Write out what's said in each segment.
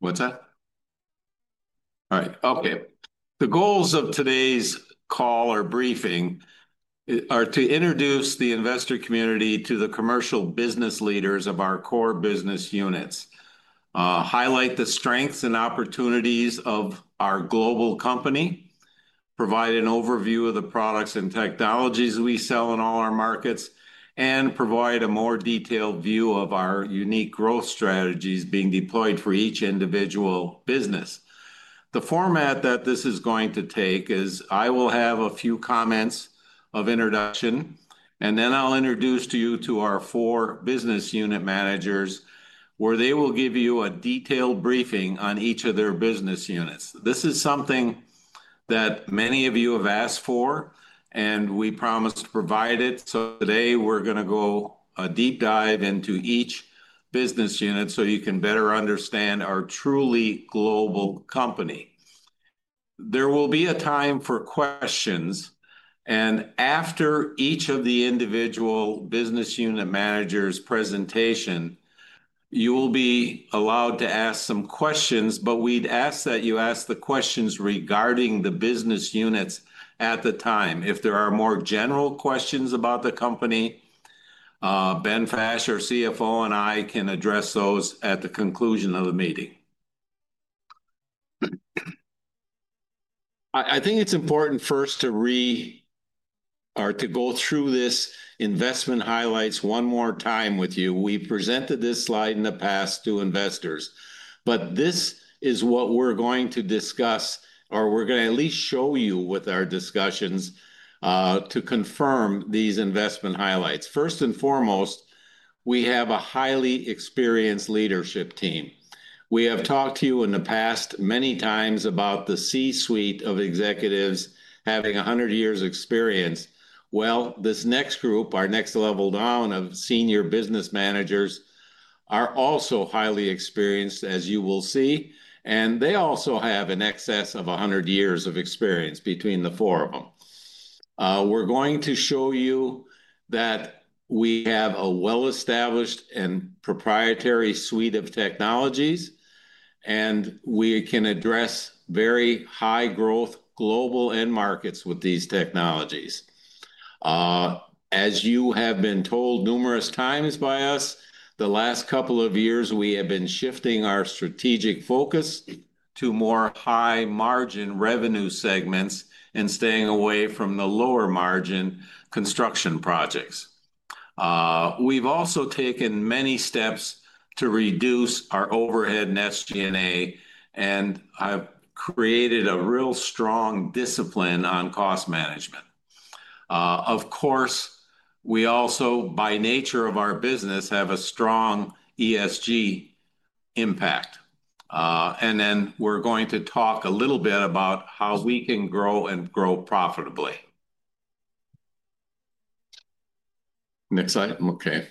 What's that? All right. Okay. The goals of today's call or briefing are to introduce the investor community to the commercial business leaders of our core business units, highlight the strengths and opportunities of our global company, provide an overview of the products and technologies we sell in all our markets, and provide a more detailed view of our unique growth strategies being deployed for each individual business. The format that this is going to take is I will have a few comments of introduction, and then I'll introduce you to our four business unit managers, where they will give you a detailed briefing on each of their business units. This is something that many of you have asked for, and we promised to provide it. Today, we're going to go a deep dive into each business unit so you can better understand our truly global company. There will be a time for questions. After each of the individual business unit managers' presentation, you will be allowed to ask some questions, but we'd ask that you ask the questions regarding the business units at the time. If there are more general questions about the company, Ben Fash, our CFO, and I can address those at the conclusion of the meeting. I think it's important first to read or to go through this investment highlights one more time with you. We've presented this slide in the past to investors, but this is what we're going to discuss, or we're going to at least show you with our discussions to confirm these investment highlights. First and foremost, we have a highly experienced leadership team. We have talked to you in the past many times about the C-suite of executives having 100 years' experience. This next group, our next level down of senior business managers, are also highly experienced, as you will see, and they also have an excess of 100 years of experience between the four of them. We're going to show you that we have a well-established and proprietary suite of technologies, and we can address very high growth global end markets with these technologies. As you have been told numerous times by us, the last couple of years, we have been shifting our strategic focus to more high-margin revenue segments and staying away from the lower-margin construction projects. We have also taken many steps to reduce our overhead and SG&A, and I have created a real strong discipline on cost management. Of course, we also, by nature of our business, have a strong ESG impact. We are going to talk a little bit about how we can grow and grow profitably. Next slide. Okay.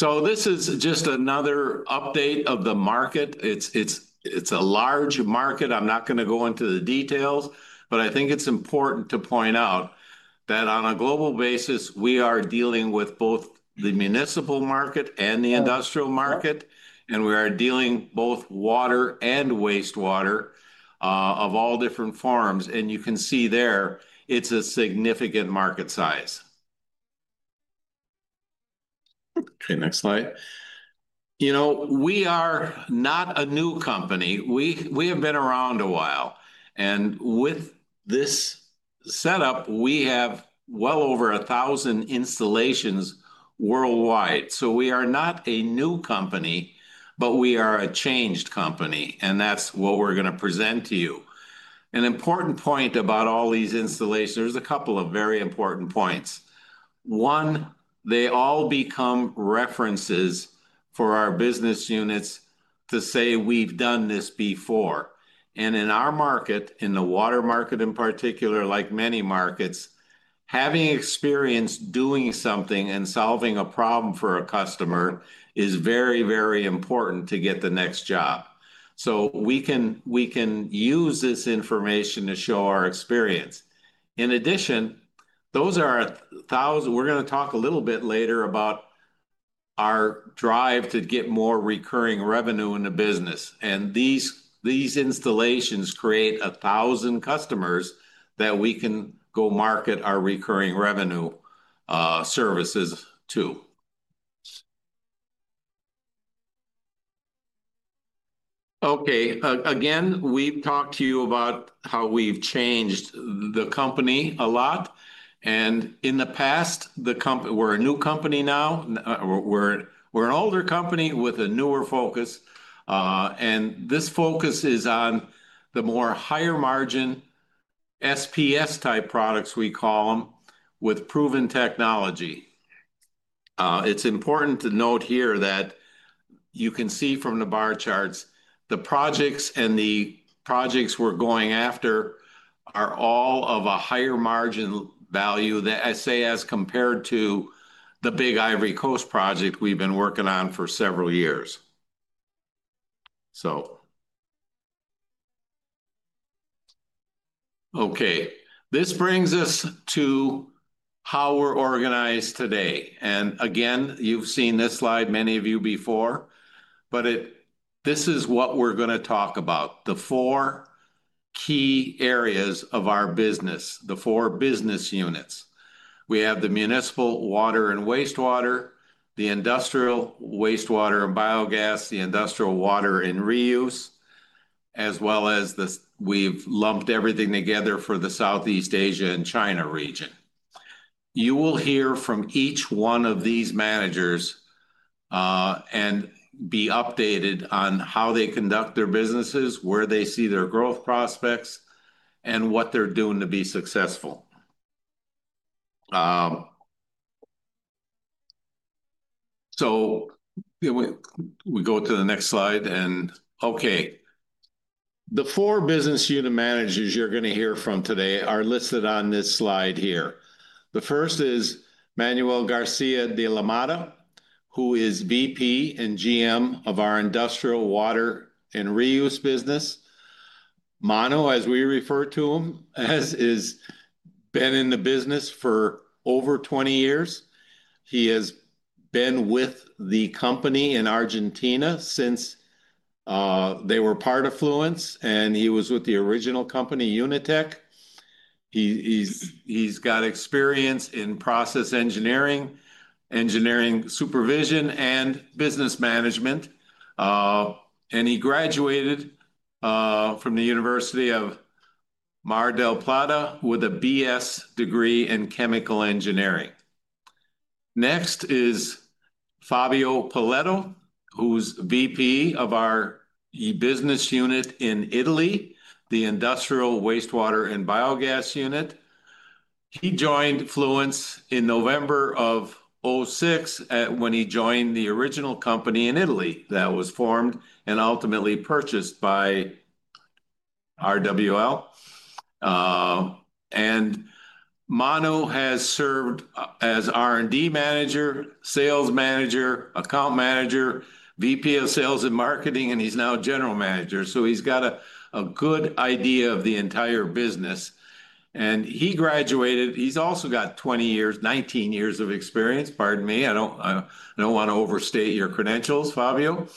This is just another update of the market. It's a large market. I'm not going to go into the details, but I think it's important to point out that on a global basis, we are dealing with both the municipal market and the industrial market, and we are dealing with both water and wastewater of all different forms. You can see there it's a significant market size. Okay. Next slide. We are not a new company. We have been around a while. With this setup, we have well over 1,000 installations worldwide. We are not a new company, but we are a changed company. That is what we are going to present to you. An important point about all these installations, there are a couple of very important points. One, they all become references for our business units to say, "We've done this before." In our market, in the water market in particular, like many markets, having experience doing something and solving a problem for a customer is very, very important to get the next job. We can use this information to show our experience. In addition, those are 1,000. We are going to talk a little bit later about our drive to get more recurring revenue in the business. These installations create 1,000 customers that we can go market our recurring revenue services to. Okay. Again, we've talked to you about how we've changed the company a lot. In the past, we're a new company now. We're an older company with a newer focus. This focus is on the more higher-margin SPS-type products, we call them, with proven technology. It's important to note here that you can see from the bar charts, the projects and the projects we're going after are all of a higher-margin value, I say, as compared to the big Ivory Coast project we've been working on for several years. Okay. This brings us to how we're organized today. Again, you've seen this slide, many of you before, but this is what we're going to talk about: the four key areas of our business, the four business units. We have the Municipal Water and Wastewater, Industrial Water and Reuse, as well as we've lumped everything together for the Southeast Asia and China region. You will hear from each one of these managers and be updated on how they conduct their businesses, where they see their growth prospects, and what they're doing to be successful. We go to the next slide. Okay. The four business unit managers you're going to hear from today are listed on this slide here. The first is Manuel García de la Mata, who is VP and Industrial Water and Reuse business. Manu, as we refer to him, has been in the business for over 20 years. He has been with the company in Argentina since they were part of Fluence, and he was with the original company, Unitek. He's got experience in process engineering, engineering supervision, and business management. He graduated from the University of Mar del Plata with a BS degree in Chemical Engineering. Next is Fabio Poletto, who's VP of our business unit in Italy, the Industrial Wastewater and Biogas unit. He joined Fluence in November of 2006 when he joined the original company in Italy that was formed and ultimately purchased by RWL. Manu has served as R&D manager, sales manager, account manager, VP of sales and marketing, and he's now general manager. He's got a good idea of the entire business. He graduated. He's also got 20 years, 19 years of experience. Pardon me. I don't want to overstate your credentials, Fabio.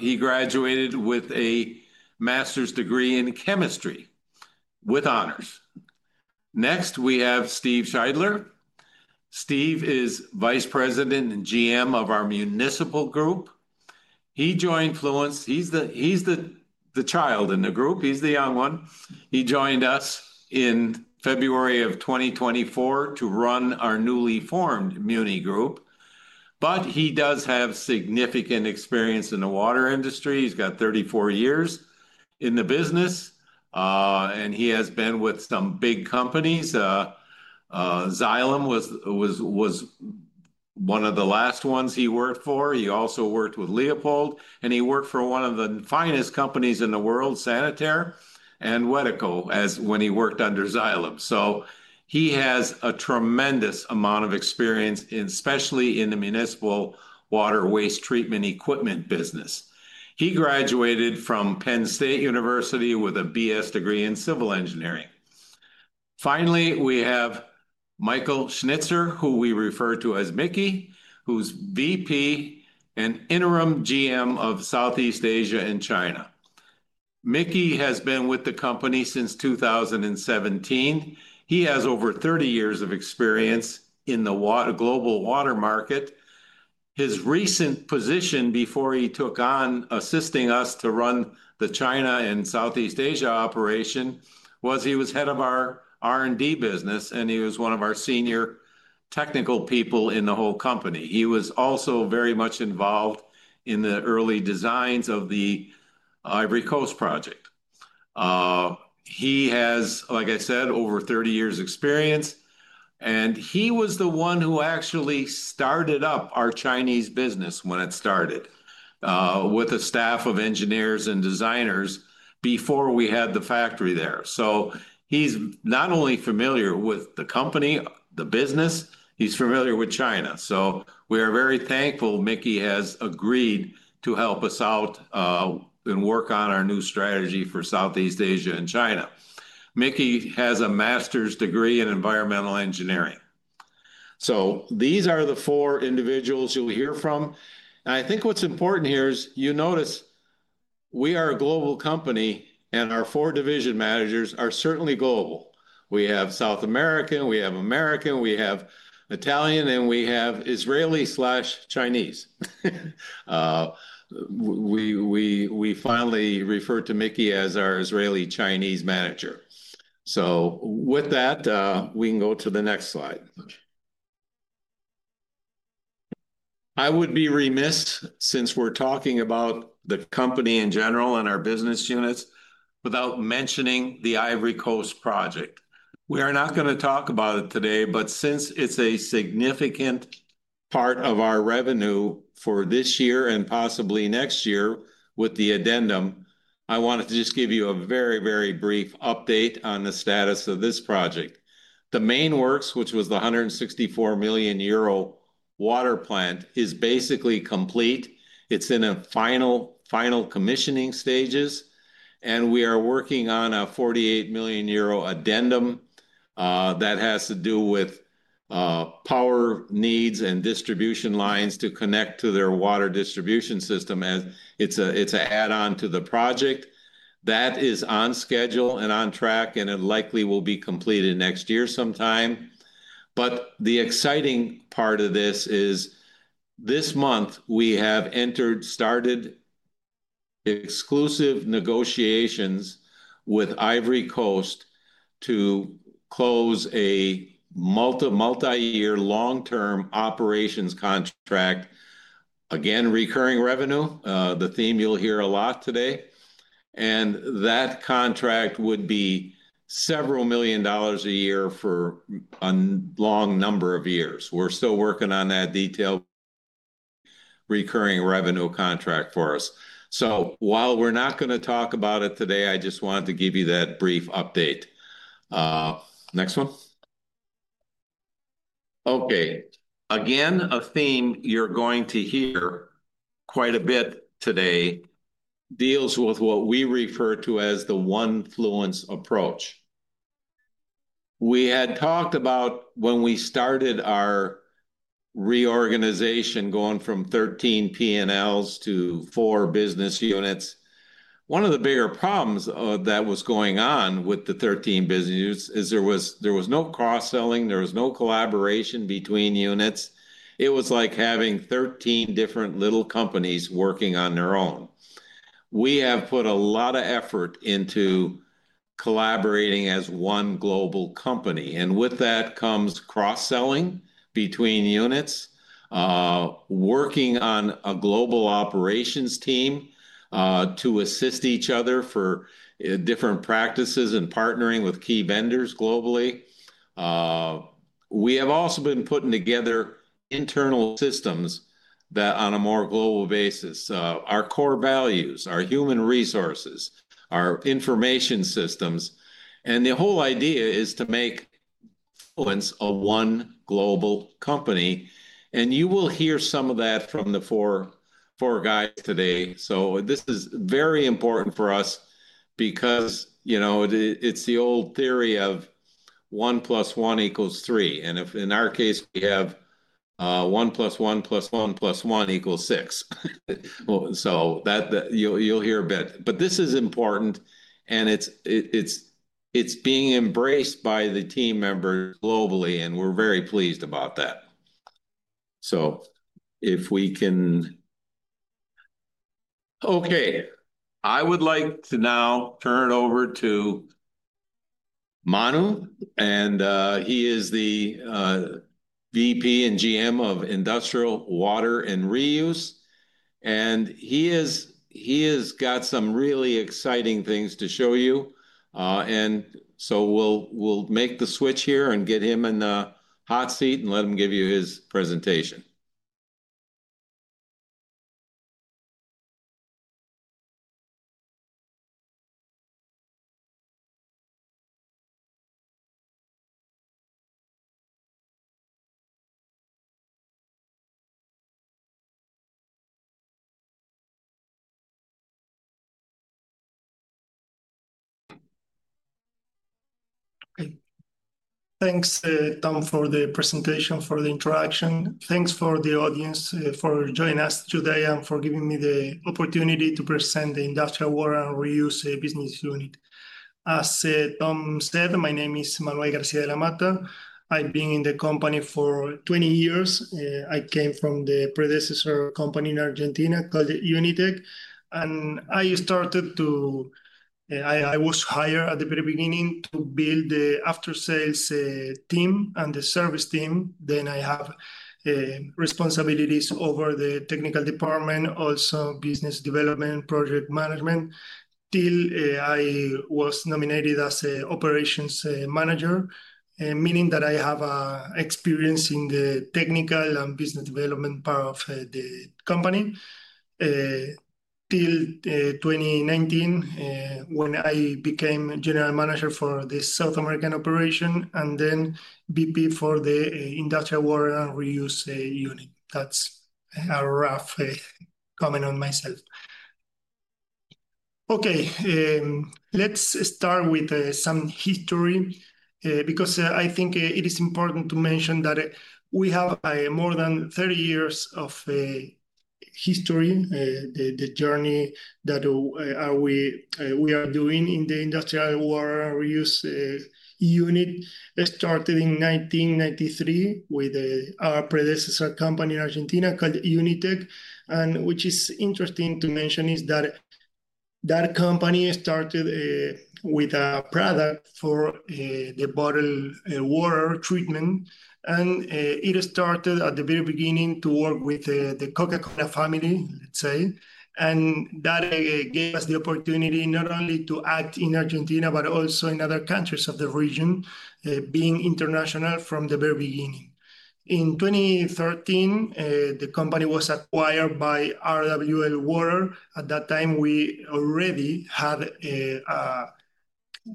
He graduated with a master's degree in chemistry with honors. Next, we have Steve Scheidler. Steve is Vice President and GM of our Municipal Group. He joined Fluence. He's the child in the group. He's the young one. He joined us in February of 2024 to run our newly Muni Group. He does have significant experience in the water industry. He's got 34 years in the business. He has been with some big companies. Xylem was one of the last ones he worked for. He also worked with Leopold. He worked for one of the finest companies in the world, Sanitaire and Wedeco, when he worked under Xylem. He has a tremendous amount of experience, especially in the municipal water waste treatment equipment business. He graduated from Penn State University with a BS degree in Civil Engineering. Finally, we have Michael Schnitzer, who we refer to as Mickey, who's VP and Interim GM of Southeast Asia and China. Mickey has been with the company since 2017. He has over 30 years of experience in the global water market. His recent position before he took on assisting us to run the China and Southeast Asia operation was he was head of our R&D business, and he was one of our senior technical people in the whole company. He was also very much involved in the early designs of the Ivory Coast project. He has, like I said, over 30 years' experience. He was the one who actually started up our Chinese business when it started with a staff of engineers and designers before we had the factory there. He is not only familiar with the company, the business, he is familiar with China. We are very thankful Mickey has agreed to help us out and work on our new strategy for Southeast Asia and China. Mickey has a master's degree in Environmental Engineering. These are the four individuals you'll hear from. I think what's important here is you notice we are a global company, and our four division managers are certainly global. We have South American, we have American, we have Italian, and we have Israeli/Chinese. We finally refer to Mickey as our Israeli/Chinese manager. With that, we can go to the next slide. I would be remiss since we're talking about the company in general and our business units without mentioning the Ivory Coast project. We are not going to talk about it today, but since it's a significant part of our revenue for this year and possibly next year with the Addendum , I wanted to just give you a very, very brief update on the status of this project. The main works, which was the 164 million euro water plant, is basically complete. It's in the final commissioning stages. We are working on a 48 million euro Addendum that has to do with power needs and distribution lines to connect to their water distribution system. It's an add-on to the project. That is on schedule and on track, and it likely will be completed next year sometime. The exciting part of this is this month, we have started exclusive negotiations with Ivory Coast to close a multi-year long-term operations contract. Again, recurring revenue, the theme you'll hear a lot today. That contract would be several million dollars a year for a long number of years. We're still working on that detailed recurring revenue contract for us. While we're not going to talk about it today, I just wanted to give you that brief update. Next one. Okay. Again, a theme you're going to hear quite a bit today deals with what we refer to as the one Fluence approach. We had talked about when we started our reorganization going from 13 P&Ls to four business units. One of the bigger problems that was going on with the 13 business units is there was no cross-selling. There was no collaboration between units. It was like having 13 different little companies working on their own. We have put a lot of effort into collaborating as one global company. With that comes cross-selling between units, working on a global operations team to assist each other for different practices and partnering with key vendors globally. We have also been putting together internal systems on a more global basis. Our core values, our human resources, our information systems. The whole idea is to make Fluence a one global company. You will hear some of that from the four guys today. This is very important for us because it's the old theory of 1 + 1 = 3. In our case, we have 1 + 1 + 1 + 1 = 6. You'll hear a bit. This is important, and it's being embraced by the team members globally, and we're very pleased about that. If we can. Okay. I would like to now turn it over to Manu. He is the VP and GM of Industrial Water and Reuse. He has got some really exciting things to show you. We'll make the switch here and get him in the hot seat and let him give you his presentation. Thanks, Tom, for the presentation, for the introduction. Thanks for the audience for joining us today and for giving me the opportunity Industrial Water and Reuse business unit. As Tom said, my name is Manuel García de la Mata. I've been in the company for 20 years. I came from the predecessor company in Argentina called Unitek. I started to—I was hired at the very beginning to build the after-sales team and the service team. Then I have responsibilities over the technical department, also business development, project management, till I was nominated as an operations manager, meaning that I have experience in the technical and business development part of the company till 2019 when I became general manager for the South American operation and then Industrial Water and Reuse unit. That's a rough comment on myself. Okay. Let's start with some history because I think it is important to mention that we have more than 30 years of history, the journey that we are Industrial Water and Reuse unit. It started in 1993 with our predecessor company in Argentina called Unitek. What is interesting to mention is that that company started with a product for the bottled water treatment. It started at the very beginning to work with the Coca-Cola family, let's say. That gave us the opportunity not only to act in Argentina but also in other countries of the region, being international from the very beginning. In 2013, the company was acquired by RWL Water. At that time, we already had a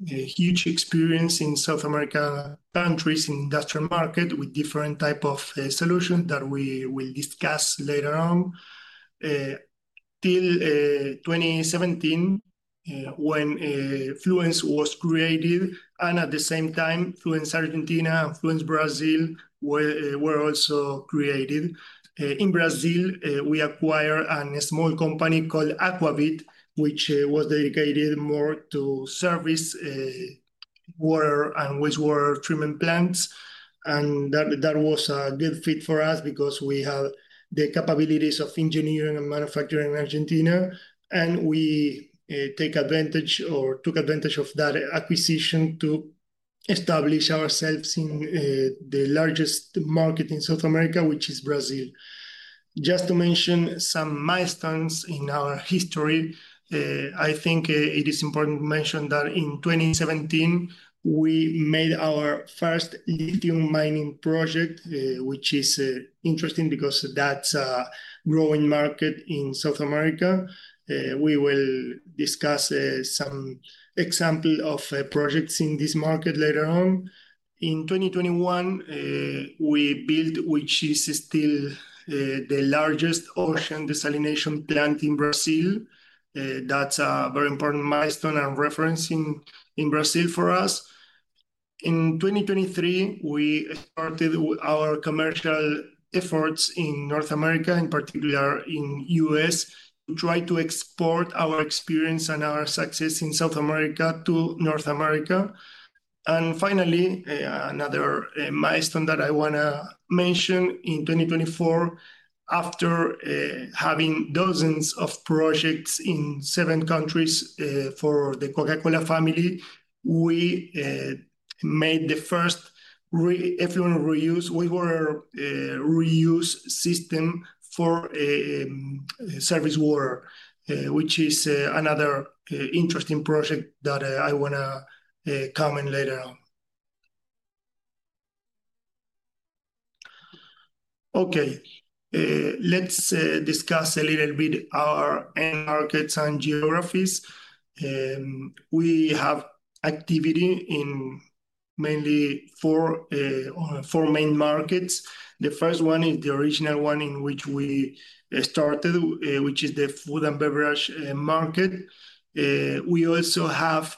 huge experience in South American countries in the industrial market with different types of solutions that we will discuss later on. Till 2017, when Fluence was created, at the same time, Fluence Argentina and Fluence Brazil were also created. In Brazil, we acquired a small company called Acquavit, which was dedicated more to service water and wastewater treatment plants. That was a good fit for us because we have the capabilities of engineering and manufacturing in Argentina. We took advantage of that acquisition to establish ourselves in the largest market in South America, which is Brazil. Just to mention some milestones in our history, I think it is important to mention that in 2017, we made our first lithium mining project, which is interesting because that is a growing market in South America. We will discuss some examples of projects in this market later on. In 2021, we built, which is still the largest ocean desalination plant in Brazil. That's a very important milestone and reference in Brazil for us. In 2023, we started our commercial efforts in North America, in particular in the U.S., to try to export our experience and our success in South America to North America. Finally, another milestone that I want to mention in 2024, after having dozens of projects in seven countries for the Coca-Cola family, we made the first effluent reuse system for service water, which is another interesting project that I want to comment later on. Okay. Let's discuss a little bit our markets and geographies. We have activity in mainly four main markets. The first one is the original one in which we started, which is the food and beverage market. We also have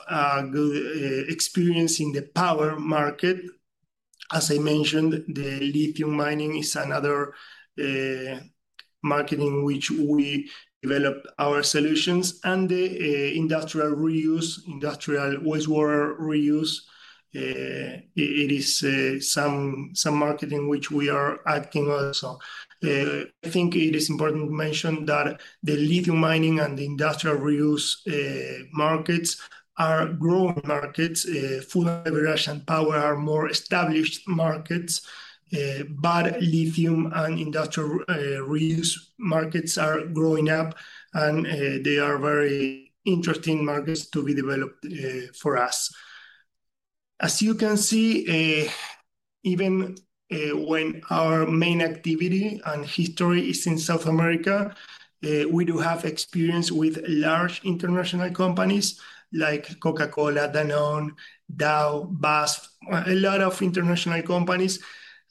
good experience in the power market. As I mentioned, the lithium mining is another market in which we develop our solutions. The industrial reuse, industrial wastewater reuse, it is some market in which we are acting also. I think it is important to mention that the lithium mining and the industrial reuse markets are growing markets. Food and beverage and power are more established markets, but lithium and industrial reuse markets are growing up, and they are very interesting markets to be developed for us. As you can see, even when our main activity and history is in South America, we do have experience with large international companies like Coca-Cola, Danone, Dow, BASF, a lot of international companies.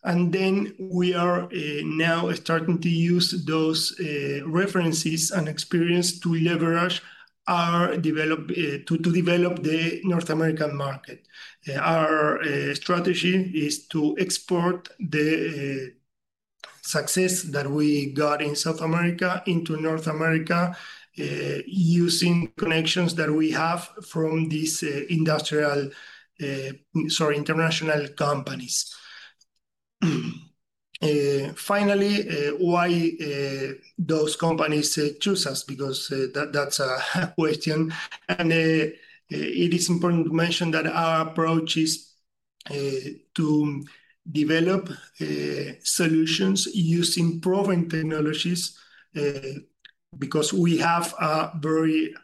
We are now starting to use those references and experience to develop the North American market. Our strategy is to export the success that we got in South America into North America using connections that we have from these international companies. Finally, why those companies choose us? Because that's a question. It is important to mention that our approach is to develop solutions using proven technologies because we have a very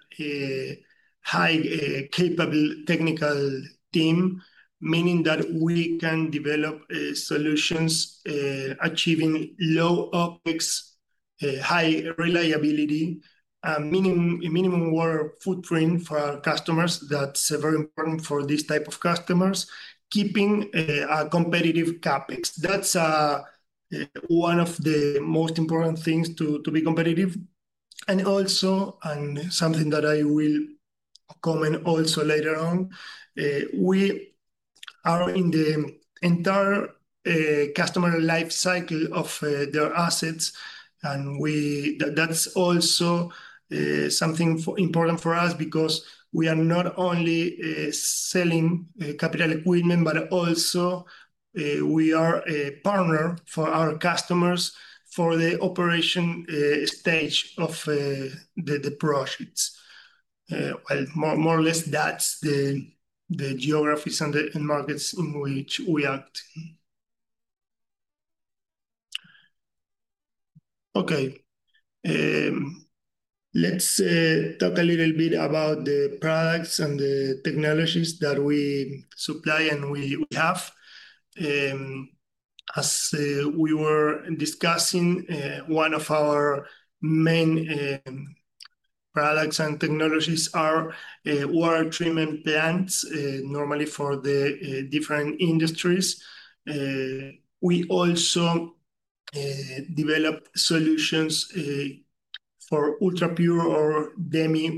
high-capability technical team, meaning that we can develop solutions achieving low OpEx, high reliability, minimum water footprint for our customers. That's very important for these types of customers, keeping a competitive CapEx. That's one of the most important things to be competitive. Also, and something that I will comment also later on, we are in the entire customer lifecycle of their assets. That's also something important for us because we are not only selling capital equipment, but also we are a partner for our customers for the operation stage of the projects. More or less, that's the geographies and markets in which we act. Okay. Let's talk a little bit about the products and the technologies that we supply and we have. As we were discussing, one of our main products and technologies are water treatment plants, normally for the different industries. We also develop solutions for ultrapure or demi.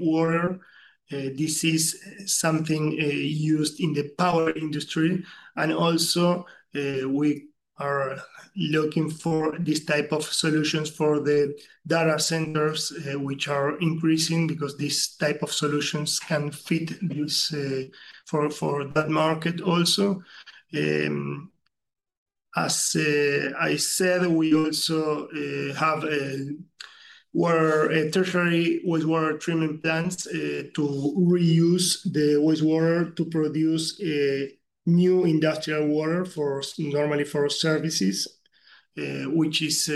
This is something used in the power industry. Also, we are looking for this type of solutions for the data centers, which are increasing because this type of solutions can fit for that market also. As I said, we also have tertiary wastewater treatment plants to reuse the wastewater to produce new industrial water normally for services, which is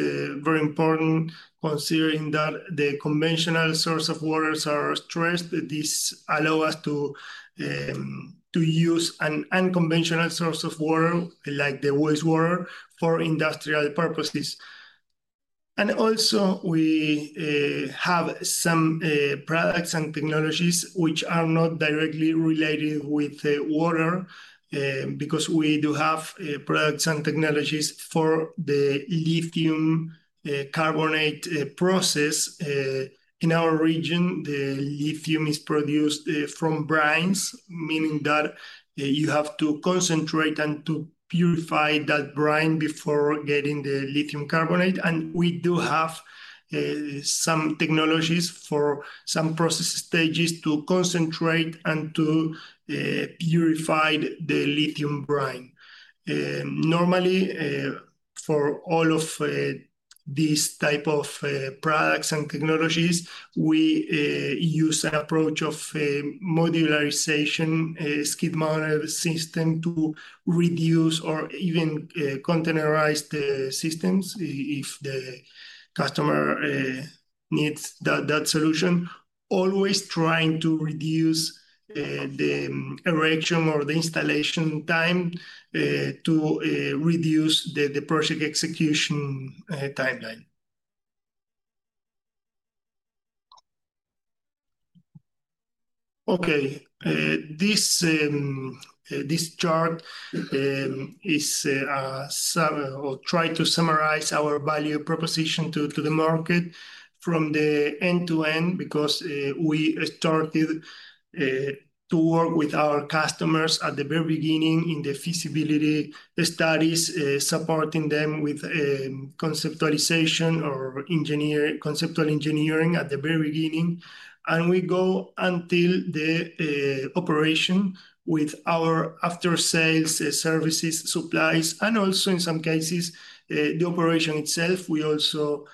very important considering that the conventional source of waters are stressed. This allows us to use an unconventional source of water like the wastewater for industrial purposes. Also, we have some products and technologies which are not directly related with water because we do have products and technologies for the lithium carbonate process. In our region, the lithium is produced from brines, meaning that you have to concentrate and to purify that brine before getting the lithium carbonate. We do have some technologies for some process stages to concentrate and to purify the lithium brine. Normally, for all of these types of products and technologies, we use an approach of modularization, skid mounted system to reduce or even containerized systems if the customer needs that solution. Always trying to reduce the erection or the installation time to reduce the project execution timeline. Okay. This chart is a try to summarize our value proposition to the market from the end to end because we started to work with our customers at the very beginning in the feasibility studies, supporting them with conceptualization or conceptual engineering at the very beginning. We go until the operation with our after-sales services, supplies, and also in some cases, the operation itself. We also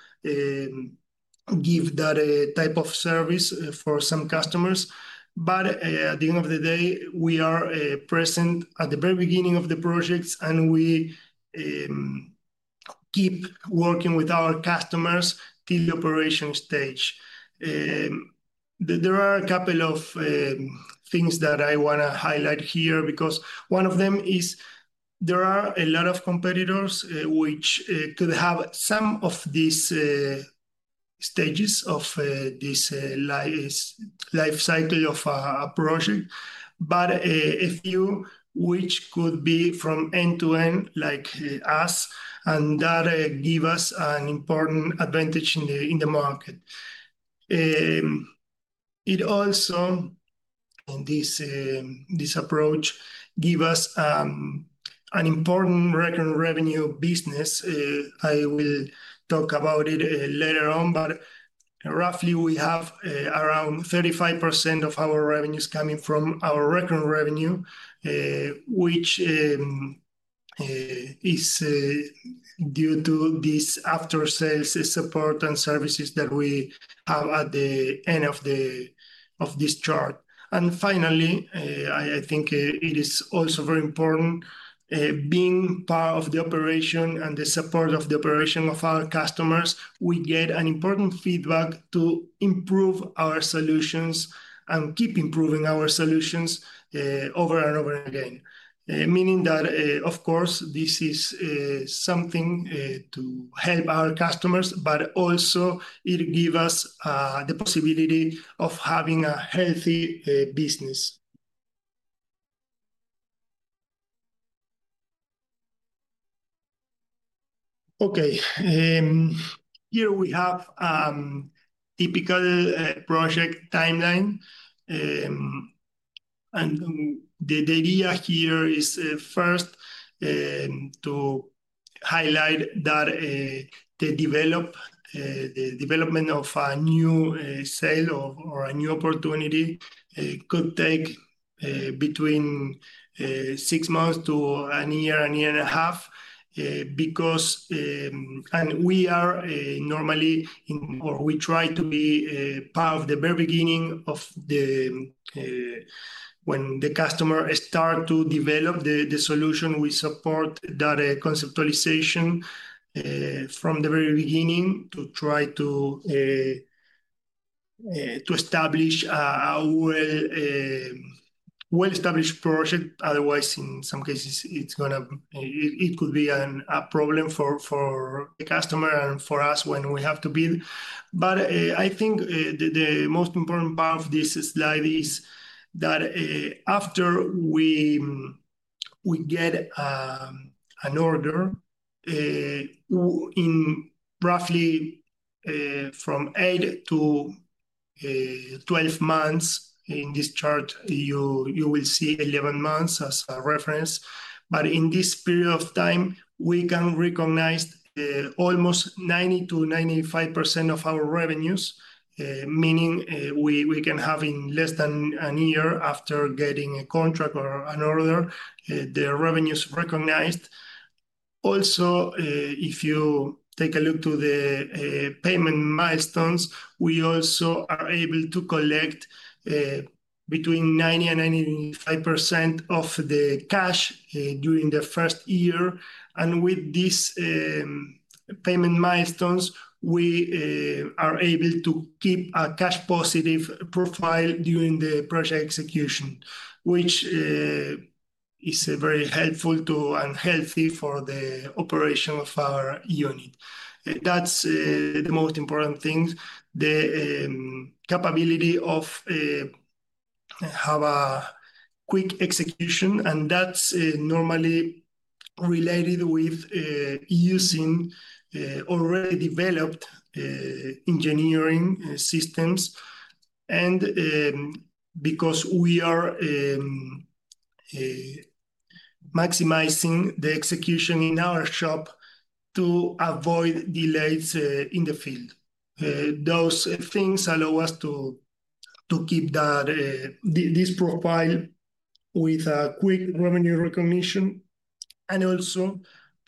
give that type of service for some customers. At the end of the day, we are present at the very beginning of the projects, and we keep working with our customers till the operation stage. There are a couple of things that I want to highlight here because one of them is there are a lot of competitors which could have some of these stages of this life cycle of a project, but a few which could be from end to end like us, and that gives us an important advantage in the market. It also, in this approach, gives us an important revenue business. I will talk about it later on, but roughly, we have around 35% of our revenues coming from our revenue, which is due to this after-sales support and services that we have at the end of this chart. Finally, I think it is also very important being part of the operation and the support of the operation of our customers. We get important feedback to improve our solutions and keep improving our solutions over and over again, meaning that, of course, this is something to help our customers, but also it gives us the possibility of having a healthy business. Okay. Here we have a typical project timeline. The idea here is first to highlight that the development of a new sale or a new opportunity could take between six months to a year, a year and a half because we are normally in, or we try to be part of the very beginning of when the customer starts to develop the solution. We support that conceptualization from the very beginning to try to establish a well-established project. Otherwise, in some cases, it could be a problem for the customer and for us when we have to build. I think the most important part of this slide is that after we get an order, roughly from eight to 12 months in this chart, you will see 11 months as a reference. In this period of time, we can recognize almost 90%-95% of our revenues, meaning we can have in less than a year after getting a contract or an order, the revenues recognized. Also, if you take a look to the payment milestones, we also are able to collect between 90%-95% of the cash during the first year. With these payment milestones, we are able to keep a cash-positive profile during the project execution, which is very helpful and healthy for the operation of our unit. That's the most important thing: the capability of having a quick execution. That's normally related with using already developed engineering systems because we are maximizing the execution in our shop to avoid delays in the field. Those things allow us to keep this profile with a quick revenue recognition and also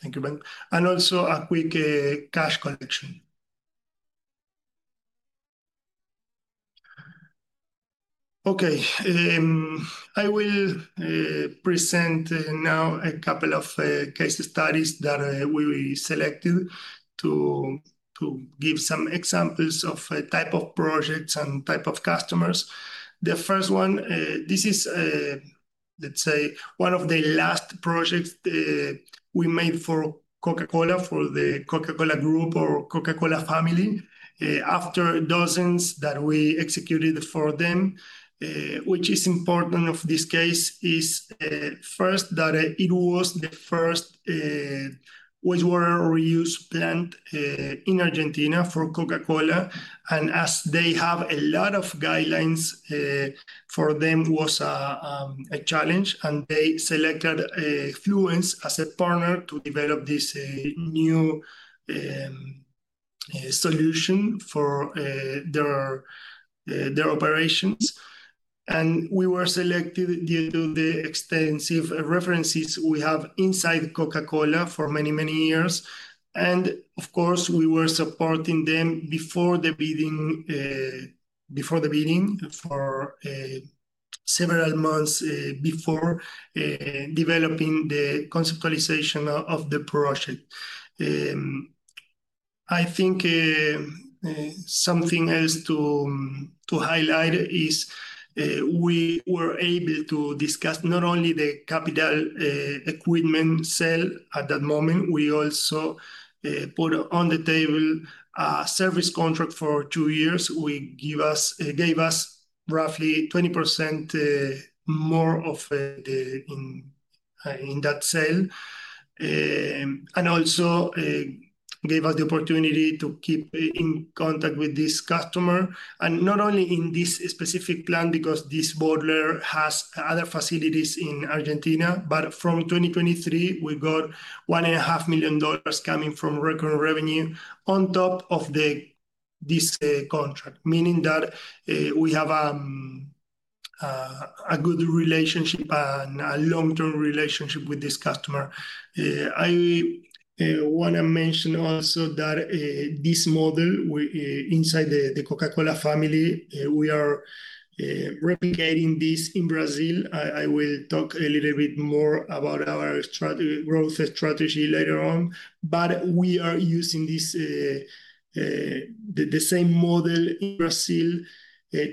a quick cash collection. Okay. I will present now a couple of case studies that we selected to give some examples of type of projects and type of customers. The first one, this is, let's say, one of the last projects we made for Coca-Cola, for the Coca-Cola Group or Coca-Cola family. After dozens that we executed for them, what is important of this case is first that it was the first wastewater reuse plant in Argentina for Coca-Cola. As they have a lot of guidelines, for them it was a challenge. They selected Fluence as a partner to develop this new solution for their operations. We were selected due to the extensive references we have inside Coca-Cola for many, many years. Of course, we were supporting them before the bidding for several months before developing the conceptualization of the project. I think something else to highlight is we were able to discuss not only the capital equipment sale at that moment. We also put on the table a service contract for two years. It gave us roughly 20% more in that sale. It also gave us the opportunity to keep in contact with this customer. Not only in this specific plant because this bottler has other facilities in Argentina, but from 2023, we got $1.5 million coming from revenue on top of this contract, meaning that we have a good relationship, a long-term relationship with this customer. I want to mention also that this model inside the Coca-Cola family, we are replicating this in Brazil. I will talk a little bit more about our growth strategy later on. We are using the same model in Brazil,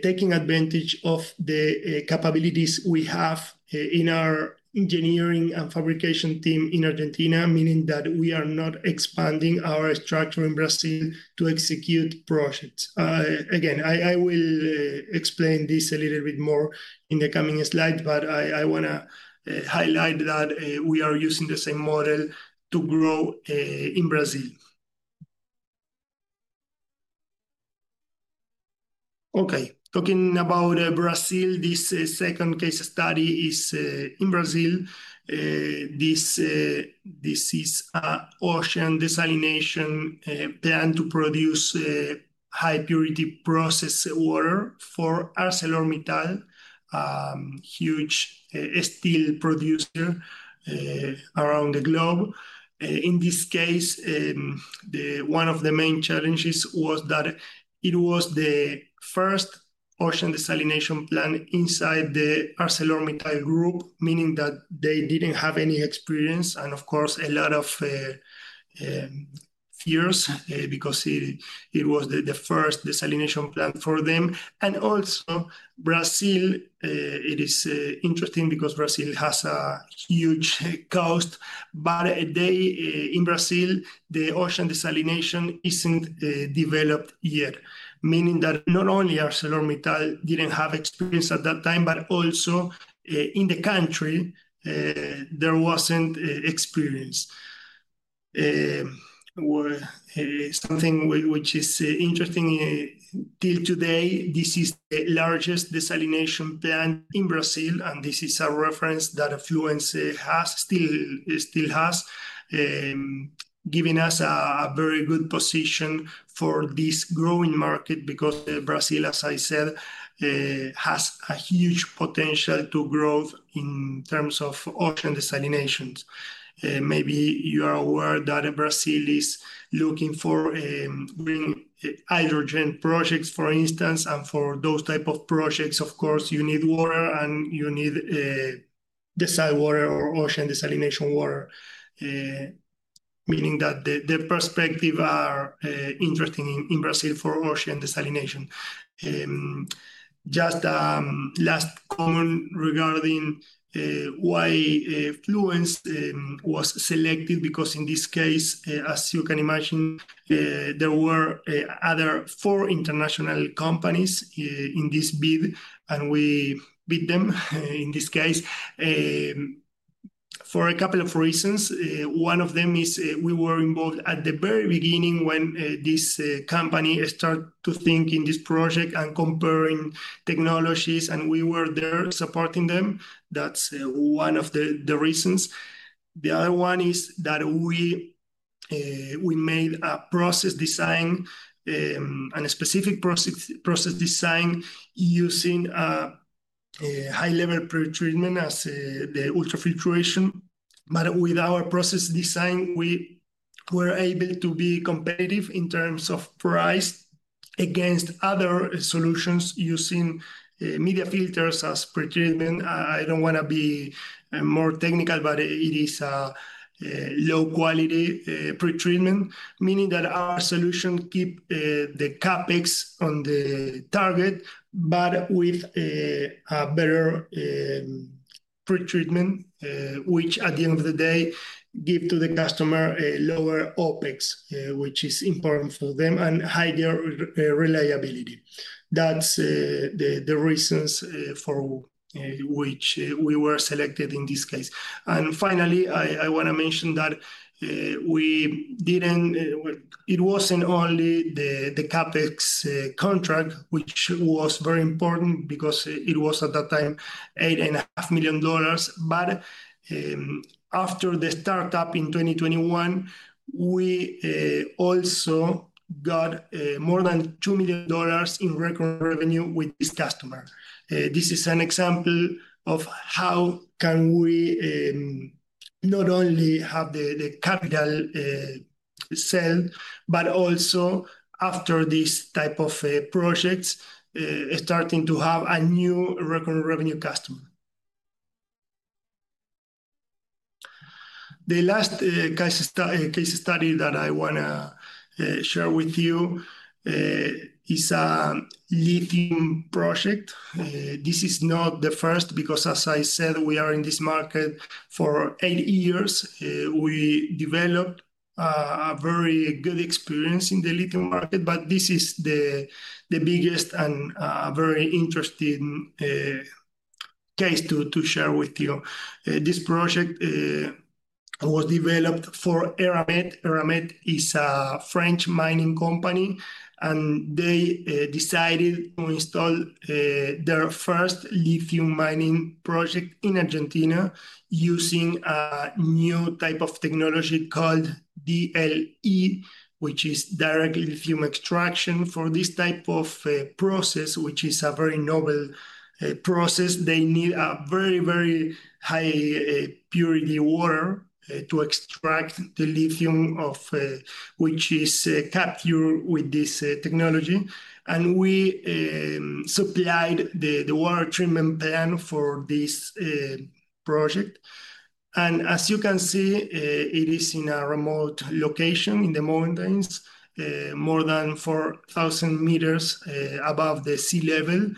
taking advantage of the capabilities we have in our engineering and fabrication team in Argentina, meaning that we are not expanding our structure in Brazil to execute projects. Again, I will explain this a little bit more in the coming slides, but I want to highlight that we are using the same model to grow in Brazil. Okay. Talking about Brazil, this second case study is in Brazil. This is an ocean desalination plant to produce high-purity process water for ArcelorMittal, a huge steel producer around the globe. In this case, one of the main challenges was that it was the first ocean desalination plant inside the ArcelorMittal Group, meaning that they did not have any experience. Of course, a lot of fears because it was the first desalination plant for them. Also, Brazil, it is interesting because Brazil has a huge coast, but in Brazil, the ocean desalination is not developed yet, meaning that not only ArcelorMittal did not have experience at that time, but also in the country, there was not experience. Something which is interesting till today, this is the largest desalination plant in Brazil. This is a reference that Fluence still has, giving us a very good position for this growing market because Brazil, as I said, has a huge potential to grow in terms of ocean desalinations. Maybe you are aware that Brazil is looking for green hydrogen projects, for instance. For those types of projects, of course, you need water and you need desalinated water or ocean desalination water, meaning that the perspectives are interesting in Brazil for ocean desalination. Just last comment regarding why Fluence was selected because in this case, as you can imagine, there were other four international companies in this bid, and we beat them in this case for a couple of reasons. One of them is we were involved at the very beginning when this company started to think in this project and comparing technologies, and we were there supporting them. That's one of the reasons. The other one is that we made a process design, a specific process design using high-level pretreatment as the ultrafiltration. With our process design, we were able to be competitive in terms of price against other solutions using media filters as pretreatment. I don't want to be more technical, but it is a low-quality pretreatment, meaning that our solution keeps the CapEx on the target, but with a better pretreatment, which at the end of the day gives to the customer a lower OpEx, which is important for them and higher reliability. That is the reason for which we were selected in this case. Finally, I want to mention that it was not only the CapEx contract, which was very important because it was at that time $8.5 million. After the startup in 2021, we also got more than $2 million in revenue with this customer. This is an example of how we can not only have the capital sale, but also after these types of projects, start to have a new revenue customer. The last case study that I want to share with you is a lithium project. This is not the first because, as I said, we are in this market for eight years. We developed a very good experience in the lithium market, but this is the biggest and very interesting case to share with you. This project was developed for Eramet. Eramet is a French mining company, and they decided to install their first lithium mining project in Argentina using a new type of technology called DLE, which is Direct Lithium Extraction. For this type of process, which is a very novel process, they need a very, very high-purity water to extract the lithium, which is captured with this technology. We supplied the water treatment plant for this project. As you can see, it is in a remote location in the mountains, more than 4,000 meters above the sea level,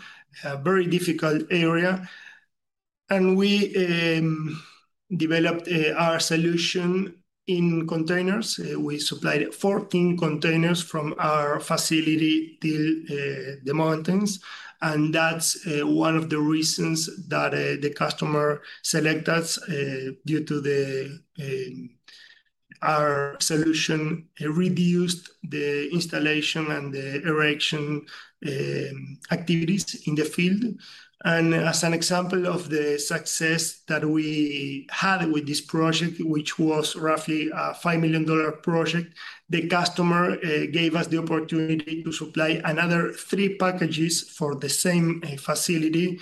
a very difficult area. We developed our solution in containers. We supplied 14 containers from our facility till the mountains. That's one of the reasons that the customer selected us, due to our solution reduced the installation and the erection activities in the field. As an example of the success that we had with this project, which was roughly a $5 million project, the customer gave us the opportunity to supply another three packages for the same facility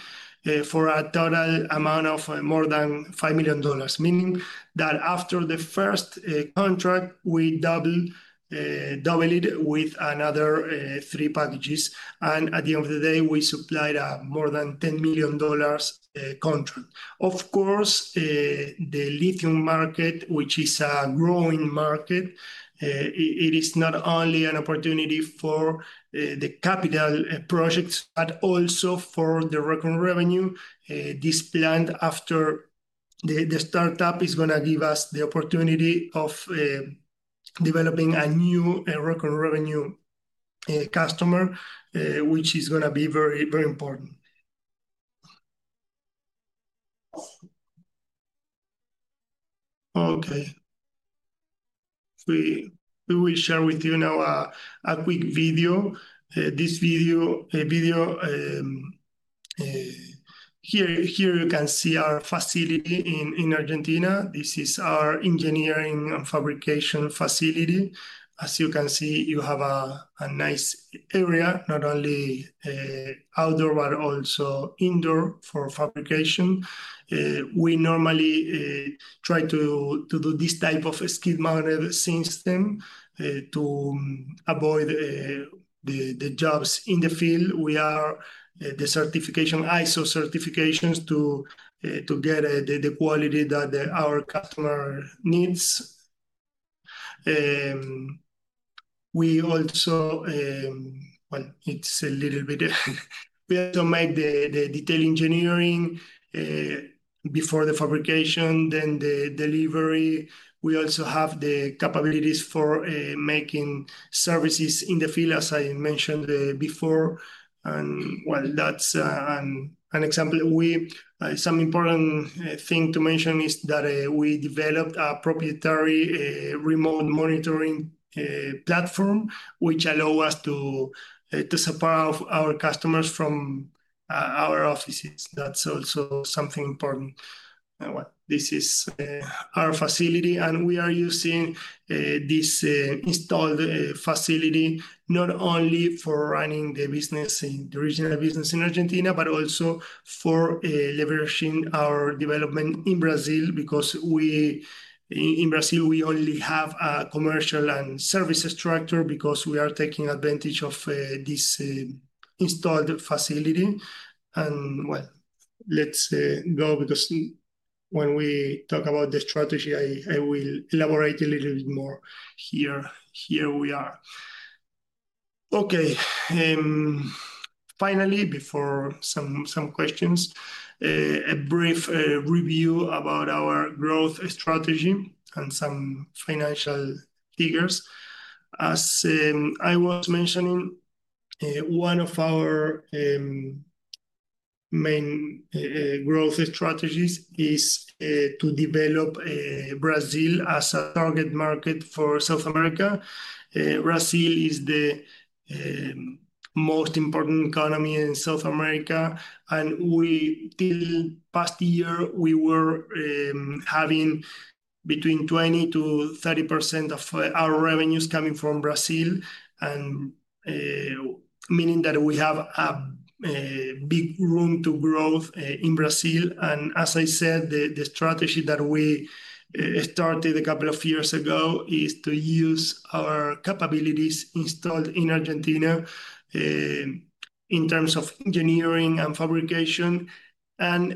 for a total amount of more than $5 million, meaning that after the first contract, we doubled it with another three packages. At the end of the day, we supplied a more than $10 million contract. Of course, the lithium market, which is a growing market, it is not only an opportunity for the capital projects, but also for the revenue. This plan, after the startup, is going to give us the opportunity of developing a new revenue customer, which is going to be very, very important. Okay. We will share with you now a quick video. Here you can see our facility in Argentina. This is our engineering and fabrication facility. As you can see, you have a nice area, not only outdoor, but also indoor for fabrication. We normally try to do this type of skid mounted system to avoid the jobs in the field. We have the ISO certifications to get the quality that our customer needs. It's a little bit we have to make the detail engineering before the fabrication, then the delivery. We also have the capabilities for making services in the field, as I mentioned before. While that's an example, some important thing to mention is that we developed a proprietary remote monitoring platform, which allows us to support our customers from our offices. That's also something important. This is our facility, and we are using this installed facility not only for running the original business in Argentina, but also for leveraging our development in Brazil because in Brazil, we only have a commercial and service structure because we are taking advantage of this installed facility. Let's go because when we talk about the strategy, I will elaborate a little bit more. Here we are. Okay. Finally, before some questions, a brief review about our growth strategy and some financial figures. As I was mentioning, one of our main growth strategies is to develop Brazil as a target market for South America. Brazil is the most important economy in South America. Till last year, we were having between 20%-30% of our revenues coming from Brazil, meaning that we have a big room to grow in Brazil. As I said, the strategy that we started a couple of years ago is to use our capabilities installed in Argentina in terms of engineering and fabrication and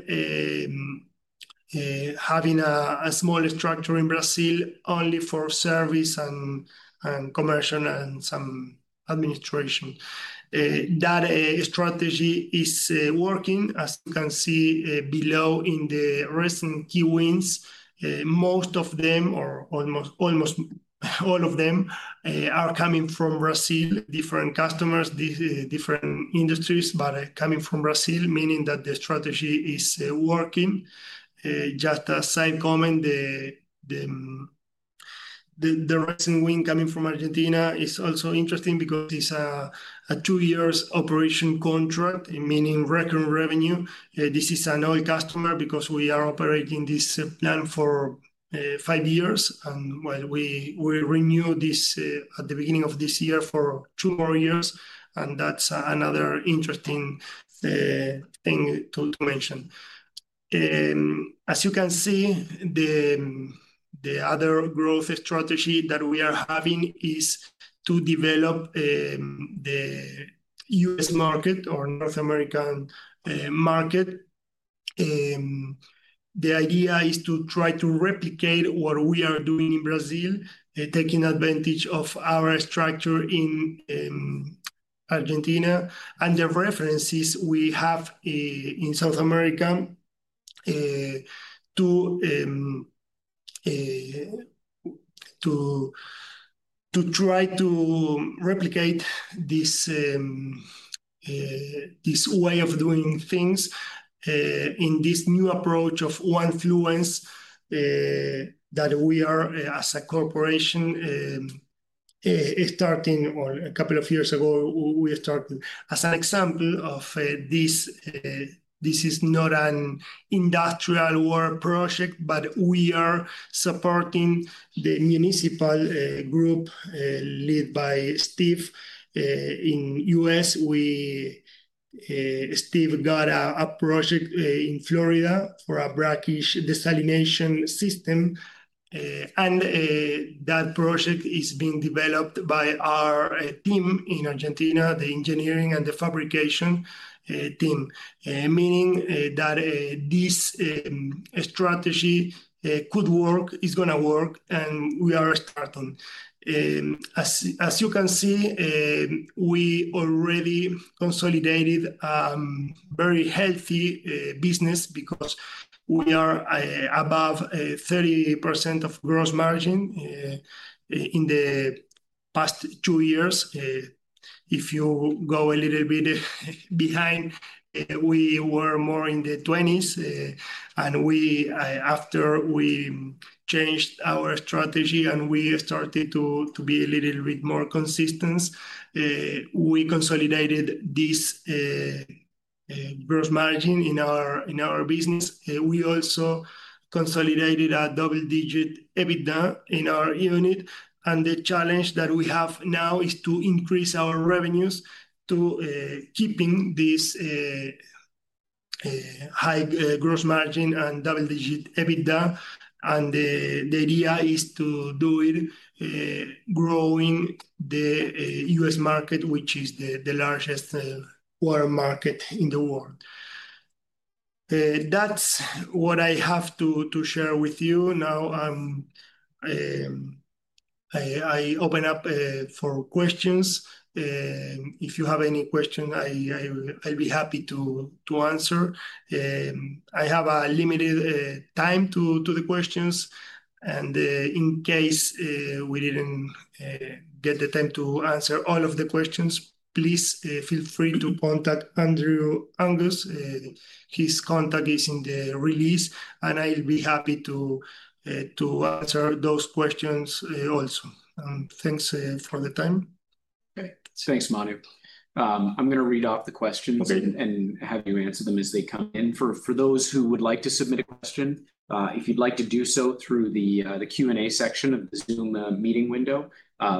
having a small structure in Brazil only for service and commercial and some administration. That strategy is working. As you can see below in the recent key wins, most of them, or almost all of them, are coming from Brazil, different customers, different industries, but coming from Brazil, meaning that the strategy is working. Just a side comment, the recent win coming from Argentina is also interesting because it is a two-year operation contract, meaning revenue. This is an old customer because we are operating this plant for five years. We renewed this at the beginning of this year for two more years. That is another interesting thing to mention. As you can see, the other growth strategy that we are having is to develop the U.S. market or North American market. The idea is to try to replicate what we are doing in Brazil, taking advantage of our structure in Argentina. The references we have in South America to try to replicate this way of doing things in this new approach of one Fluence that we are, as a corporation, starting a couple of years ago, we started as an example of this. This is not an industrial work project, but we are supporting the Municipal Group led by Steve in the U.S.. Steve got a project in Florida for a brackish desalination system. That project is being developed by our team in Argentina, the engineering and the fabrication team, meaning that this strategy could work, is going to work, and we are starting. As you can see, we already consolidated a very healthy business because we are above 30% of gross margin in the past two years. If you go a little bit behind, we were more in the 20s. After we changed our strategy and we started to be a little bit more consistent, we consolidated this gross margin in our business. We also consolidated a double-digit EBITDA in our unit. The challenge that we have now is to increase our revenues to keep this high gross margin and double-digit EBITDA. The idea is to do it, growing the U.S. market, which is the largest water market in the world. That's what I have to share with you now. I open up for questions. If you have any questions, I'll be happy to answer. I have a limited time to the questions. In case we didn't get the time to answer all of the questions, please feel free to contact Andrew Angus. His contact is in the release, and I'll be happy to answer those questions also. Thanks for the time. Thanks, Manu. I'm going to read off the questions and have you answer them as they come in. For those who would like to submit a question, if you'd like to do so through the Q&A section of the Zoom meeting window,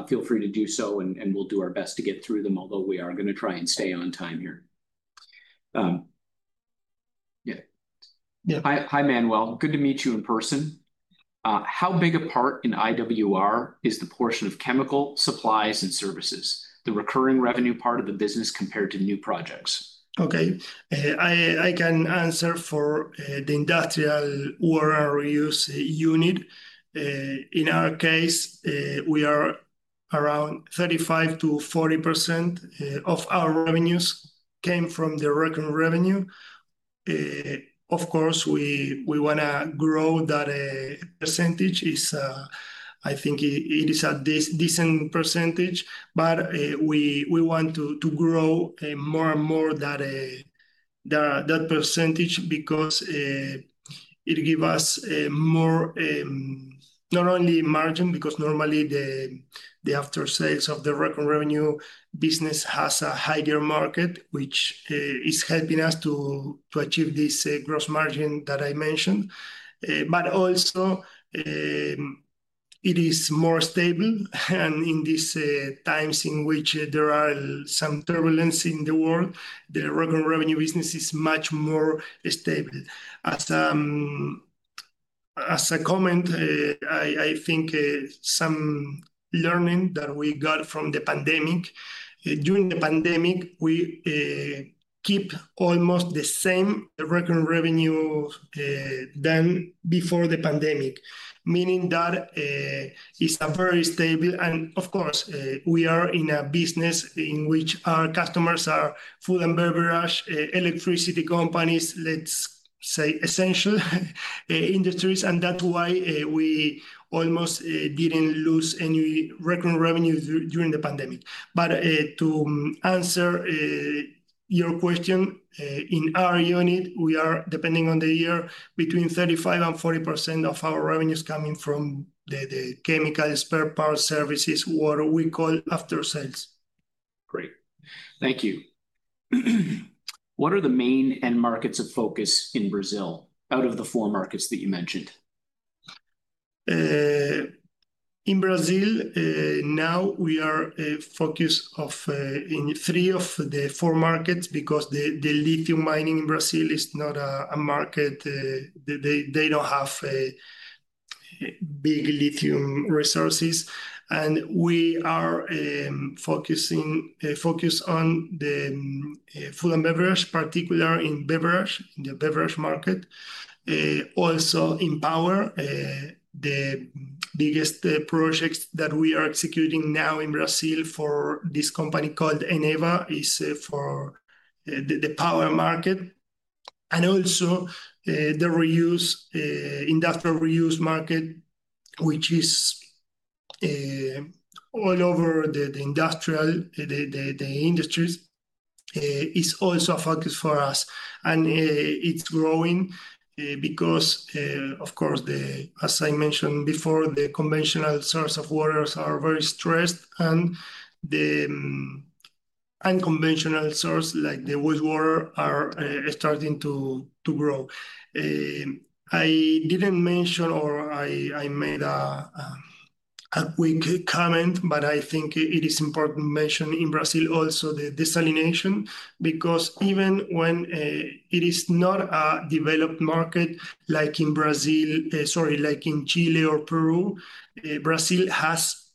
feel free to do so, and we'll do our best to get through them, although we are going to try and stay on time here. Hi, Manuel. Good to meet you in person. How big a part in IWR is the portion of chemical supplies and services, the recurring revenue part of the business compared to new projects? Okay. I can answer for the Industrial Water Reuse unit. In our case, we are around 35%-40% of our revenues came from the revenue. Of course, we want to grow that percentage. I think it is a decent percentage, but we want to grow more and more that percentage because it gives us more not only margin because normally the after-sales of the revenue business has a higher margin, which is helping us to achieve this gross margin that I mentioned. It is more stable. In these times in which there are some turbulence in the world, the revenue business is much more stable. As a comment, I think some learning that we got from the pandemic. During the pandemic, we keep almost the same revenue than before the pandemic, meaning that it's very stable. Of course, we are in a business in which our customers are food and beverage, electricity companies, let's say essential industries. That's why we almost didn't lose any revenue during the pandemic. To answer your question, in our unit, we are, depending on the year, between 35%-40% of our revenues coming from the chemicals, spare parts, services, water we call after-sales. Great. Thank you. What are the main end markets of focus in Brazil out of the four markets that you mentioned? In Brazil, now we are focused on three of the four markets because the lithium mining in Brazil is not a market. They don't have big lithium resources. We are focused on the food and beverage, particularly in beverage, in the beverage market. Also in power, the biggest projects that we are executing now in Brazil for this company called Eneva is for the power market. Also, the industrial reuse market, which is all over the industrial, the industries, is also a focus for us. It is growing because, of course, as I mentioned before, the conventional source of waters are very stressed. Conventional sources, like the wood water, are starting to grow. I did not mention, or I made a quick comment, but I think it is important to mention in Brazil also the desalination because even when it is not a developed market like in Brazil, sorry, like in Chile or Peru, Brazil has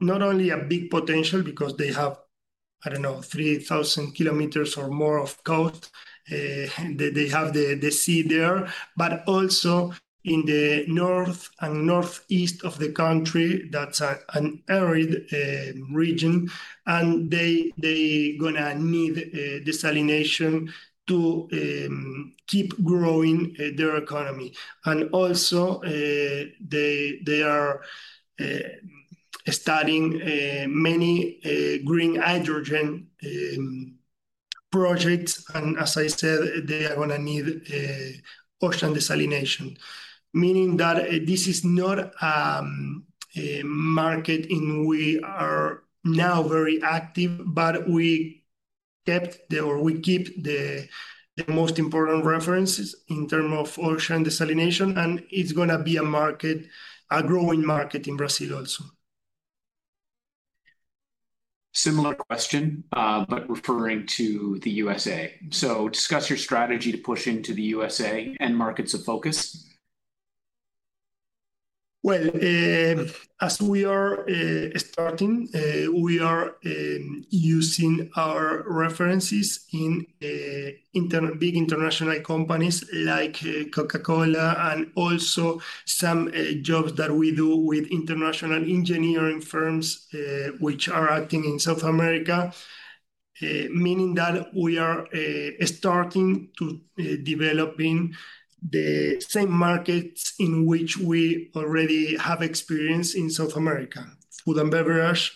not only a big potential because they have, I do not know, 3,000 km or more of coast. They have the sea there, but also in the north and northeast of the country, that is an arid region. They are going to need desalination to keep growing their economy. Also, they are starting many green hydrogen projects. As I said, they are going to need ocean desalination, meaning that this is not a market in which we are now very active, but we kept or we keep the most important references in terms of ocean desalination. It is going to be a growing market in Brazil also. Similar question, but referring to the U.S.A. Discuss your strategy to push into the U.S.A. and markets of focus. As we are starting, we are using our references in big international companies like Coca-Cola and also some jobs that we do with international engineering firms which are acting in South America, meaning that we are starting to develop in the same markets in which we already have experience in South America: food and beverage,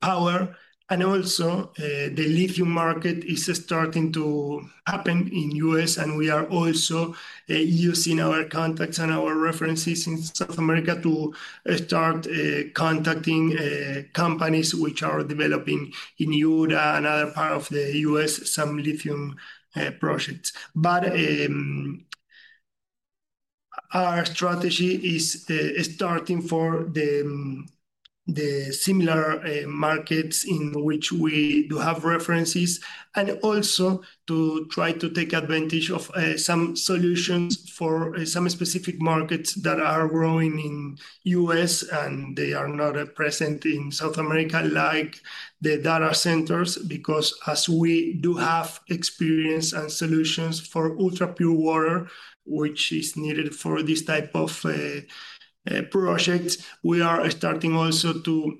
power. Also, the lithium market is starting to happen in the U.S.. We are also using our contacts and our references in South America to start contacting companies which are developing in Europe and other parts of the U.S., some lithium projects. Our strategy is starting for the similar markets in which we do have references and also to try to take advantage of some solutions for some specific markets that are growing in the U.S. and they are not present in South America like the data centers because as we do have experience and solutions for ultrapure water, which is needed for this type of projects, we are starting also to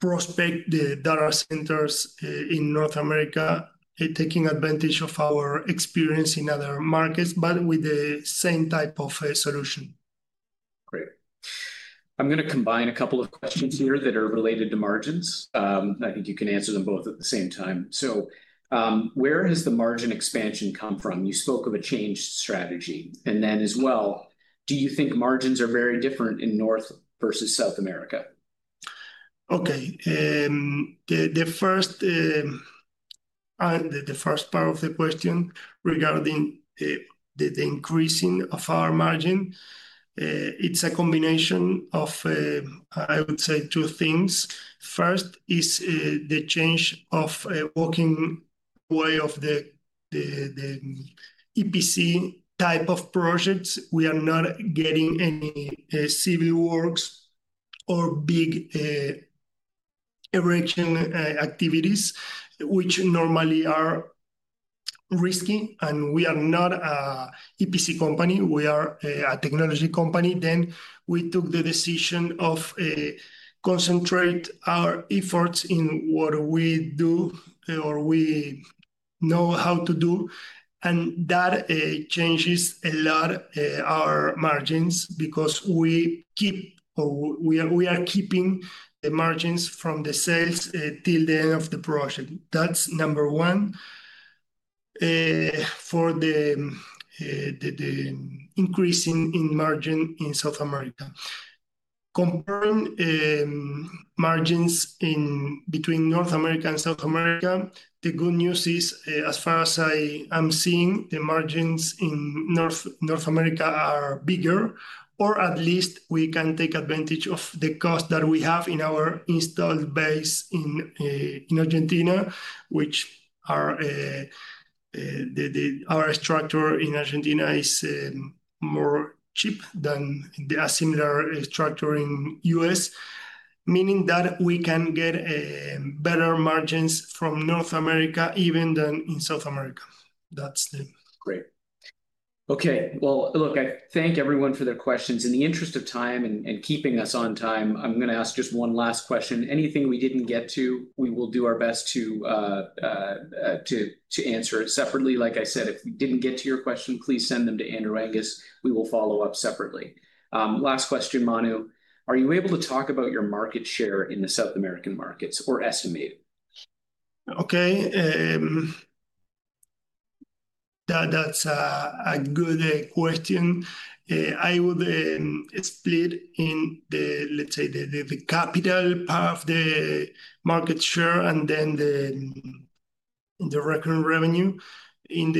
prospect the data centers in North America, taking advantage of our experience in other markets, but with the same type of solution. Great. I'm going to combine a couple of questions here that are related to margins. I think you can answer them both at the same time. Where has the margin expansion come from? You spoke of a change strategy. As well, do you think margins are very different in North versus South America? Okay. The first part of the question regarding the increasing of our margin, it's a combination of, I would say, two things. First is the change of walking away of the EPC type of projects. We are not getting any civil works or big erection activities, which normally are risky. We are not an EPC company. We are a technology company. We took the decision of concentrating our efforts in what we do or we know how to do. That changes a lot our margins because we are keeping the margins from the sales till the end of the project. That's number one for the increasing in margin in South America. Comparing margins between North America and South America, the good news is, as far as I am seeing, the margins in North America are bigger, or at least we can take advantage of the cost that we have in our installed base in Argentina, which our structure in Argentina is more cheap than a similar structure in the U.S., meaning that we can get better margins from North America even than in South America. That's it. Great.Okay. I thank everyone for their questions. In the interest of time and keeping us on time, I'm going to ask just one last question. Anything we did not get to, we will do our best to answer it separately. Like I said, if we did not get to your question, please send them to Andrew Angus. We will follow up separately. Last question, Manu. Are you able to talk about your market share in the South American markets or estimate? Okay. That is a good question. I would split in the, let us say, the capital part of the market share and then the revenue in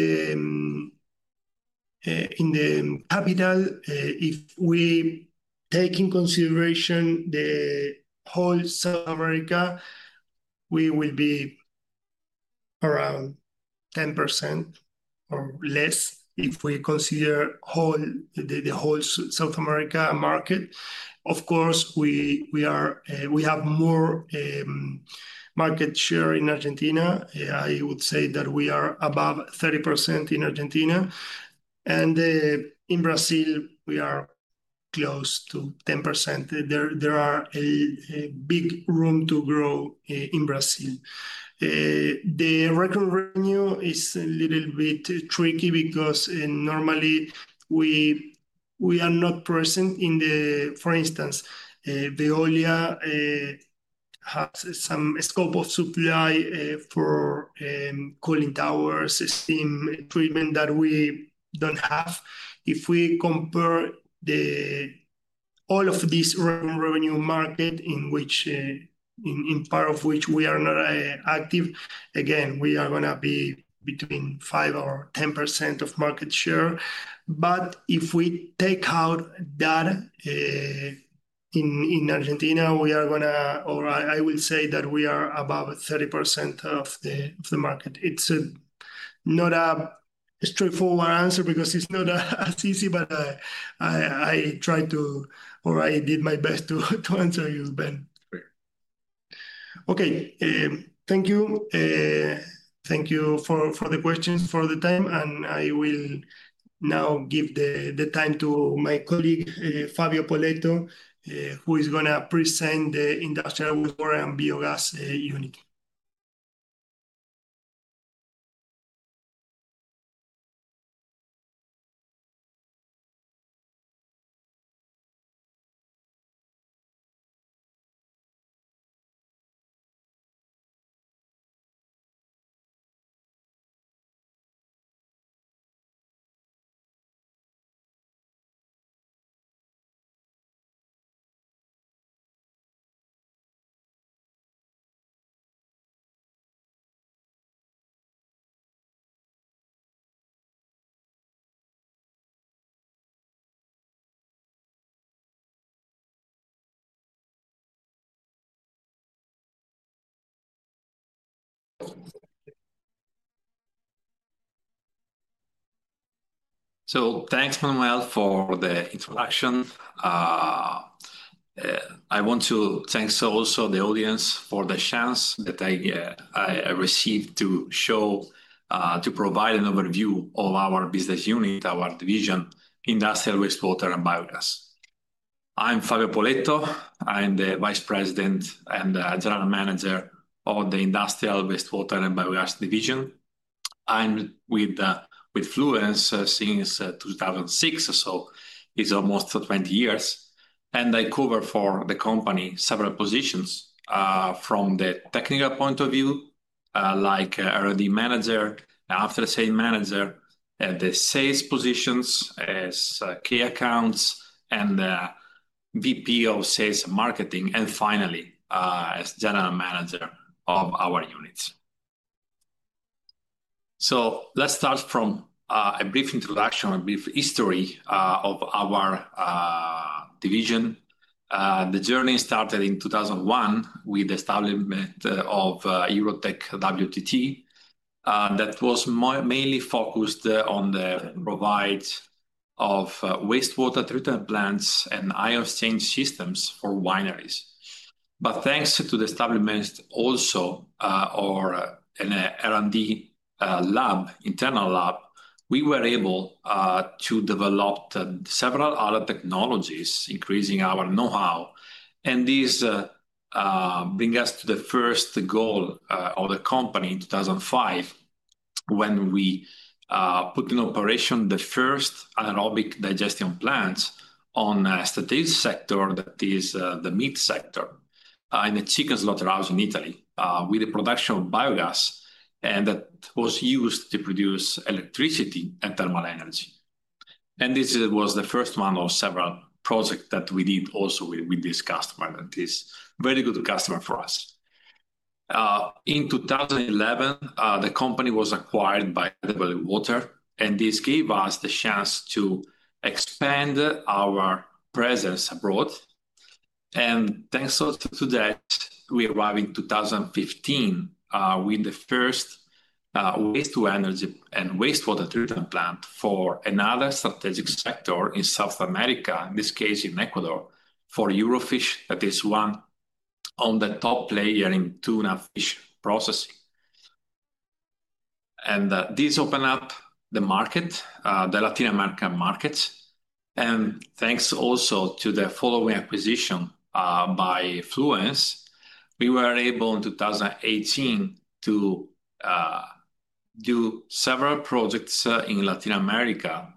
the capital. If we take into consideration the whole South America, we will be around 10% or less if we consider the whole South America market. Of course, we have more market share in Argentina. I would say that we are above 30% in Argentina. In Brazil, we are close to 10%. There is a big room to grow in Brazil. The revenue is a little bit tricky because normally we are not present in the, for instance, Veolia has some scope of supply for cooling towers, steam treatment that we do not have. If we compare all of these revenue markets in part of which we are not active, again, we are going to be between 5%-10% of market share. If we take out that in Argentina, we are going to, or I will say that we are above 30% of the market. It is not a straightforward answer because it is not as easy, but I try to, or I did my best to answer you, Ben. Okay. Thank you. Thank you for the questions, for the time. I will now give the time to my colleague, Fabio Poletto, who is going to present the Industrial Wastewater and Biogas unit. Thanks, Manuel, for the introduction. I want to thank also the audience for the chance that I received to provide an overview of our business unit, our division, Industrial Wastewater and Biogas. I'm Fabio Poletto. I'm the Vice President and General Manager of the Industrial Wastewater and Biogas division. I'm with Fluence since 2006, so it's almost 20 years. I cover for the company several positions from the technical point of view, like R&D manager, after-sales manager, the sales positions as key accounts, and VP of sales and marketing, and finally, as general manager of our units. Let's start from a brief introduction, a brief history of our division. The journey started in 2001 with the establishment of Eurotec WTT. That was mainly focused on the provide of wastewater treatment plants and ion exchange systems for wineries. Thanks to the establishment also of an R&D lab, internal lab, we were able to develop several other technologies, increasing our know-how. This brings us to the first goal of the company in 2005 when we put in operation the first anaerobic digestion plants on the stealth sector, that is the meat sector in the chicken slaughterhouse in Italy, with the production of biogas. That was used to produce electricity and thermal energy. This was the first one of several projects that we did also with this customer. It is a very good customer for us. In 2011, the company was acquired by RWL Water. This gave us the chance to expand our presence abroad. Thanks to that, we arrived in 2015 with the first wastewater and wastewater treatment plant for another strategic sector in South America, in this case in Ecuador, for Eurofish. That is one of the top players in tuna fish processing. This opened up the market, the Latin American markets. Thanks also to the following acquisition by Fluence, we were able in 2018 to do several projects in Latin America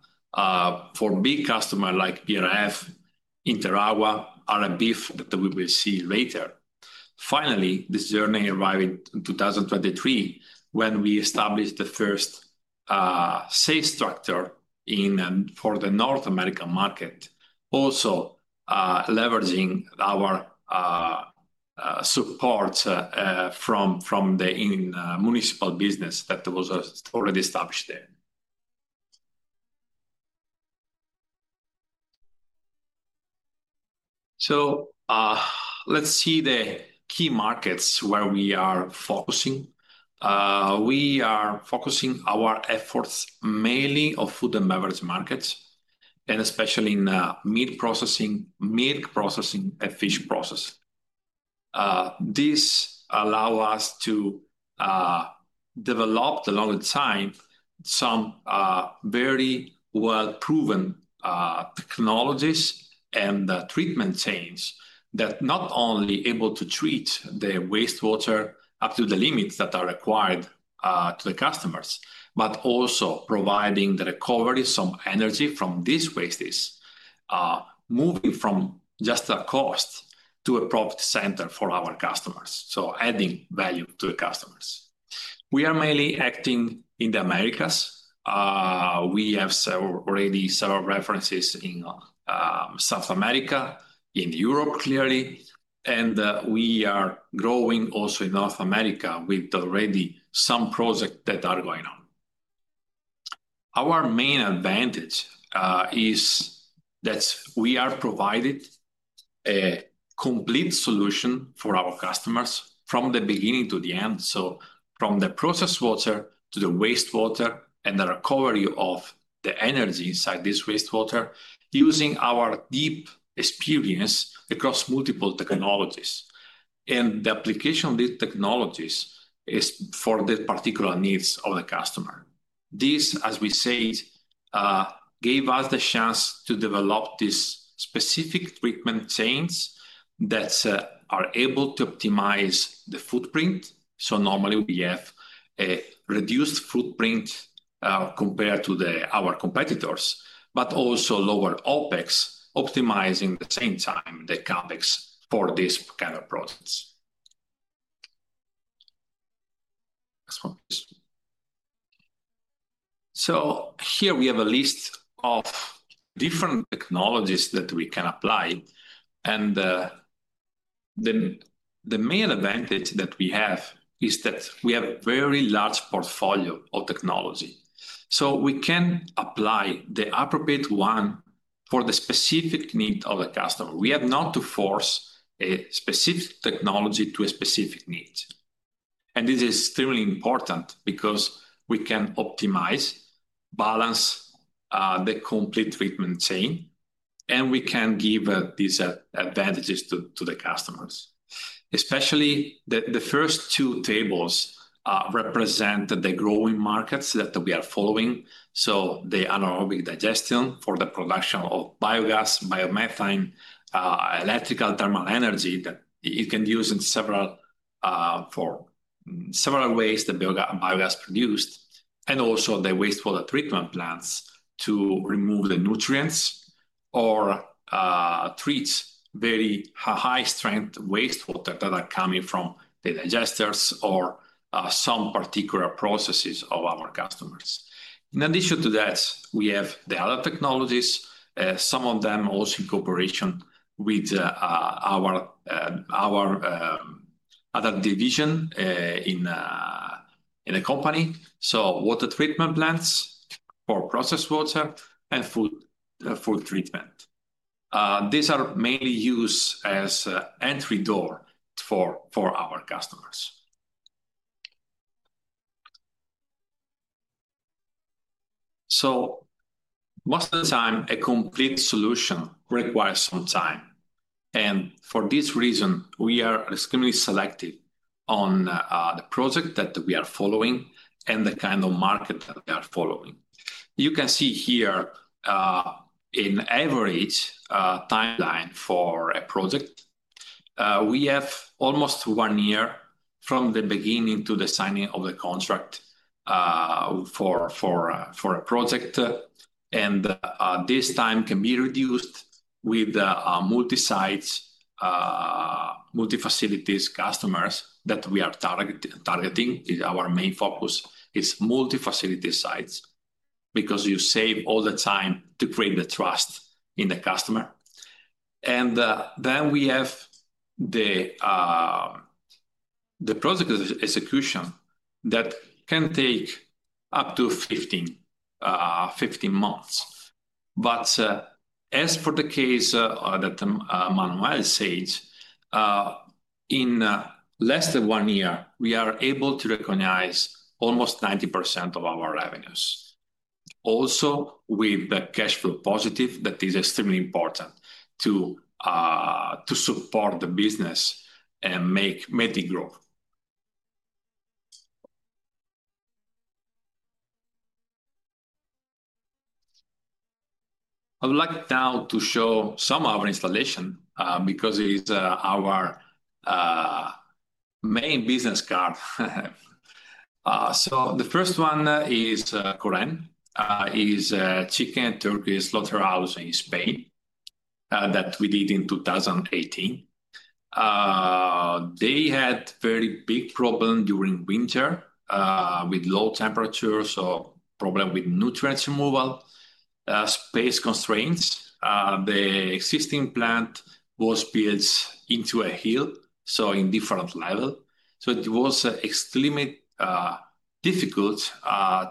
for big customers like BRF, Interagua, ArreBeef that we will see later. Finally, this journey arrived in 2023 when we established the first sales structure for the North American market, also leveraging our support from the municipal business that was already established there. Let's see the key markets where we are focusing. We are focusing our efforts mainly on food and beverage markets, and especially in milk processing and fish processing. This allows us to develop along the time some very well-proven technologies and treatment chains that are not only able to treat the wastewater up to the limits that are required to the customers, but also providing the recovery of some energy from these wastes, moving from just a cost to a profit center for our customers, so adding value to the customers. We are mainly acting in the Americas. We have already several references in South America, in Europe, clearly. We are growing also in North America with already some projects that are going on. Our main advantage is that we are providing a complete solution for our customers from the beginning to the end, from the processed water to the wastewater and the recovery of the energy inside this wastewater using our deep experience across multiple technologies. The application of these technologies is for the particular needs of the customer. This, as we say, gave us the chance to develop these specific treatment chains that are able to optimize the footprint. Normally, we have a reduced footprint compared to our competitors, but also lower OpEx, optimizing at the same time the CapEx for this kind of products. Here we have a list of different technologies that we can apply. The main advantage that we have is that we have a very large portfolio of technology. We can apply the appropriate one for the specific need of the customer. We have not to force a specific technology to a specific need. This is extremely important because we can optimize, balance the complete treatment chain, and we can give these advantages to the customers. Especially, the first two tables represent the growing markets that we are following. The anaerobic digestion for the production of biogas, biomethane, electrical thermal energy that you can use in several ways that biogas is produced, and also the wastewater treatment plants to remove the nutrients or treat very high-strength wastewater that are coming from the digesters or some particular processes of our customers. In addition to that, we have the other technologies, some of them also in cooperation with our other division in the company, so water treatment plants for processed water and food treatment. These are mainly used as an entry door for our customers. Most of the time, a complete solution requires some time. For this reason, we are extremely selective on the project that we are following and the kind of market that we are following. You can see here an average timeline for a project. We have almost one year from the beginning to the signing of the contract for a project. This time can be reduced with multi-sites, multi-facilities customers that we are targeting. Our main focus is multi-facility sites because you save all the time to create the trust in the customer. We have the project execution that can take up to 15 months. As for the case that Manuel said, in less than one year, we are able to recognize almost 90% of our revenues, also with the cash flow positive that is extremely important to support the business and make it grow. I would like now to show some of our installation because it is our main business card. The first one is Coren, it is a chicken and turkey slaughterhouse in Spain that we did in 2018. They had a very big problem during winter with low temperatures, so problem with nutrient removal, space constraints. The existing plant was built into a hill, so in different levels. It was extremely difficult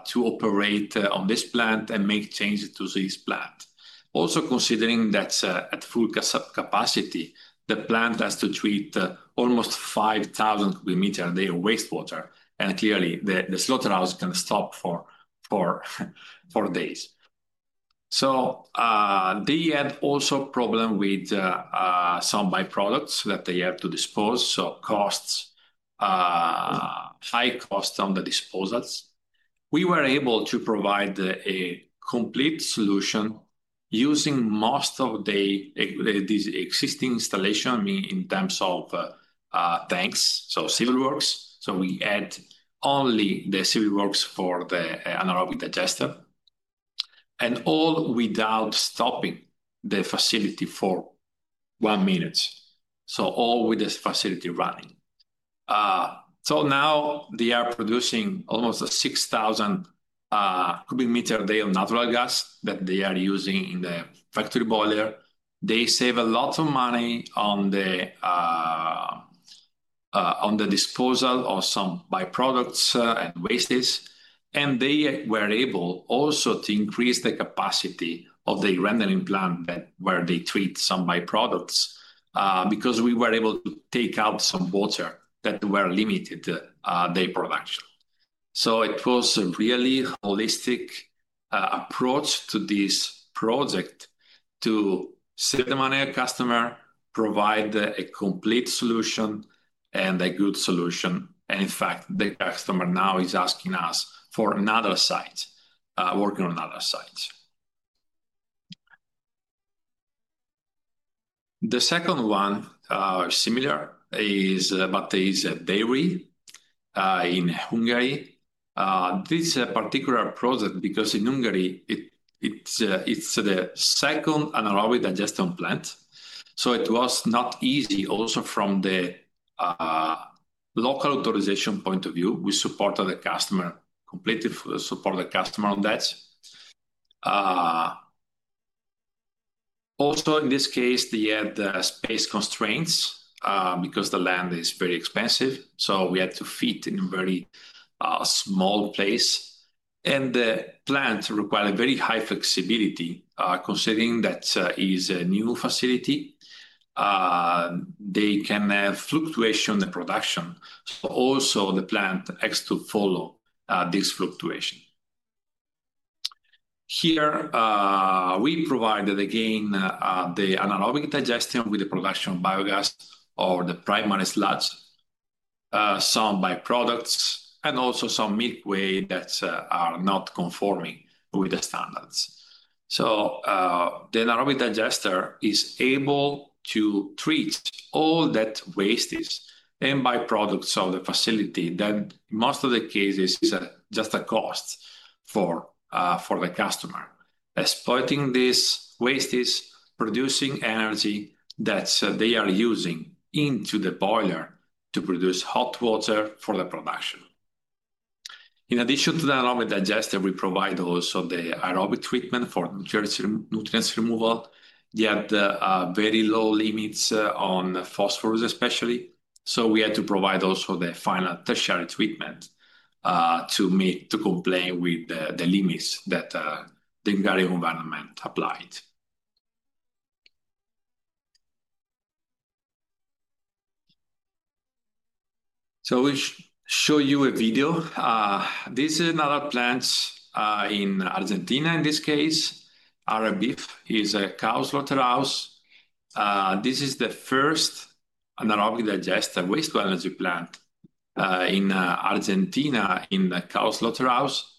to operate on this plant and make changes to this plant. Also considering that at full capacity, the plant has to treat almost 5,000 cubic meters a day of wastewater. Clearly, the slaughterhouse can stop for days. They had also a problem with some byproducts that they had to dispose, so costs, high cost on the disposals. We were able to provide a complete solution using most of these existing installations in terms of tanks, so civil works. We add only the civil works for the anaerobic digester, and all without stopping the facility for one minute, all with the facility running. Now they are producing almost 6,000 cubic meters a day of natural gas that they are using in the factory boiler. They save a lot of money on the disposal of some byproducts and wastes. They were able also to increase the capacity of the rendering plant where they treat some byproducts because we were able to take out some water that was limiting day production. It was a really holistic approach to this project to save the money of the customer, provide a complete solution, and a good solution. In fact, the customer now is asking us for another site, working on another site. The second one is similar, but is a dairy in Hungary. This is a particular project because in Hungary, it's the second anaerobic digestion plant. It was not easy also from the local authorization point of view. We supported the customer completely for the support of the customer on that. Also, in this case, they had space constraints because the land is very expensive. We had to fit in a very small place. The plant required very high flexibility considering that it is a new facility. They can have fluctuation in the production. The plant has to follow this fluctuation. Here, we provided again the anaerobic digestion with the production of biogas or the primary sludge, some byproducts, and also some milkway that are not conforming with the standards. The anaerobic digester is able to treat all that waste and byproducts of the facility that in most of the cases is just a cost for the customer, exploiting these wastes, producing energy that they are using into the boiler to produce hot water for the production. In addition to the anaerobic digester, we provide also the aerobic treatment for nutrient removal. They had very low limits on phosphorus, especially. We had to provide also the final tertiary treatment to comply with the limits that the Hungarian government applied. We show you a video. This is another plant in Argentina. In this case, ArreBeef is a cow slaughterhouse. This is the first anaerobic digester wastewater energy plant in Argentina in the cow slaughterhouse.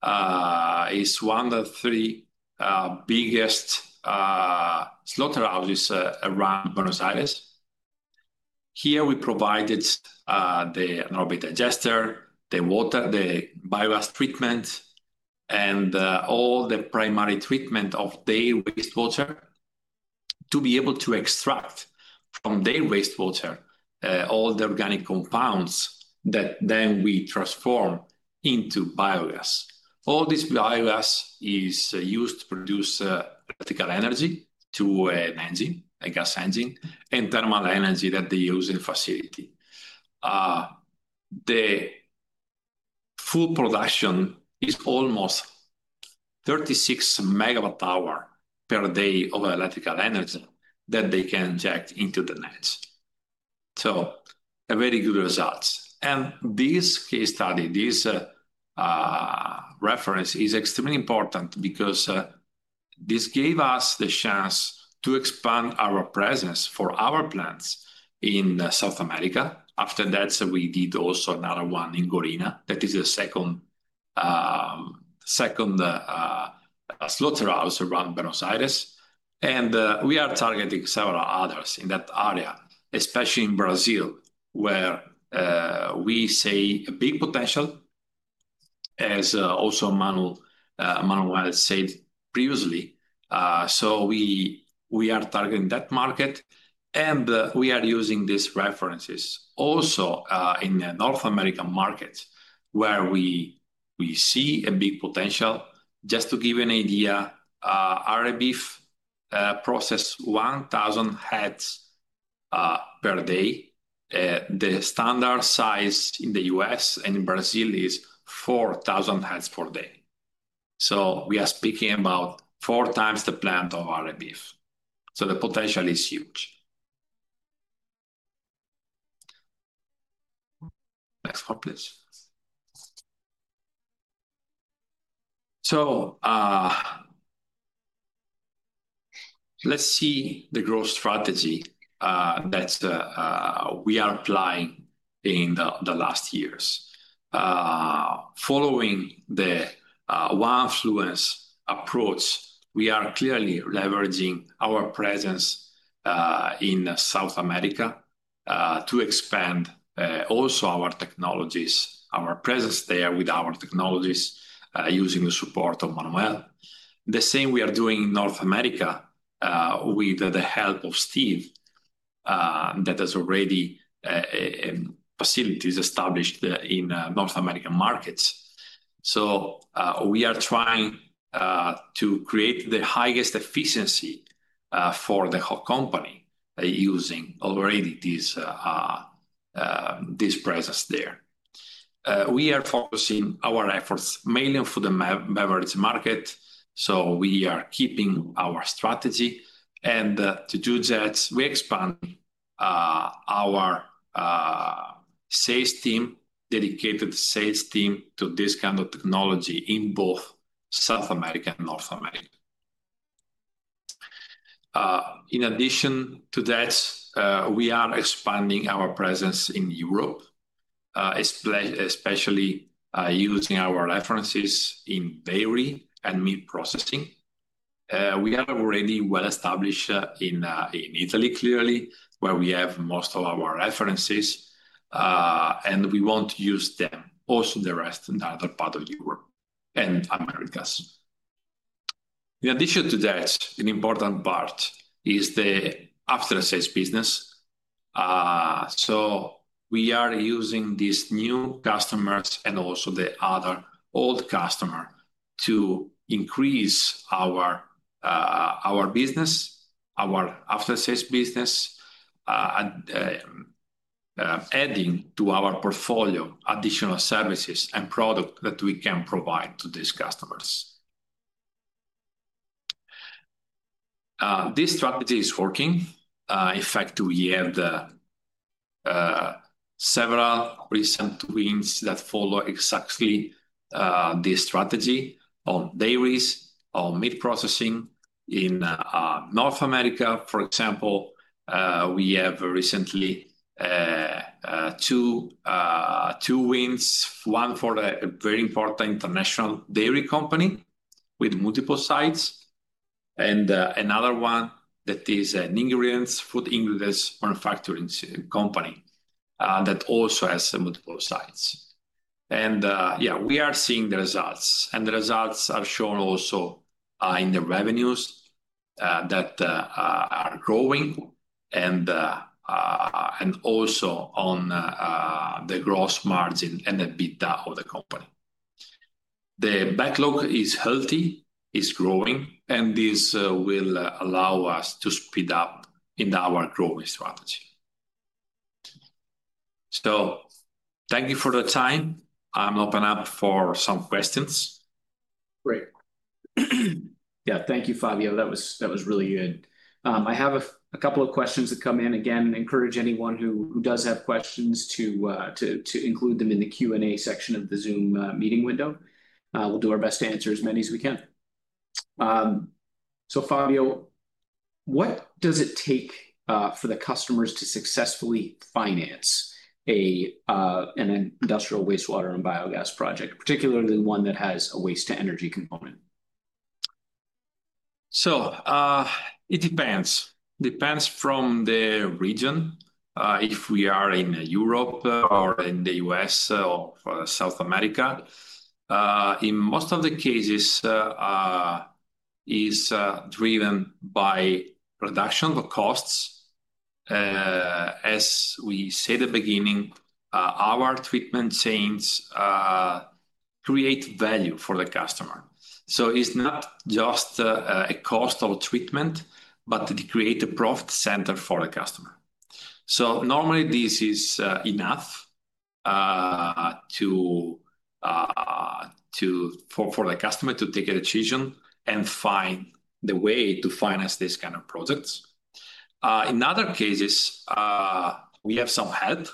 It is one of the three biggest slaughterhouses around Buenos Aires. Here, we provided the anaerobic digester, the biogas treatment, and all the primary treatment of the wastewater to be able to extract from the wastewater all the organic compounds that then we transform into biogas. All this biogas is used to produce electrical energy, to an engine, a gas engine, and thermal energy that they use in the facility. The full production is almost 36 MWh per day of electrical energy that they can inject into the nets. Very good results. This case study, this reference is extremely important because this gave us the chance to expand our presence for our plants in South America. After that, we did also another one in Gorina that is the second slaughterhouse around Buenos Aires. We are targeting several others in that area, especially in Brazil, where we see a big potential, as also Manuel said previously. We are targeting that market. We are using these references also in the North American markets where we see a big potential. Just to give an idea, ArreBeef processes 1,000 heads per day. The standard size in the U.S. and in Brazil is 4,000 heads per day. We are speaking about four times the plant of ArreBeef's. The potential is huge. Next slide, please. Let's see the growth strategy that we are applying in the last years. Following the one-fluence approach, we are clearly leveraging our presence in South America to expand also our technologies, our presence there with our technologies using the support of Manuel. The same we are doing in North America with the help of Steve that has already facilities established in North American markets. We are trying to create the highest efficiency for the whole company using already this presence there. We are focusing our efforts mainly on the beverage market. We are keeping our strategy. To do that, we expand our sales team, dedicated sales team to this kind of technology in both South America and North America. In addition to that, we are expanding our presence in Europe, especially using our references in dairy and meat processing. We are already well established in Italy, clearly, where we have most of our references. We want to use them also in the rest of the other part of Europe and Americas. In addition to that, an important part is the after-sales business. We are using these new customers and also the other old customers to increase our business, our after-sales business, adding to our portfolio additional services and products that we can provide to these customers. This strategy is working. In fact, we have several recent wins that follow exactly this strategy on dairies, on meat processing in North America. For example, we have recently two wins, one for a very important international dairy company with multiple sites, and another one that is a food ingredients manufacturing company that also has multiple sites. Yeah, we are seeing the results. The results are shown also in the revenues that are growing and also on the gross margin and the EBITDA of the company. The backlog is healthy, is growing, and this will allow us to speed up in our growing strategy. Thank you for the time. I'm open up for some questions. Great. Yeah, thank you, Fabio. That was really good. I have a couple of questions that come in. Again, encourage anyone who does have questions to include them in the Q&A section of the Zoom meeting window. We'll do our best to answer as many as we can. Fabio, what does it take for the customers to successfully finance an Industrial Wastewater and Biogas project, particularly one that has a waste-to-energy component? It depends. It depends from the region. If we are in Europe or in the U.S. or South America, in most of the cases, it is driven by production of costs. As we said at the beginning, our treatment chains create value for the customer. It's not just a cost of treatment, but they create a profit center for the customer. Normally, this is enough for the customer to take a decision and find the way to finance this kind of projects. In other cases, we have some help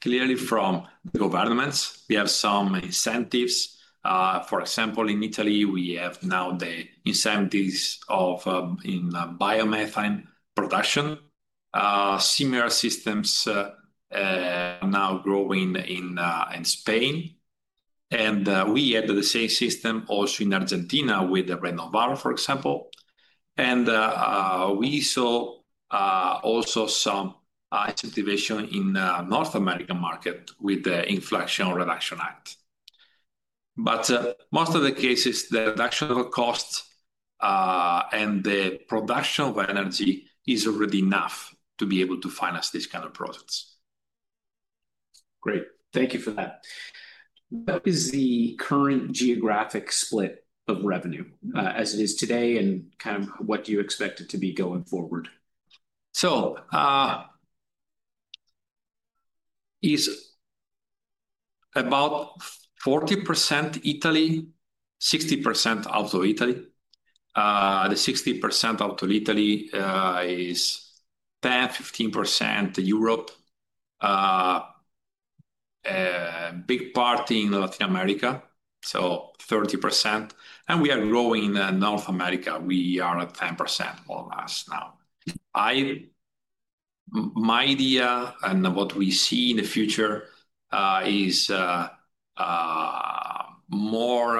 clearly from the governments. We have some incentives. For example, in Italy, we have now the incentives in biomethane production. Similar systems are now growing in Spain. We had the same system also in Argentina with the Renovar, for example. We saw also some incentivization in the North American market with the Inflation Reduction Act. Most of the cases, the reduction of costs and the production of energy is already enough to be able to finance these kinds of projects. Great. Thank you for that. What is the current geographic split of revenue as it is today and kind of what do you expect it to be going forward? It's about 40% Italy, 60% out of Italy. The 60% out of Italy is 10%-15% Europe, a big part in Latin America, so 30%. We are growing in North America. We are at 10% all last now. My idea and what we see in the future is more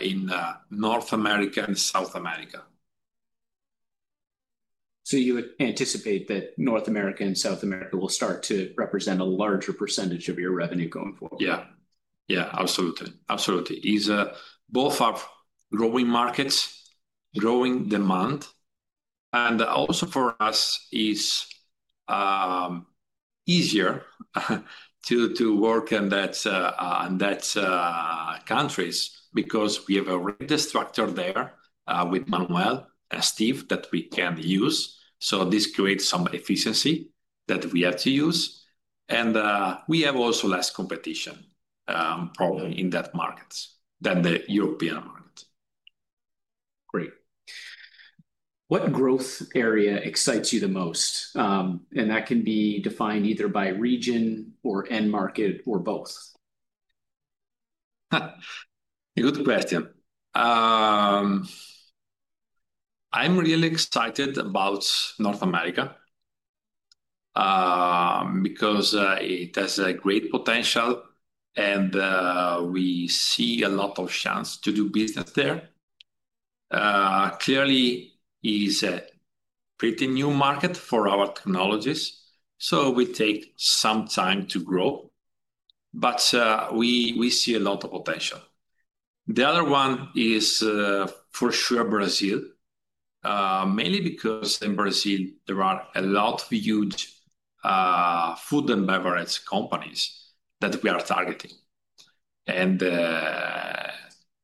in North America and South America. You anticipate that North America and South America will start to represent a larger percentage of your revenue going forward? Yeah. Yeah, absolutely. Absolutely. Both are growing markets, growing demand. Also for us, it is easier to work in that countries because we have a great structure there with Manuel and Steve that we can use. This creates some efficiency that we have to use. We have also less competition probably in that market than the European market. Great. What growth area excites you the most? That can be defined either by region or end market or both. Good question. I'm really excited about North America because it has great potential and we see a lot of chance to do business there. Clearly, it's a pretty new market for our technologies. So we take some time to grow. But we see a lot of potential. The other one is for sure Brazil, mainly because in Brazil, there are a lot of huge food and beverage companies that we are targeting. And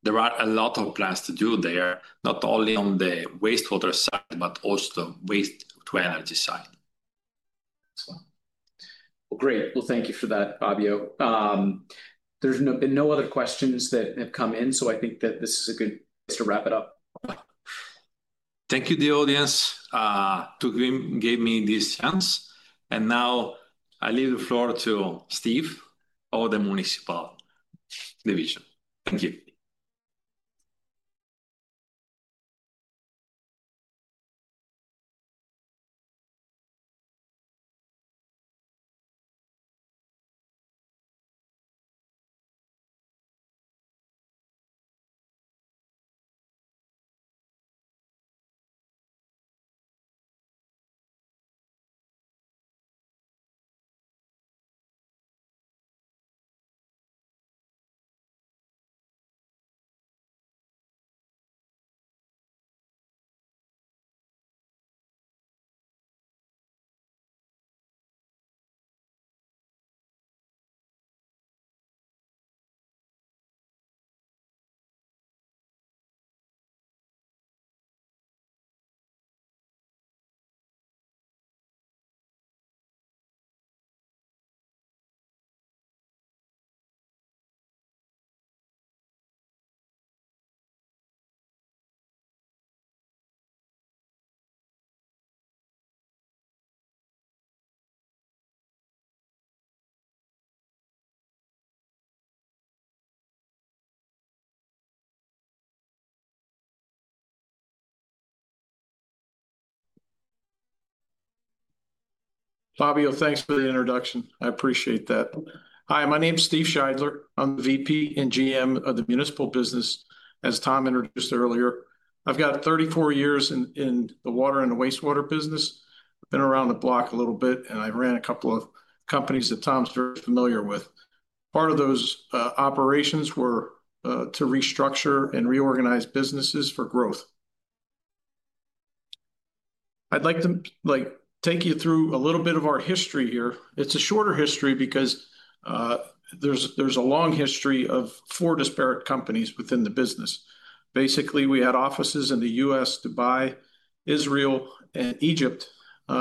there are a lot of plans to do there, not only on the wastewater side, but also waste-to-energy side. Great. Thank you for that, Fabio. There's been no other questions that have come in, so I think that this is a good place to wrap it up. Thank you, the audience, to give me this chance. Now I leave the floor to Steve or the Municipal division. Thank you. Fabio, thanks for the introduction. I appreciate that. Hi, my name is Steve Scheidler. I'm the VP and GM of the municipal business, as Tom introduced earlier. I've got 34 years in the water and wastewater business. I've been around the block a little bit, and I ran a couple of companies that Tom's very familiar with. Part of those operations were to restructure and reorganize businesses for growth. I'd like to take you through a little bit of our history here. It's a shorter history because there's a long history of four disparate companies within the business. Basically, we had offices in the U.S., Dubai, Israel, and Egypt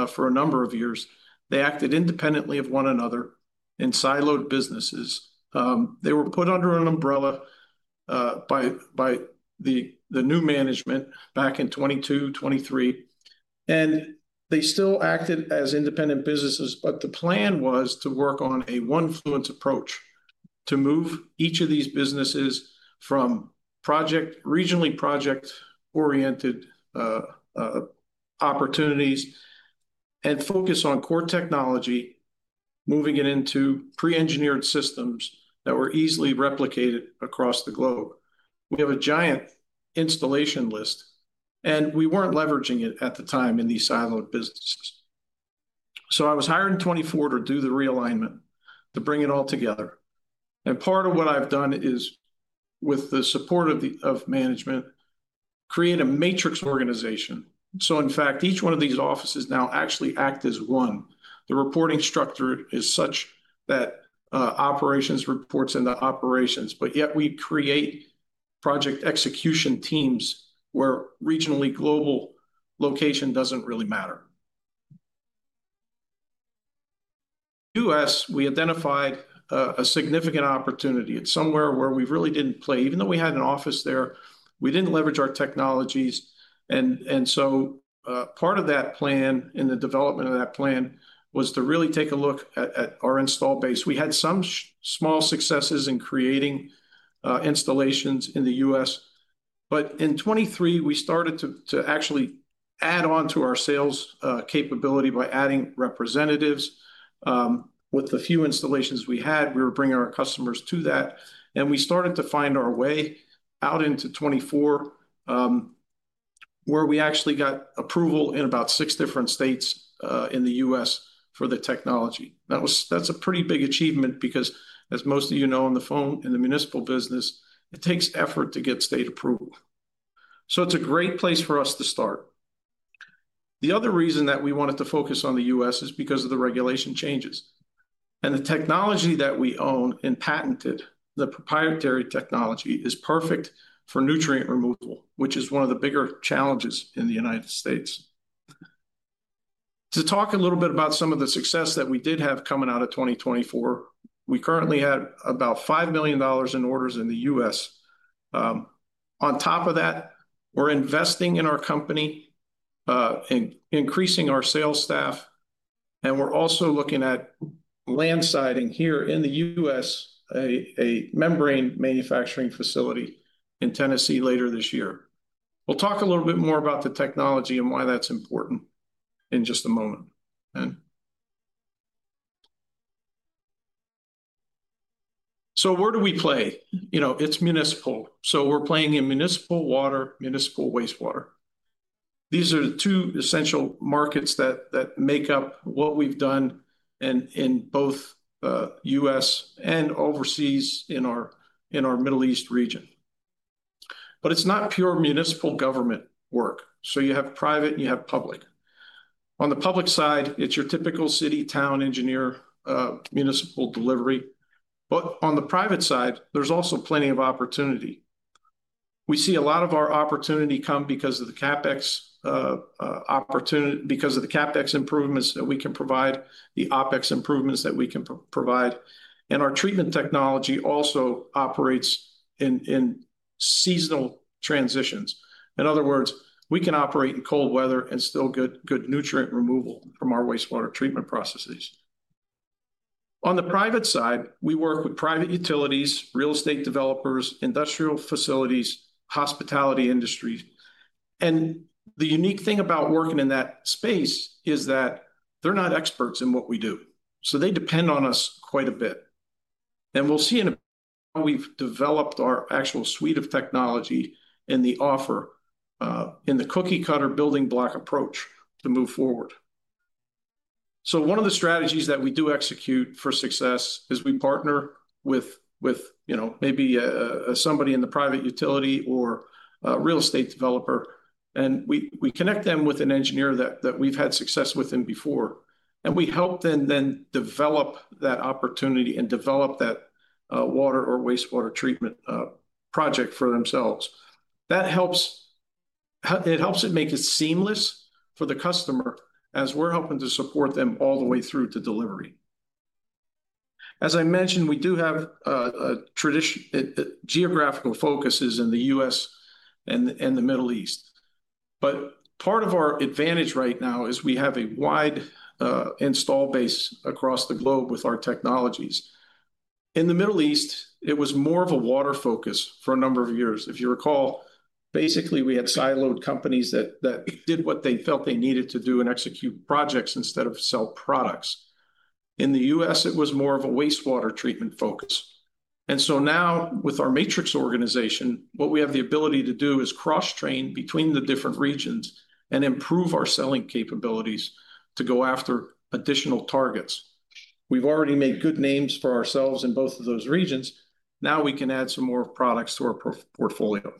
for a number of years. They acted independently of one another in siloed businesses. They were put under an umbrella by the new management back in 2022, 2023. They still acted as independent businesses. The plan was to work on a OneFluence approach to move each of these businesses from regionally project-oriented opportunities and focus on core technology, moving it into pre-engineered systems that were easily replicated across the globe. We have a giant installation list, and we were not leveraging it at the time in these siloed businesses. I was hired in 2024 to do the realignment, to bring it all together. Part of what I have done is, with the support of management, create a matrix organization. In fact, each one of these offices now actually acts as one. The reporting structure is such that operations reports in the operations. Yet we create project execution teams where regionally global location does not really matter. In the U.S., we identified a significant opportunity. It is somewhere where we really did not play. Even though we had an office there, we did not leverage our technologies. Part of that plan in the development of that plan was to really take a look at our install base. We had some small successes in creating installations in the U.S.. In 2023, we started to actually add on to our sales capability by adding representatives. With the few installations we had, we were bringing our customers to that. We started to find our way out into 2024 where we actually got approval in about six different states in the U.S. for the technology. That is a pretty big achievement because, as most of you know on the phone, in the municipal business, it takes effort to get state approval. It is a great place for us to start. The other reason that we wanted to focus on the U.S. is because of the regulation changes. The technology that we own and patented, the proprietary technology, is perfect for nutrient removal, which is one of the bigger challenges in the United States. To talk a little bit about some of the success that we did have coming out of 2024, we currently have about $5 million in orders in the U.S. On top of that, we're investing in our company and increasing our sales staff. We're also looking at land siding here in the U.S., a membrane manufacturing facility in Tennessee later this year. We'll talk a little bit more about the technology and why that's important in just a moment. Where do we play? It's municipal. We're playing in municipal water, municipal wastewater. These are the two essential markets that make up what we've done in both the U.S. and overseas in our Middle East region. It is not pure municipal government work. You have private and you have public. On the public side, it's your typical city-town engineer municipal delivery. On the private side, there's also plenty of opportunity. We see a lot of our opportunity come because of the CapEx improvements that we can provide, the OpEx improvements that we can provide. Our treatment technology also operates in seasonal transitions. In other words, we can operate in cold weather and still get good nutrient removal from our wastewater treatment processes. On the private side, we work with private utilities, real estate developers, industrial facilities, hospitality industries. The unique thing about working in that space is that they're not experts in what we do. They depend on us quite a bit. We'll see how we've developed our actual suite of technology in the offer in the cookie-cutter building block approach to move forward. One of the strategies that we do execute for success is we partner with maybe somebody in the private utility or real estate developer. We connect them with an engineer that we've had success with before. We help them then develop that opportunity and develop that water or wastewater treatment project for themselves. It helps make it seamless for the customer as we're helping to support them all the way through to delivery. As I mentioned, we do have geographical focuses in the U.S. and the Middle East. Part of our advantage right now is we have a wide install base across the globe with our technologies. In the Middle East, it was more of a water focus for a number of years. If you recall, basically, we had siloed companies that did what they felt they needed to do and execute projects instead of sell products. In the U.S., it was more of a wastewater treatment focus. Now, with our matrix organization, what we have the ability to do is cross-train between the different regions and improve our selling capabilities to go after additional targets. We've already made good names for ourselves in both of those regions. Now we can add some more products to our portfolio.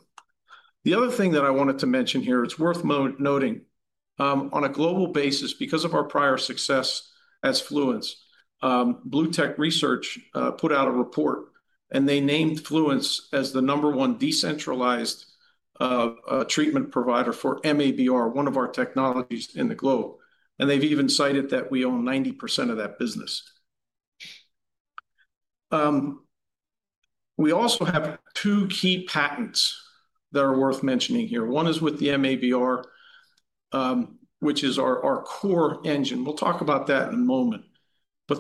The other thing that I wanted to mention here, it's worth noting, on a global basis, because of our prior success as Fluence, BlueTech Research put out a report, and they named Fluence as the number one decentralized treatment provider for MABR, one of our technologies in the globe. They've even cited that we own 90% of that business. We also have two key patents that are worth mentioning here. One is with the MABR, which is our core engine. We'll talk about that in a moment.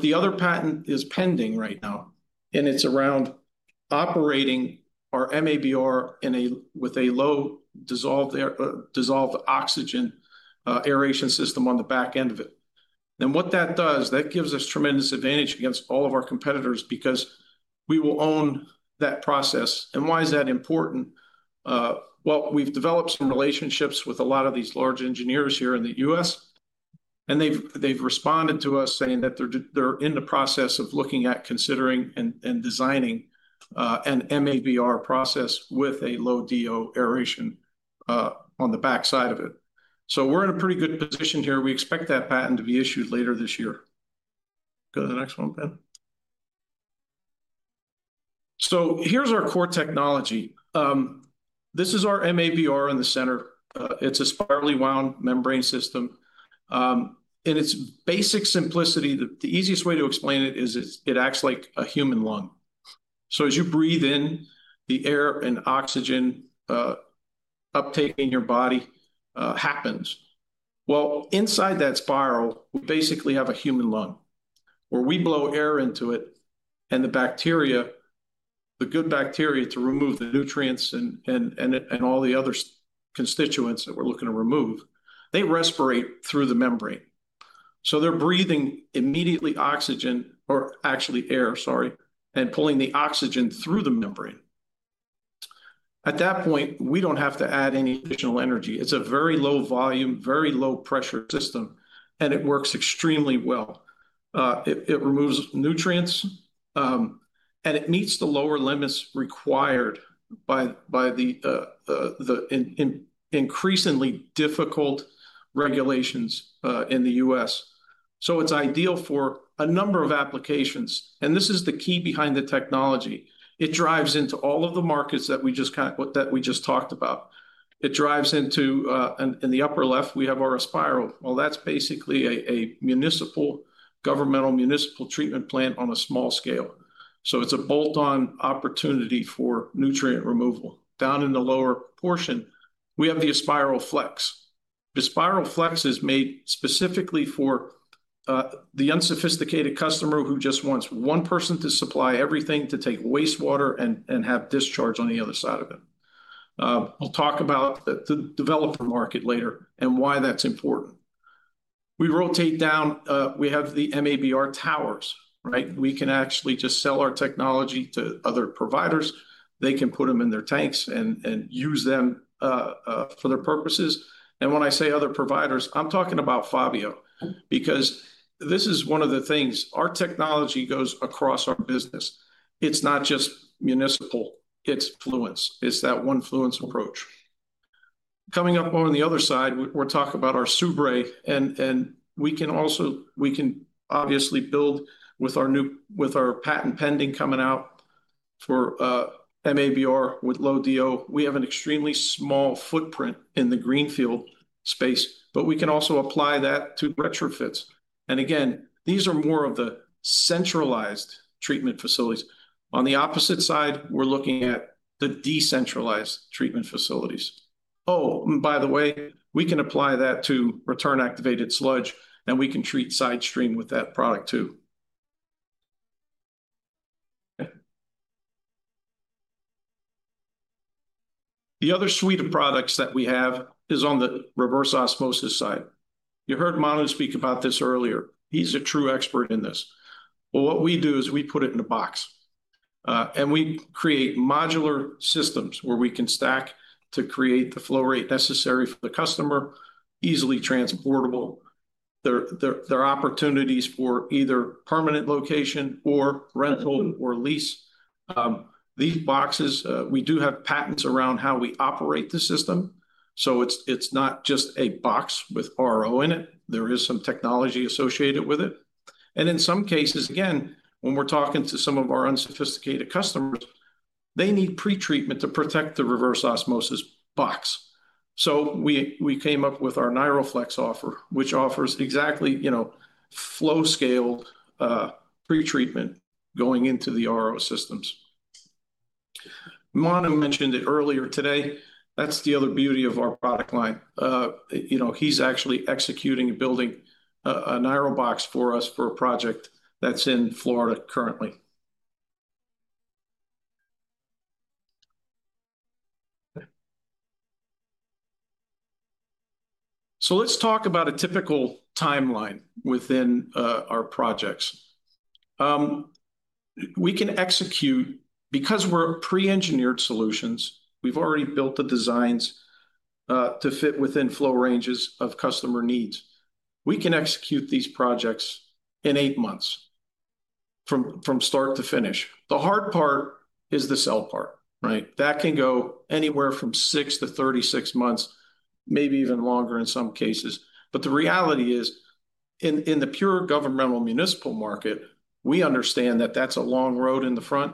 The other patent is pending right now. It's around operating our MABR with a low-dissolved oxygen aeration system on the back end of it. What that does, that gives us tremendous advantage against all of our competitors because we will own that process. Why is that important? We have developed some relationships with a lot of these large engineers here in the U.S.. They have responded to us saying that they are in the process of looking at considering and designing an MABR process with a low-DO aeration on the backside of it. We are in a pretty good position here. We expect that patent to be issued later this year. Go to the next one, Ben. Here is our core technology. This is our MABR in the center. It is a spirally wound membrane system. In its basic simplicity, the easiest way to explain it is it acts like a human lung. As you breathe in, the air and oxygen uptake in your body happens. Inside that spiral, we basically have a human lung where we blow air into it. The bacteria, the good bacteria to remove the nutrients and all the other constituents that we're looking to remove, they respirate through the membrane. They're breathing immediately oxygen or actually air, sorry, and pulling the oxygen through the membrane. At that point, we don't have to add any additional energy. It's a very low-volume, very low-pressure system, and it works extremely well. It removes nutrients, and it meets the lower limits required by the increasingly difficult regulations in the U.S. It's ideal for a number of applications. This is the key behind the technology. It drives into all of the markets that we just talked about. It drives into in the upper left, we have our Aspiral. That's basically a municipal governmental municipal treatment plant on a small scale. It's a bolt-on opportunity for nutrient removal. Down in the lower portion, we have the Aspiral Flex. The Aspiral Flex is made specifically for the unsophisticated customer who just wants one person to supply everything to take wastewater and have discharge on the other side of it. We'll talk about the developer market later and why that's important. We rotate down. We have the MABR towers, right? We can actually just sell our technology to other providers. They can put them in their tanks and use them for their purposes. When I say other providers, I'm talking about Fabio because this is one of the things our technology goes across our business. It's not just municipal. It's Fluence. It's that one Fluence approach. Coming up on the other side, we'll talk about our SUBRE. We can also obviously build with our patent pending coming out for MABR with low-DO. We have an extremely small footprint in the greenfield space, but we can also apply that to retrofits. Again, these are more of the centralized treatment facilities. On the opposite side, we're looking at the decentralized treatment facilities. Oh, and by the way, we can apply that to return activated sludge, and we can treat side stream with that product too. The other suite of products that we have is on the reverse osmosis side. You heard Manu speak about this earlier. He's a true expert in this. What we do is we put it in a box. We create modular systems where we can stack to create the flow rate necessary for the customer, easily transportable. There are opportunities for either permanent location or rental or lease. These boxes, we do have patents around how we operate the system. It is not just a box with RO in it. There is some technology associated with it. In some cases, again, when we are talking to some of our unsophisticated customers, they need pretreatment to protect the reverse osmosis box. We came up with our Niroflex offer, which offers exactly flow scale pretreatment going into the RO systems. Manu mentioned it earlier today. That is the other beauty of our product line. He is actually executing building a NIROBOX for us for a project that is in Florida currently. Let us talk about a typical timeline within our projects. We can execute because we are pre-engineered solutions. We have already built the designs to fit within flow ranges of customer needs. We can execute these projects in eight months from start to finish. The hard part is the sell part, right? That can go anywhere from six to 36 months, maybe even longer in some cases. The reality is, in the pure governmental municipal market, we understand that that's a long road in the front,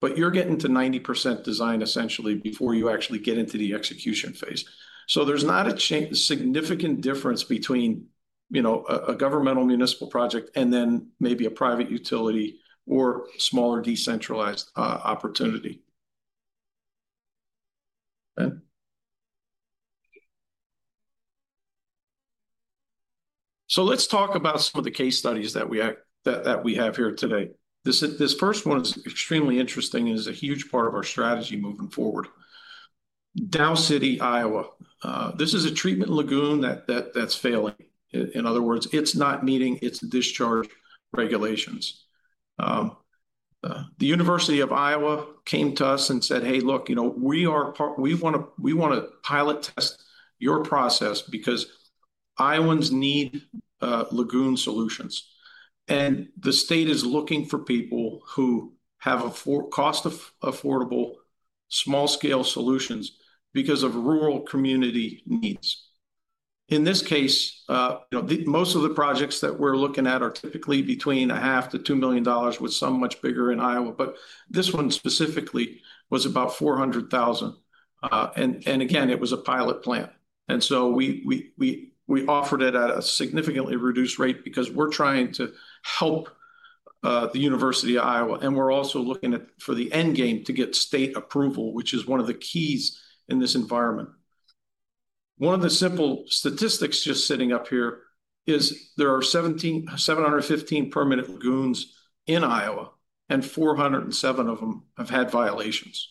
but you're getting to 90% design essentially before you actually get into the execution phase. There's not a significant difference between a governmental municipal project and then maybe a private utility or smaller decentralized opportunity. Let's talk about some of the case studies that we have here today. This first one is extremely interesting and is a huge part of our strategy moving forward. Dow City, Iowa. This is a treatment lagoon that's failing. In other words, it's not meeting its discharge regulations. The University of Iowa came to us and said, "Hey, look, we want to pilot test your process because Iowans need lagoon solutions." The state is looking for people who have cost-affordable small-scale solutions because of rural community needs. In this case, most of the projects that we're looking at are typically between $500,000-$2 million with some much bigger in Iowa. This one specifically was about $400,000. It was a pilot plant. We offered it at a significantly reduced rate because we're trying to help the University of Iowa. We're also looking for the end game to get state approval, which is one of the keys in this environment. One of the simple statistics just sitting up here is there are 715 permanent lagoons in Iowa, and 407 of them have had violations.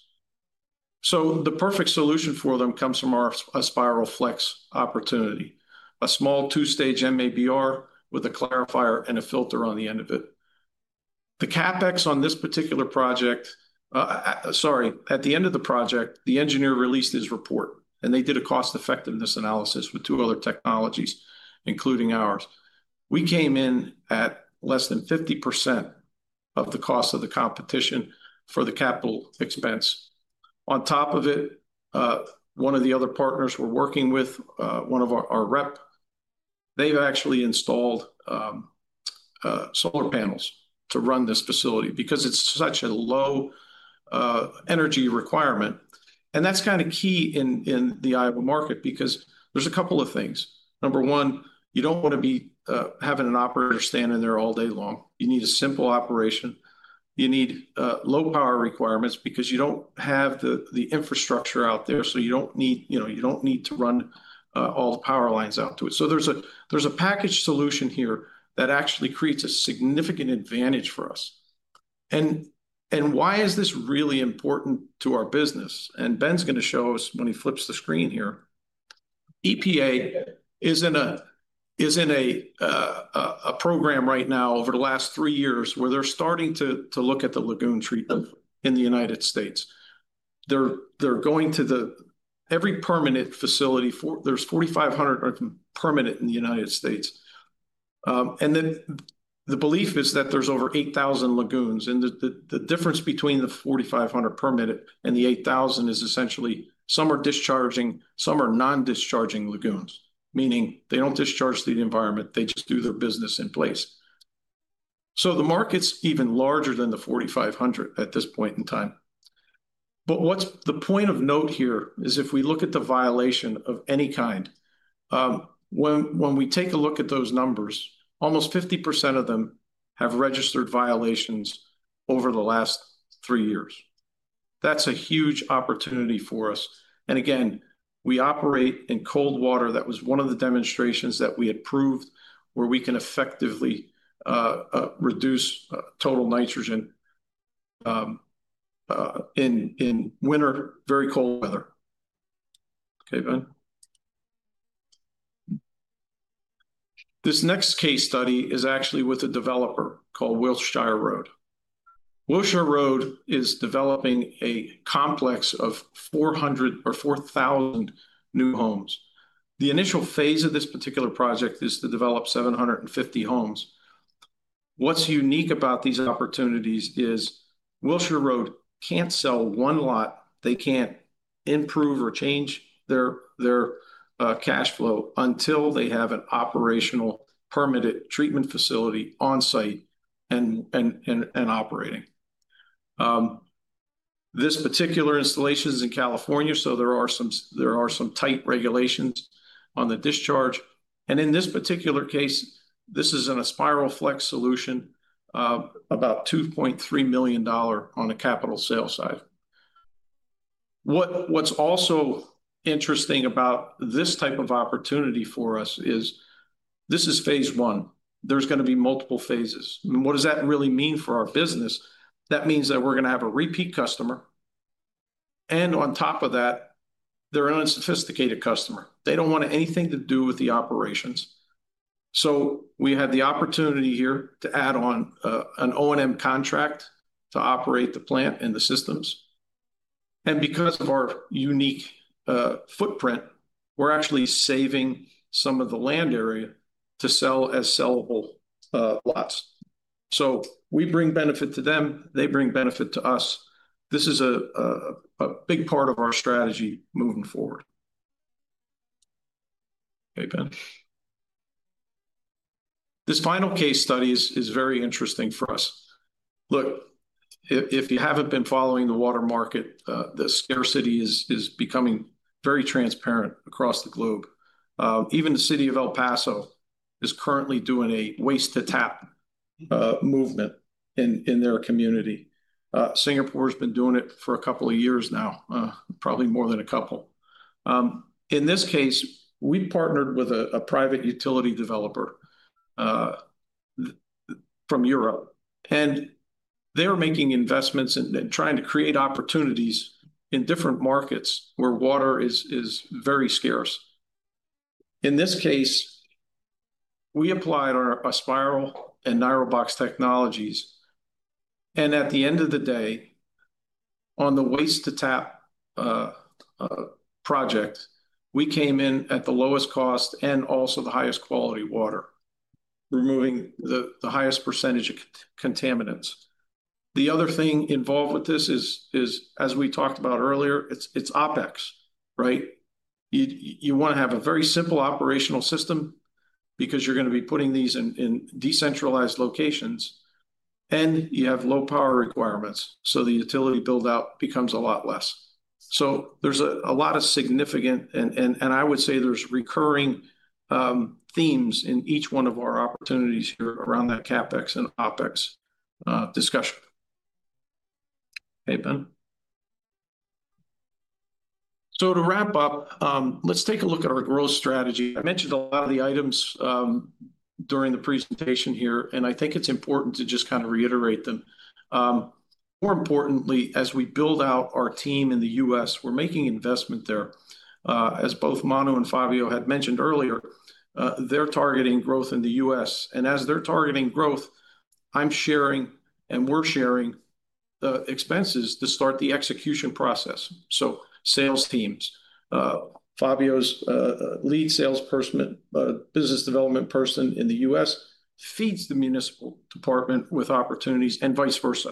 The perfect solution for them comes from our Aspiral Flex opportunity, a small two-stage MABR with a clarifier and a filter on the end of it. The CapEx on this particular project—sorry, at the end of the project, the engineer released his report, and they did a cost-effectiveness analysis with two other technologies, including ours. We came in at less than 50% of the cost of the competition for the capital expense. On top of it, one of the other partners we are working with, one of our rep, they have actually installed solar panels to run this facility because it is such a low energy requirement. That is kind of key in the Iowa market because there are a couple of things. Number one, you do not want to be having an operator standing there all day long. You need a simple operation. You need low power requirements because you do not have the infrastructure out there. You do not need to run all the power lines out to it. There is a package solution here that actually creates a significant advantage for us. Why is this really important to our business? Ben is going to show us when he flips the screen here. EPA is in a program right now over the last three years where they are starting to look at the lagoon treatment in the United States. They are going to every permanent facility. There are 4,500 permanent in the United States. The belief is that there are over 8,000 lagoons. The difference between the 4,500 permanent and the 8,000 is essentially some are discharging, some are non-discharging lagoons, meaning they do not discharge to the environment. They just do their business in place. The market's even larger than the 4,500 at this point in time. What's the point of note here is if we look at the violation of any kind, when we take a look at those numbers, almost 50% of them have registered violations over the last three years. That's a huge opportunity for us. Again, we operate in cold water. That was one of the demonstrations that we had proved where we can effectively reduce total nitrogen in winter, very cold weather. Okay, Ben? This next case study is actually with a developer called Wilshire Road. Wilshire Road is developing a complex of 400 or 4,000 new homes. The initial phase of this particular project is to develop 750 homes. What's unique about these opportunities is Wilshire Road can't sell one lot. They can't improve or change their cash flow until they have an operational permitted treatment facility on site and operating. This particular installation is in California, so there are some tight regulations on the discharge. In this particular case, this is an Aspiral Flex solution, about $2.3 million on a capital sale side. What's also interesting about this type of opportunity for us is this is phase one. There's going to be multiple phases. What does that really mean for our business? That means that we're going to have a repeat customer. On top of that, they're an unsophisticated customer. They don't want anything to do with the operations. We had the opportunity here to add on an O&M contract to operate the plant and the systems. Because of our unique footprint, we're actually saving some of the land area to sell as sellable lots. We bring benefit to them. They bring benefit to us. This is a big part of our strategy moving forward. Okay, Ben? This final case study is very interesting for us. Look, if you have not been following the water market, the scarcity is becoming very transparent across the globe. Even the city of El Paso is currently doing a waste-to-tap movement in their community. Singapore has been doing it for a couple of years now, probably more than a couple. In this case, we partnered with a private utility developer from Europe. They are making investments and trying to create opportunities in different markets where water is very scarce. In this case, we applied Aspiral and NIROBOX technologies. At the end of the day, on the waste-to-tap project, we came in at the lowest cost and also the highest quality water, removing the highest percentage of contaminants. The other thing involved with this is, as we talked about earlier, it's OpEx, right? You want to have a very simple operational system because you're going to be putting these in decentralized locations, and you have low power requirements. The utility build-out becomes a lot less. There are a lot of significant, and I would say there are recurring themes in each one of our opportunities here around that CapEx and OpEx discussion. Okay, Ben? To wrap up, let's take a look at our growth strategy. I mentioned a lot of the items during the presentation here, and I think it's important to just kind of reiterate them. More importantly, as we build out our team in the U.S., we're making investment there. As both Manu and Fabio had mentioned earlier, they're targeting growth in the U.S.. As they're targeting growth, I'm sharing and we're sharing the expenses to start the execution process. Sales teams, Fabio's lead salesperson, business development person in the U.S. feeds the municipal department with opportunities and vice versa.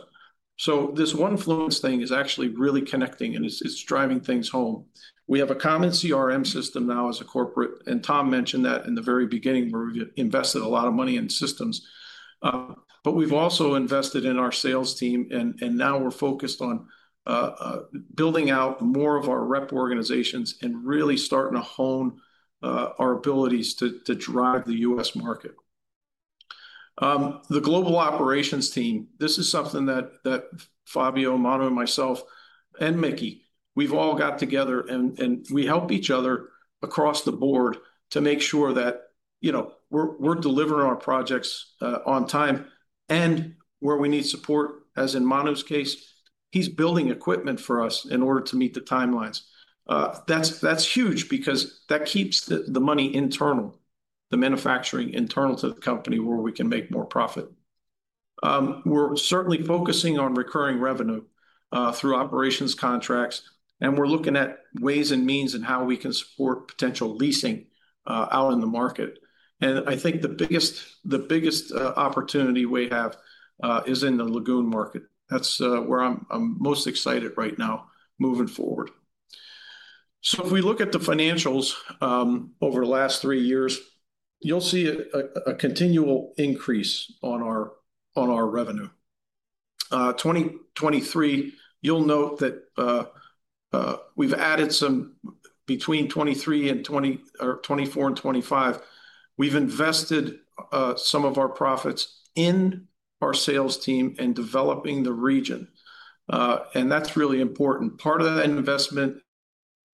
This one Fluence thing is actually really connecting, and it's driving things home. We have a common CRM system now as a corporate. Tom mentioned that in the very beginning where we've invested a lot of money in systems. We've also invested in our sales team, and now we're focused on building out more of our rep organizations and really starting to hone our abilities to drive the U.S. market. The global operations team, this is something that Fabio, Manu, and myself, and Mickey, we've all got together, and we help each other across the board to make sure that we're delivering our projects on time. Where we need support, as in Manu's case, he's building equipment for us in order to meet the timelines. That's huge because that keeps the money internal, the manufacturing internal to the company where we can make more profit. We're certainly focusing on recurring revenue through operations contracts, and we're looking at ways and means and how we can support potential leasing out in the market. I think the biggest opportunity we have is in the lagoon market. That's where I'm most excited right now moving forward. If we look at the financials over the last three years, you'll see a continual increase on our revenue. In 2023, you'll note that we've added some between 2023 and 2024 and 2025. We've invested some of our profits in our sales team and developing the region. That's really important. Part of that investment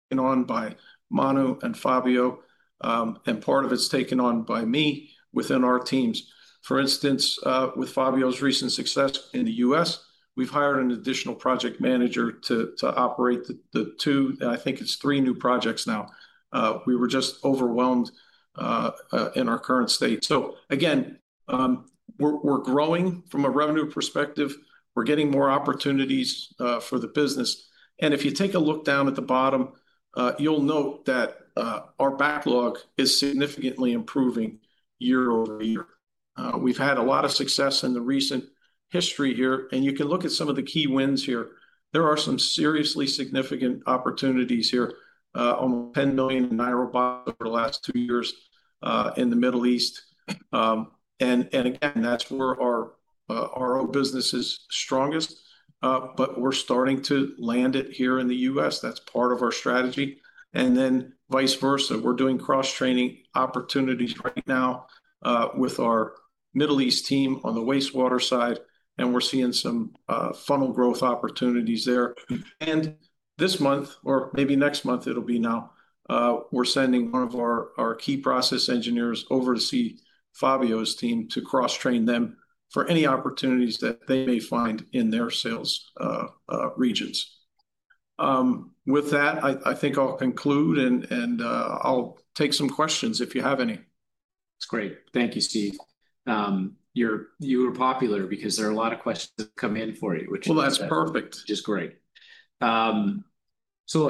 taken on by Manu and Fabio, and part of it's taken on by me within our teams. For instance, with Fabio's recent success in the U.S., we've hired an additional project manager to operate the two, and I think it's three new projects now. We were just overwhelmed in our current state. Again, we're growing from a revenue perspective. We're getting more opportunities for the business. If you take a look down at the bottom, you'll note that our backlog is significantly improving year over year. We've had a lot of success in the recent history here. You can look at some of the key wins here. There are some seriously significant opportunities here, almost $10 million in Nairobi over the last two years in the Middle East. That's where our business is strongest. We're starting to land it here in the U.S.. That's part of our strategy. Then vice versa, we're doing cross-training opportunities right now with our Middle East team on the wastewater side. We're seeing some funnel growth opportunities there. This month, or maybe next month, it'll be now, we're sending one of our key process engineers over to see Fabio's team to cross-train them for any opportunities that they may find in their sales regions. With that, I think I'll conclude, and I'll take some questions if you have any. That's great. Thank you, Steve. You were popular because there are a lot of questions that come in for you, which is just great. That's perfect.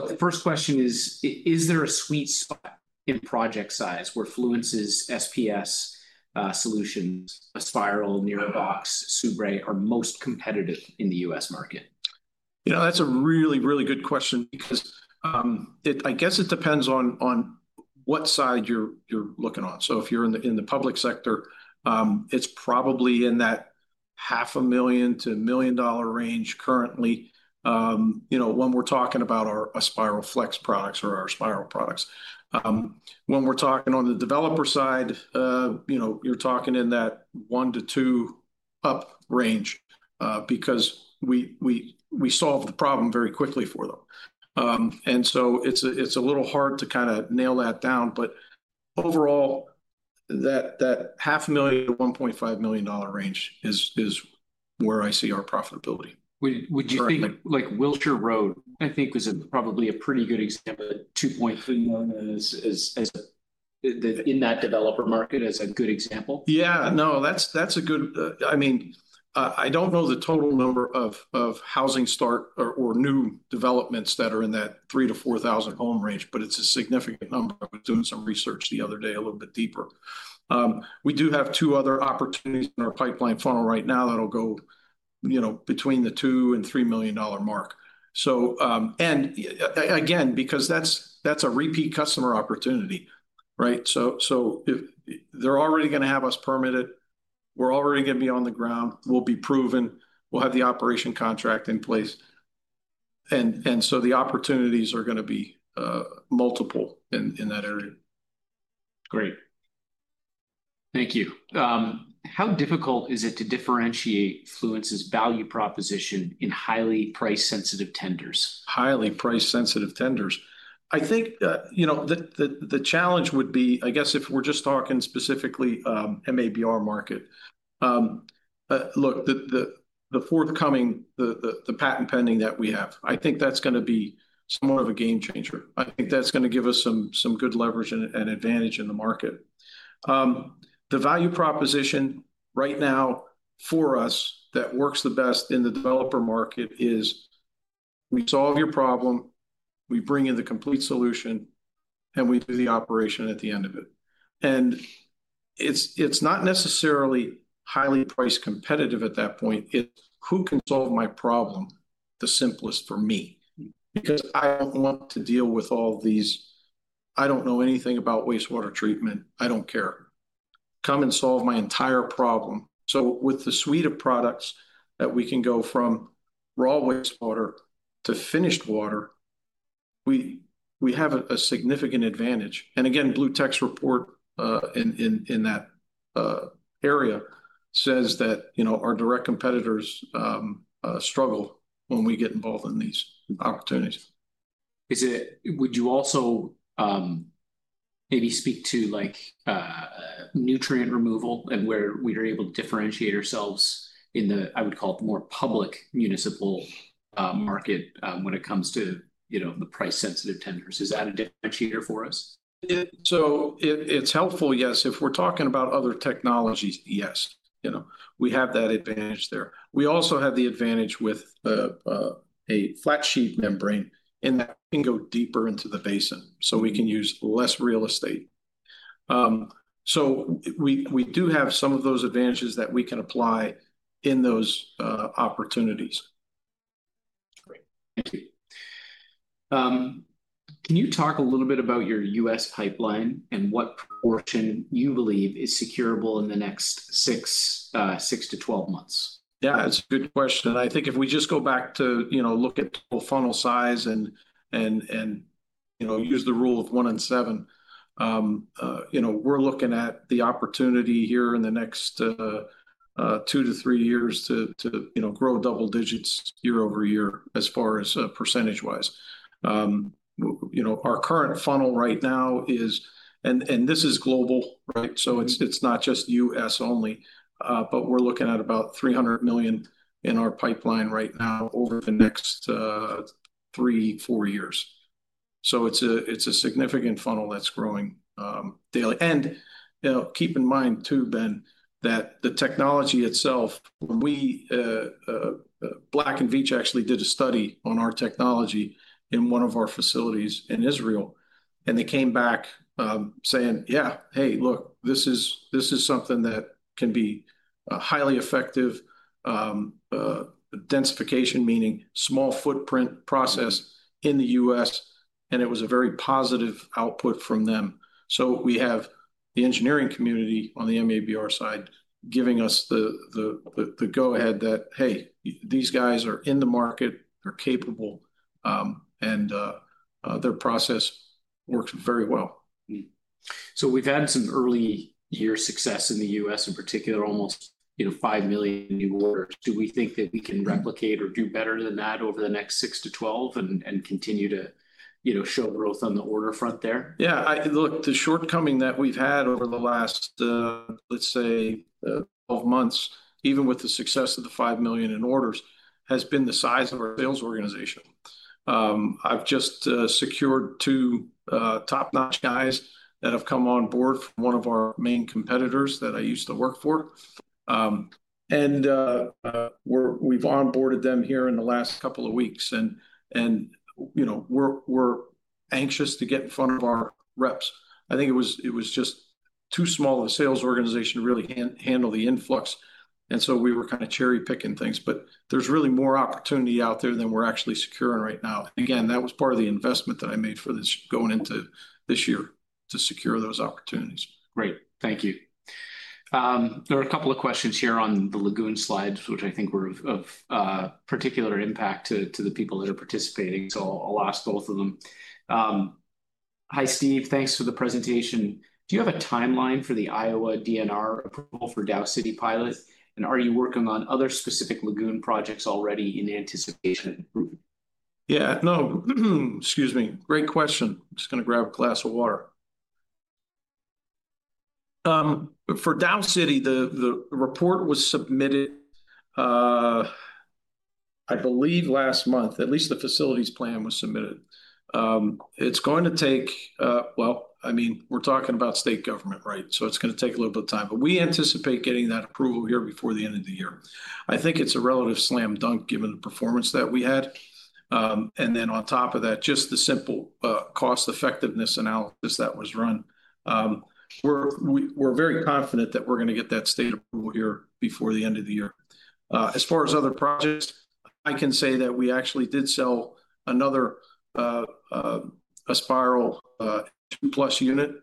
The first question is, is there a sweet spot in project size where Fluence's SPS solutions, Aspiral, NIROBOX, SUBRE, are most competitive in the U.S. market? That's a really, really good question because I guess it depends on what side you're looking on. If you're in the public sector, it's probably in that $500,000-$1,000,000 range currently when we're talking about our Aspiral Flex products or our Aspiral products. When we're talking on the developer side, you're talking in that $1,000,000-$2,000,000 range because we solve the problem very quickly for them. It's a little hard to kind of nail that down. Overall, that $500,000-$1,500,000 range is where I see our profitability. Would you think Wilshire Road, I think, is probably a pretty good example, $2,300,000 in that developer market as a good example? Yeah. No, that's a good—I mean, I don't know the total number of housing start or new developments that are in that 3,000-4,000 home range, but it's a significant number. I was doing some research the other day a little bit deeper. We do have two other opportunities in our pipeline funnel right now that'll go between the $2 million and $3 million mark. Again, because that's a repeat customer opportunity, right? They're already going to have us permitted. We're already going to be on the ground. We'll be proven. We'll have the operation contract in place. The opportunities are going to be multiple in that area. Great. Thank you. How difficult is it to differentiate Fluence's value proposition in highly price-sensitive tenders? Highly price-sensitive tenders. I think the challenge would be, I guess, if we're just talking specifically MABR market. Look, the forthcoming, the patent pending that we have, I think that's going to be somewhat of a game changer. I think that's going to give us some good leverage and advantage in the market. The value proposition right now for us that works the best in the developer market is we solve your problem, we bring in the complete solution, and we do the operation at the end of it. It is not necessarily highly price competitive at that point. It is who can solve my problem the simplest for me because I do not want to deal with all these. I do not know anything about wastewater treatment. I do not care. Come and solve my entire problem. With the suite of products that we can go from raw wastewater to finished water, we have a significant advantage. Again, BlueTech's report in that area says that our direct competitors struggle when we get involved in these opportunities. Would you also maybe speak to nutrient removal and where we are able to differentiate ourselves in the, I would call it, the more public municipal market when it comes to the price-sensitive tenders? Is that a differentiator for us? It's helpful, yes. If we're talking about other technologies, yes. We have that advantage there. We also have the advantage with a flat sheet membrane in that we can go deeper into the basin so we can use less real estate. We do have some of those advantages that we can apply in those opportunities. Great. Thank you. Can you talk a little bit about your U.S. pipeline and what portion you believe is securable in the next six to 12 months? Yeah, that's a good question. I think if we just go back to look at the funnel size and use the rule of one and seven, we're looking at the opportunity here in the next two to three years to grow double digits year over year as far as percentage-wise. Our current funnel right now is—this is global, right? So it's not just U.S. only, but we're looking at about $300 million in our pipeline right now over the next three to four years. It's a significant funnel that's growing daily. Keep in mind too, Ben, that the technology itself, when we—Black & Veatch actually did a study on our technology in one of our facilities in Israel. They came back saying, "Yeah, hey, look, this is something that can be highly effective," densification, meaning small footprint process in the U.S. It was a very positive output from them. We have the engineering community on the MABR side giving us the go-ahead that, "Hey, these guys are in the market. They're capable." Their process works very well. We've had some early-year success in the U.S., in particular, almost $5 million new orders. Do we think that we can replicate or do better than that over the next six to 12 and continue to show growth on the order front there? Yeah. Look, the shortcoming that we've had over the last, let's say, 12 months, even with the success of the $5 million in orders, has been the size of our sales organization. I've just secured two top-notch guys that have come on board from one of our main competitors that I used to work for. We've onboarded them here in the last couple of weeks. We're anxious to get in front of our reps. I think it was just too small of a sales organization to really handle the influx. And so we were kind of cherry-picking things. But there's really more opportunity out there than we're actually securing right now. Again, that was part of the investment that I made for this going into this year to secure those opportunities. Great. Thank you. There are a couple of questions here on the lagoon slides, which I think were of particular impact to the people that are participating. So I'll ask both of them. Hi, Steve. Thanks for the presentation. Do you have a timeline for the Iowa DNR approval for Dow City pilot? And are you working on other specific lagoon projects already in anticipation? Yeah. No. Excuse me. Great question. I'm just going to grab a glass of water. For Dow City, the report was submitted, I believe, last month. At least the facilities plan was submitted. It's going to take—I mean, we're talking about state government, right? It's going to take a little bit of time. We anticipate getting that approval here before the end of the year. I think it's a relative slam dunk given the performance that we had. On top of that, just the simple cost-effectiveness analysis that was run. We're very confident that we're going to get that state approval here before the end of the year. As far as other projects, I can say that we actually did sell another Aspiral 2+ unit,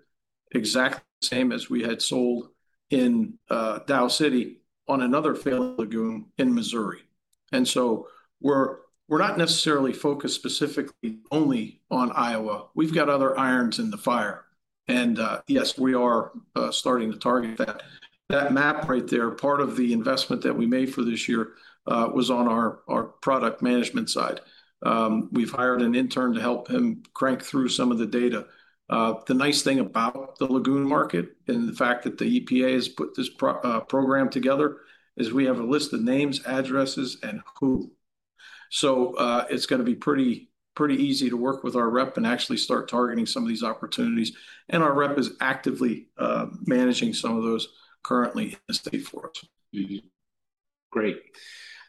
exactly the same as we had sold in Dow City on another failed lagoon in Missouri. We're not necessarily focused specifically only on Iowa. We've got other irons in the fire. Yes, we are starting to target that. That map right there, part of the investment that we made for this year was on our product management side. We've hired an intern to help him crank through some of the data. The nice thing about the lagoon market and the fact that the EPA has put this program together is we have a list of names, addresses, and who. It is going to be pretty easy to work with our rep and actually start targeting some of these opportunities. Our rep is actively managing some of those currently in the state for us. Great.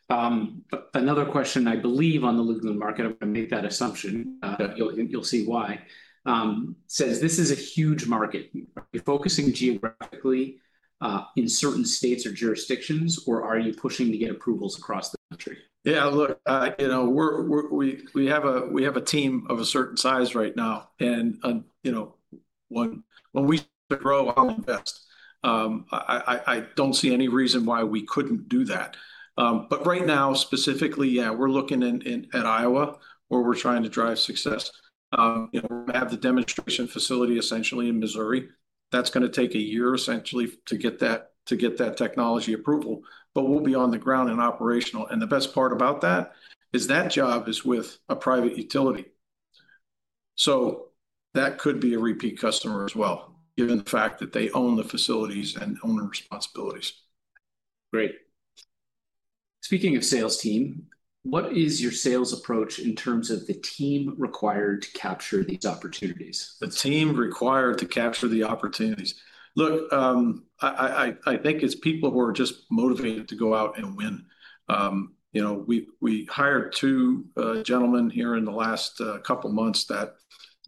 Another question, I believe, on the lagoon market, if I make that assumption, you'll see why, says, "This is a huge market. Are you focusing geographically in certain states or jurisdictions, or are you pushing to get approvals across the country?" Yeah. Look, we have a team of a certain size right now. When we grow, I'll invest. I don't see any reason why we couldn't do that. Right now, specifically, yeah, we're looking at Iowa where we're trying to drive success. We have the demonstration facility essentially in Missouri. That's going to take a year essentially to get that technology approval. We'll be on the ground and operational. The best part about that is that job is with a private utility. That could be a repeat customer as well, given the fact that they own the facilities and own the responsibilities. Great. Speaking of sales team, what is your sales approach in terms of the team required to capture these opportunities? The team required to capture the opportunities. Look, I think it's people who are just motivated to go out and win. We hired two gentlemen here in the last couple of months that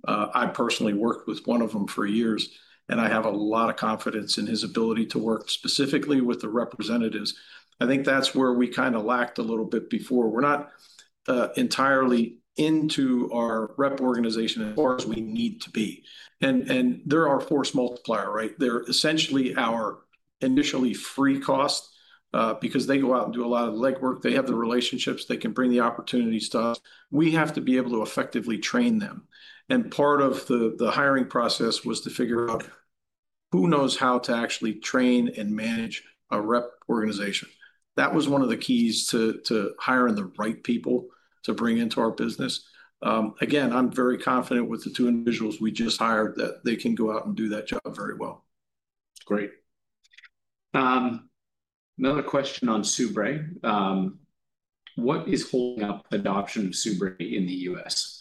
I personally worked with one of them for years. I have a lot of confidence in his ability to work specifically with the representatives. I think that's where we kind of lacked a little bit before. We're not entirely into our rep organization as far as we need to be. They're our force multiplier, right? They're essentially our initially free cost because they go out and do a lot of the legwork. They have the relationships. They can bring the opportunities to us. We have to be able to effectively train them. Part of the hiring process was to figure out who knows how to actually train and manage a rep organization. That was one of the keys to hiring the right people to bring into our business. Again, I'm very confident with the two individuals we just hired that they can go out and do that job very well. Great. Another question on SUBRE. What is holding up adoption of SUBRE in the U.S.?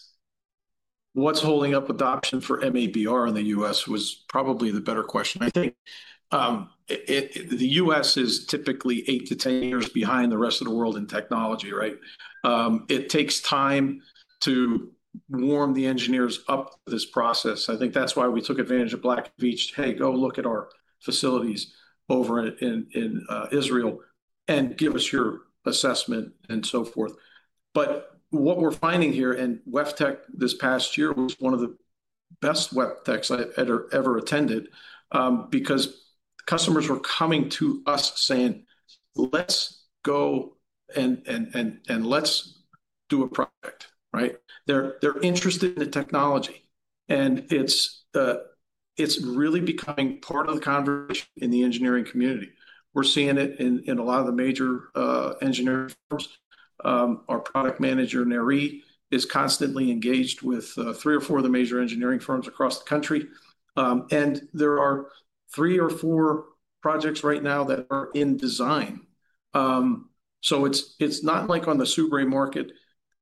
What's holding up adoption for MABR in the U.S. was probably the better question. I think the U.S. is typically eight to 10 years behind the rest of the world in technology, right? It takes time to warm the engineers up to this process. I think that's why we took advantage of Black & Veatch, "Hey, go look at our facilities over in Israel and give us your assessment and so forth." What we're finding here and WEFTEC this past year was one of the best WEFTECs I ever attended because customers were coming to us saying, "Let's go and let's do a project," right? They're interested in the technology. It is really becoming part of the conversation in the engineering community. We are seeing it in a lot of the major engineering firms. Our product manager, Neree, is constantly engaged with three or four of the major engineering firms across the country. There are three or four projects right now that are in design. It is not like on the SUBRE market,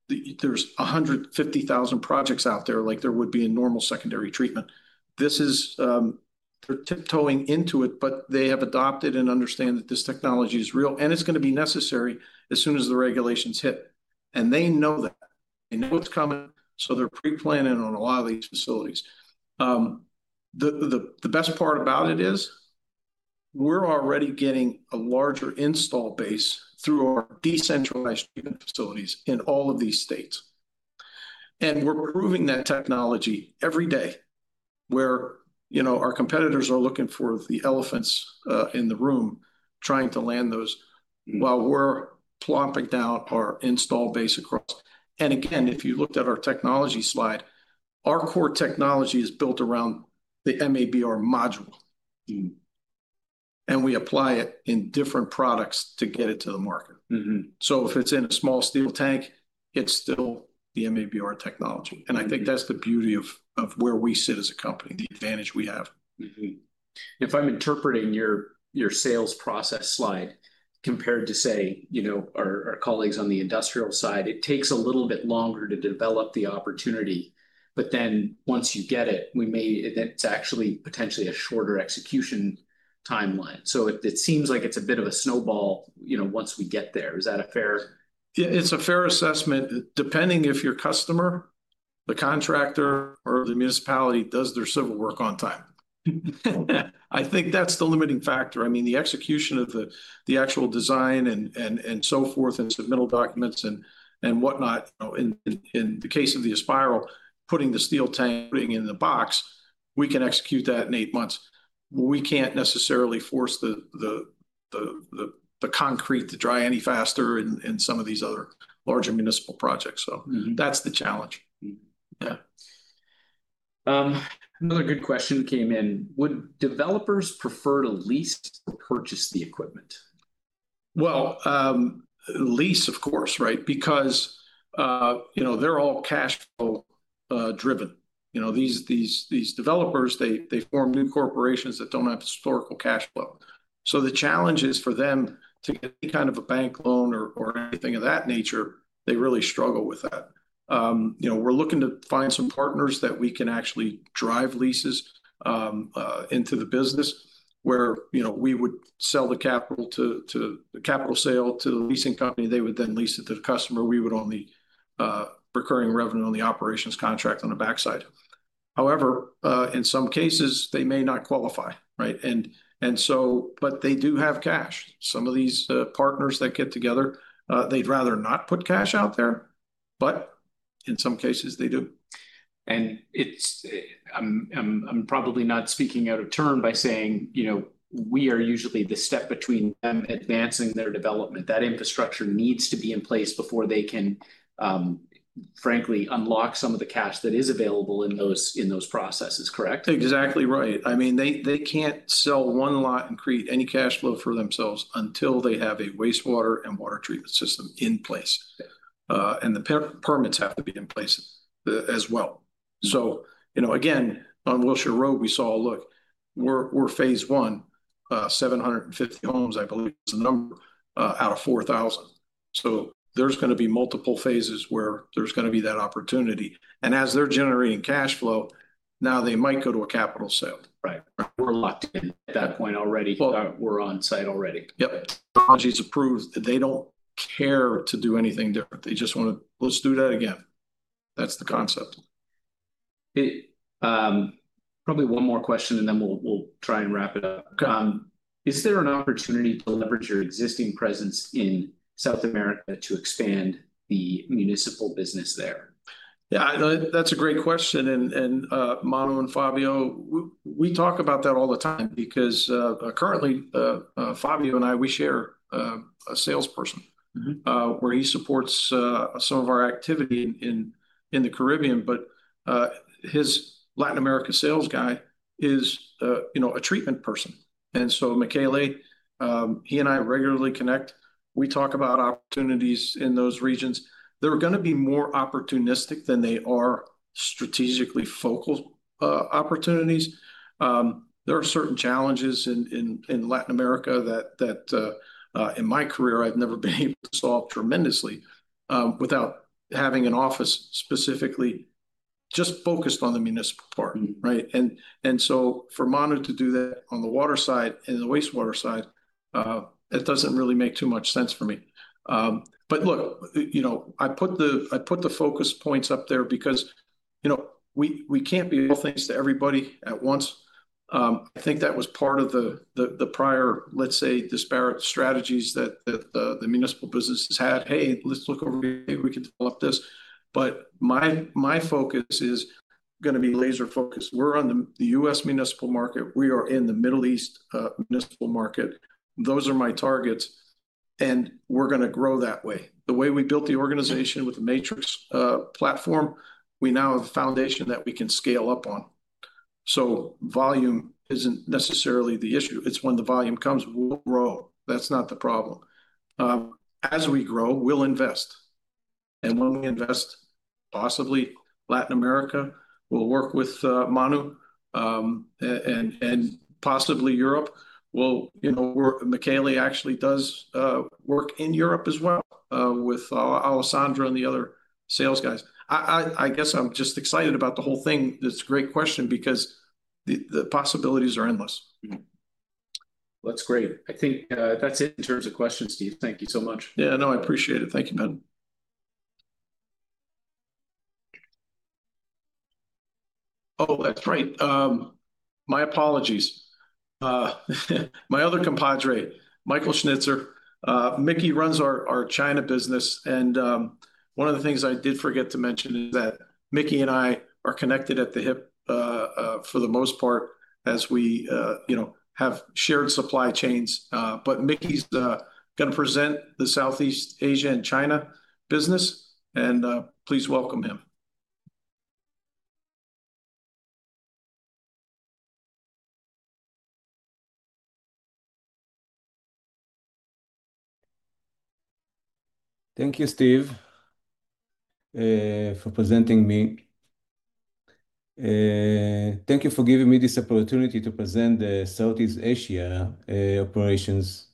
there are 150,000 projects out there like there would be in normal secondary treatment. They are tiptoeing into it, but they have adopted and understand that this technology is real. It is going to be necessary as soon as the regulations hit. They know that. They know it is coming. They are pre-planning on a lot of these facilities. The best part about it is we are already getting a larger install base through our decentralized facilities in all of these states. We're proving that technology every day where our competitors are looking for the elephants in the room trying to land those while we're plopping down our install base across. If you looked at our technology slide, our core technology is built around the MABR module. We apply it in different products to get it to the market. If it's in a small steel tank, it's still the MABR technology. I think that's the beauty of where we sit as a company, the advantage we have. If I'm interpreting your sales process slide compared to, say, our colleagues on the industrial side, it takes a little bit longer to develop the opportunity. Once you get it, it's actually potentially a shorter execution timeline. It seems like it's a bit of a snowball once we get there. Is that fair? Yeah. It's a fair assessment depending if your customer, the contractor, or the municipality does their civil work on time. I think that's the limiting factor. I mean, the execution of the actual design and so forth and submittal documents and whatnot. In the case of the Aspiral, putting the steel tank, putting in the box, we can execute that in eight months. We can't necessarily force the concrete to dry any faster in some of these other larger municipal projects. That's the challenge. Yeah. Another good question came in. Would developers prefer to lease or purchase the equipment? Lease, of course, right? Because they're all cash flow driven. These developers, they form new corporations that don't have historical cash flow. The challenge is for them to get any kind of a bank loan or anything of that nature, they really struggle with that. We're looking to find some partners that we can actually drive leases into the business where we would sell the capital sale to the leasing company. They would then lease it to the customer. We would own the recurring revenue on the operations contract on the backside. However, in some cases, they may not qualify, right? They do have cash. Some of these partners that get together, they'd rather not put cash out there, but in some cases, they do. I'm probably not speaking out of turn by saying we are usually the step between them advancing their development. That infrastructure needs to be in place before they can, frankly, unlock some of the cash that is available in those processes, correct? Exactly right. I mean, they can't sell one lot and create any cash flow for themselves until they have a wastewater and water treatment system in place. The permits have to be in place as well. Again, on Wilshire Road, we saw, look, we're phase one, 750 homes, I believe is the number, out of 4,000. There's going to be multiple phases where there's going to be that opportunity. As they're generating cash flow, now they might go to a capital sale. Right. We're locked in at that point already. We're on site already. Yep. Technology is approved. They don't care to do anything different. They just want to, "Let's do that again." That's the concept. Probably one more question, and then we'll try and wrap it up. Is there an opportunity to leverage your existing presence in South America to expand the municipal business there? Yeah. That's a great question. Manu and Fabio, we talk about that all the time because currently, Fabio and I, we share a salesperson where he supports some of our activity in the Caribbean. His Latin America sales guy is a treatment person. Michaele, he and I regularly connect. We talk about opportunities in those regions. They're going to be more opportunistic than they are strategically focal opportunities. There are certain challenges in Latin America that in my career, I've never been able to solve tremendously without having an office specifically just focused on the municipal part, right? For Manu to do that on the water side and the wastewater side, it doesn't really make too much sense for me. I put the focus points up there because we can't be all things to everybody at once. I think that was part of the prior, let's say, disparate strategies that the municipal businesses had. "Hey, let's look over here. We can develop this." My focus is going to be laser focused. We're on the U.S. municipal market. We are in the Middle East municipal market. Those are my targets. We're going to grow that way. The way we built the organization with the Matrix platform, we now have a foundation that we can scale up on. Volume isn't necessarily the issue. It's when the volume comes, we'll grow. That's not the problem. As we grow, we'll invest. When we invest, possibly Latin America will work with Manu and possibly Europe. Michaele actually does work in Europe as well with Alessandro and the other sales guys. I guess I'm just excited about the whole thing. That's a great question because the possibilities are endless. That's great. I think that's it in terms of questions, Steve. Thank you so much. Yeah. No, I appreciate it. Thank you, man. Oh, that's right. My apologies. My other compadre, Michael Schnitzer. Mickey runs our China business. One of the things I did forget to mention is that Mickey and I are connected at the hip for the most part as we have shared supply chains. Mickey's going to present the Southeast Asia and China business. Please welcome him. Thank you, Steve, for presenting me. Thank you for giving me this opportunity to present the Southeast Asia operations.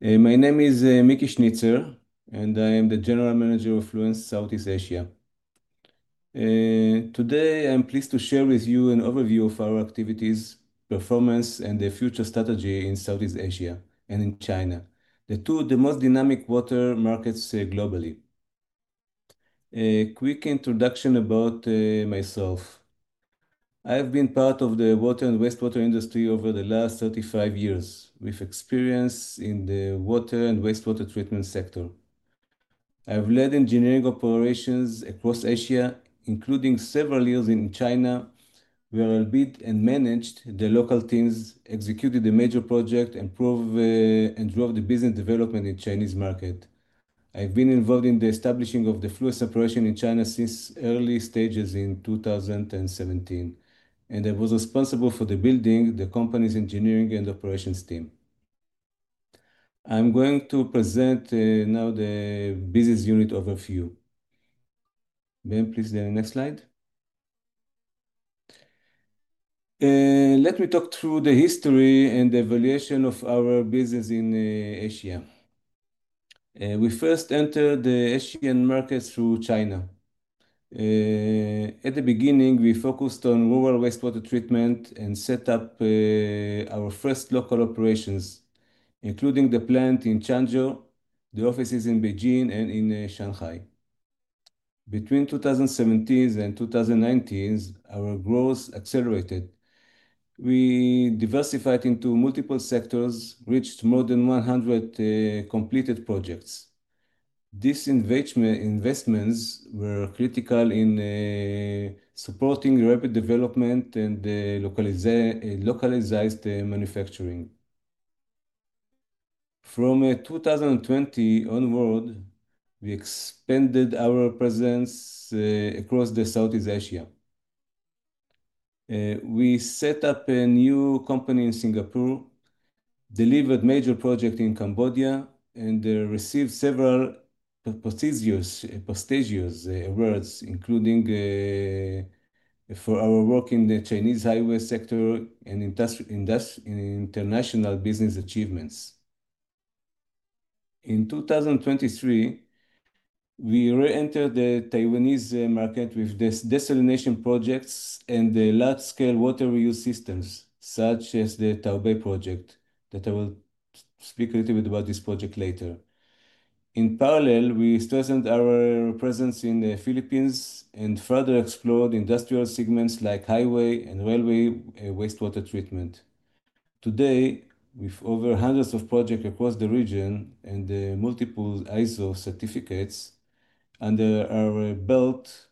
My name is Mickey Schnitzer, and I am the General Manager of Fluence Southeast Asia. Today, I'm pleased to share with you an overview of our activities, performance, and the future strategy in Southeast Asia and in China, two of the most dynamic water markets globally. Quick introduction about myself. I have been part of the water and wastewater industry over the last 35 years with experience in the water and wastewater treatment sector. I've led engineering operations across Asia, including several years in China where I led and managed the local teams, executed the major project, and drove the business development in the Chinese market. I've been involved in the establishing of the Fluence operation in China since early stages in 2017. I was responsible for the building, the company's engineering and operations team. I'm going to present now the business unit overview. Please the next slide. Let me talk through the history and evaluation of our business in Asia. We first entered the Asian market through China. At the beginning, we focused on rural wastewater treatment and set up our first local operations, including the plant in Changzhou, the offices in Beijing, and in Shanghai. Between 2017 and 2019, our growth accelerated. We diversified into multiple sectors, reached more than 100 completed projects. These investments were critical in supporting rapid development and localized manufacturing. From 2020 onward, we expanded our presence across Southeast Asia. We set up a new company in Singapore, delivered major projects in Cambodia, and received several prestigious awards, including for our work in the Chinese highway sector and international business achievements. In 2023, we re-entered the Taiwanese market with desalination projects and large-scale water reuse systems such as the Taobei project. I will speak a little bit about this project later. In parallel, we strengthened our presence in the Philippines and further explored industrial segments like highway and railway wastewater treatment. Today, with over hundreds of projects across the region and multiple ISO certificates under our belt,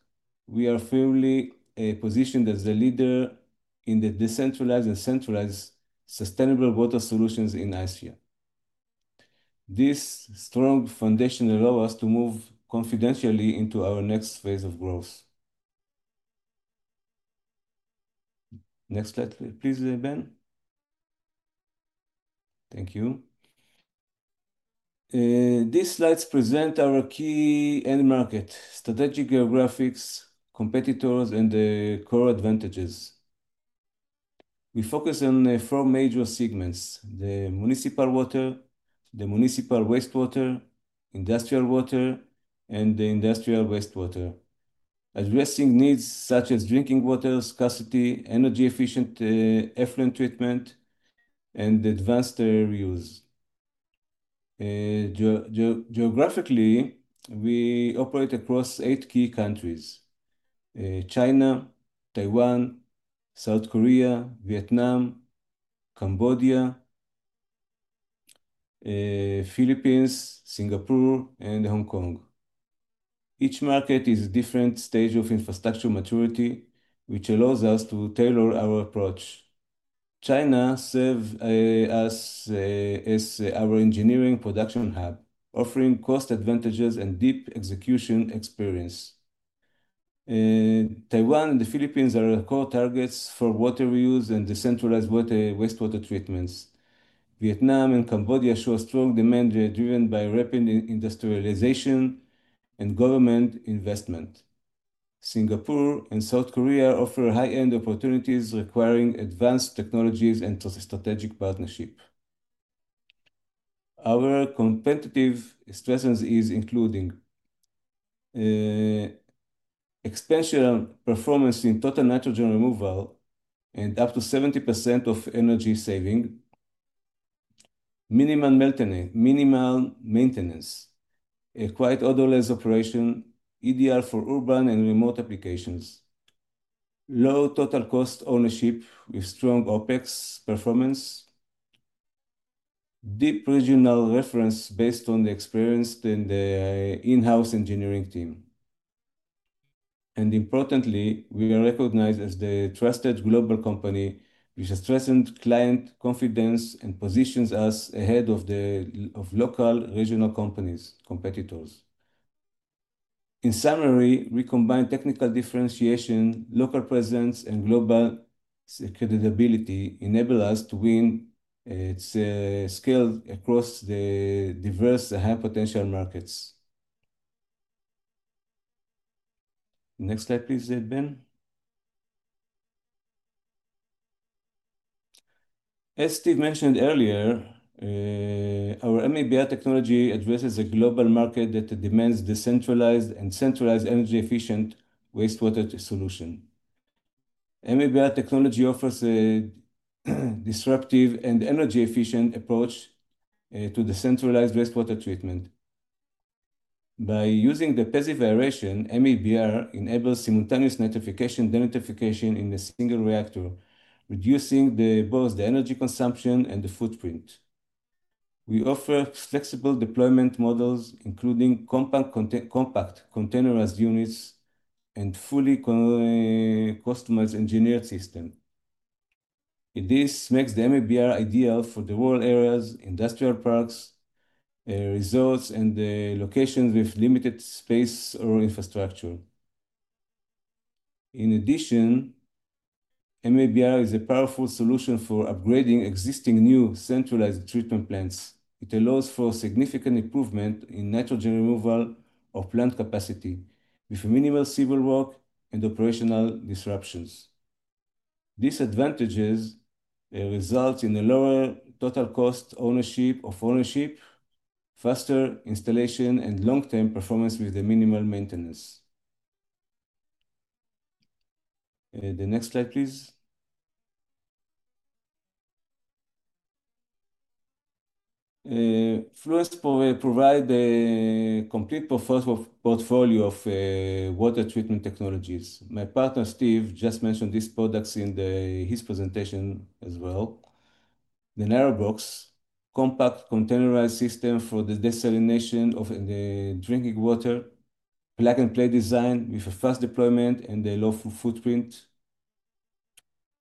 we are firmly positioned as a leader in the decentralized and centralized sustainable water solutions in Asia. This strong foundation allowed us to move confidently into our next phase of growth. Next slide, please, Ben. Thank you. These slides present our key end market, strategic geographics, competitors, and the core advantages. We focus on four major segments: the municipal water, the municipal wastewater, industrial water, and the industrial wastewater, addressing needs such as drinking water, scarcity, energy-efficient effluent treatment, and advanced reuse. Geographically, we operate across eight key countries: China, Taiwan, South Korea, Vietnam, Cambodia, the Philippines, Singapore, and Hong Kong. Each market is at a different stage of infrastructure maturity, which allows us to tailor our approach. China serves as our engineering production hub, offering cost advantages and deep execution experience. Taiwan and the Philippines are core targets for water reuse and decentralized wastewater treatments. Vietnam and Cambodia show strong demand driven by rapid industrialization and government investment. Singapore and South Korea offer high-end opportunities requiring advanced technologies and strategic partnerships. Our competitive strengths are including expansion performance in total nitrogen removal and up to 70% of energy saving, minimal maintenance, quite odorless operation, ideal for urban and remote applications, low total cost ownership with strong OpEx performance, deep regional reference based on the experience in the in-house engineering team. Importantly, we are recognized as the trusted global company which has strengthened client confidence and positions us ahead of local regional competitors. In summary, we combine technical differentiation, local presence, and global credibility that enables us to win scale across the diverse high-potential markets. Next slide, please, Ben. As Steve mentioned earlier, our MABR technology addresses a global market that demands decentralized and centralized energy-efficient wastewater solutions. MABR technology offers a disruptive and energy-efficient approach to decentralized wastewater treatment. By using the PES variation, MABR enables simultaneous nitrification and denitrification in a single reactor, reducing both the energy consumption and the footprint. We offer flexible deployment models, including compact containerized units and fully customized engineered systems. This makes the MABR ideal for the rural areas, industrial parks, resorts, and locations with limited space or infrastructure. In addition, MABR is a powerful solution for upgrading existing new centralized treatment plants. It allows for significant improvement in nitrogen removal or plant capacity with minimal civil work and operational disruptions. These advantages result in a lower total cost ownership, faster installation, and long-term performance with minimal maintenance. The next slide, please. Fluence provides a complete portfolio of water treatment technologies. My partner, Steve, just mentioned these products in his presentation as well. The NIROBOX, compact containerized system for the desalination of drinking water, plug-and-play design with a fast deployment and a low footprint.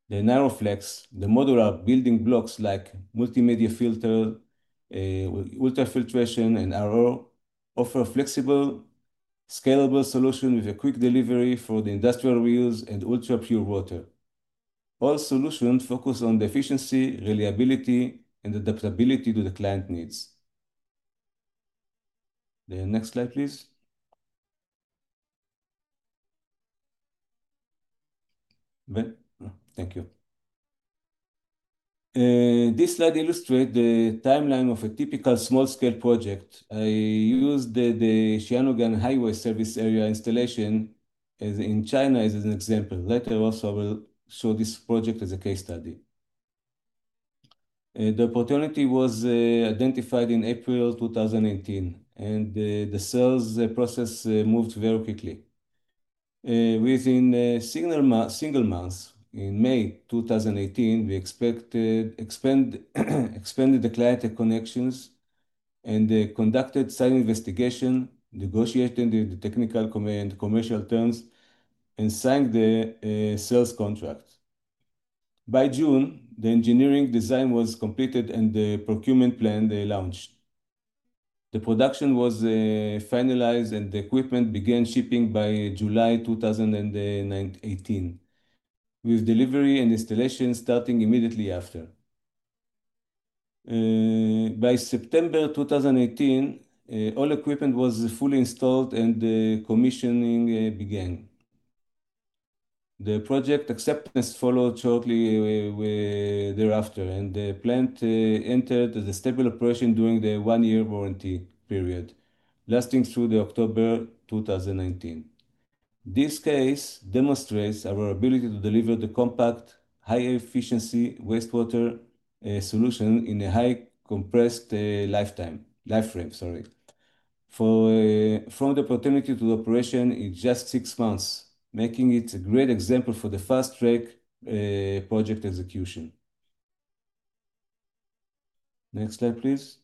The Niroflex, the modular building blocks like multimedia filter, ultrafiltration, and RO offer a flexible, scalable solution with a quick delivery for the industrial reuse and ultrapure water. All solutions focus on efficiency, reliability, and adaptability to the client needs. The next slide, please. Thank you. This slide illustrates the timeline of a typical small-scale project. I used the Xiaogan Highway Service area installation in China as an example. Later also, I will show this project as a case study. The opportunity was identified in April 2018, and the sales process moved very quickly. Within single months, in May 2018, we expanded the client connections and conducted site investigation, negotiated the technical and commercial terms, and signed the sales contract. By June, the engineering design was completed and the procurement plan launched. The production was finalized, and the equipment began shipping by July 2018, with delivery and installation starting immediately after. By September 2018, all equipment was fully installed and commissioning began. The project acceptance followed shortly thereafter, and the plant entered the stable operation during the one-year warranty period lasting through October 2019. This case demonstrates our ability to deliver the compact, high-efficiency wastewater solution in a high compressed lifetime, sorry. From the opportunity to operation in just six months, making it a great example for the fast track project execution. Next slide, please.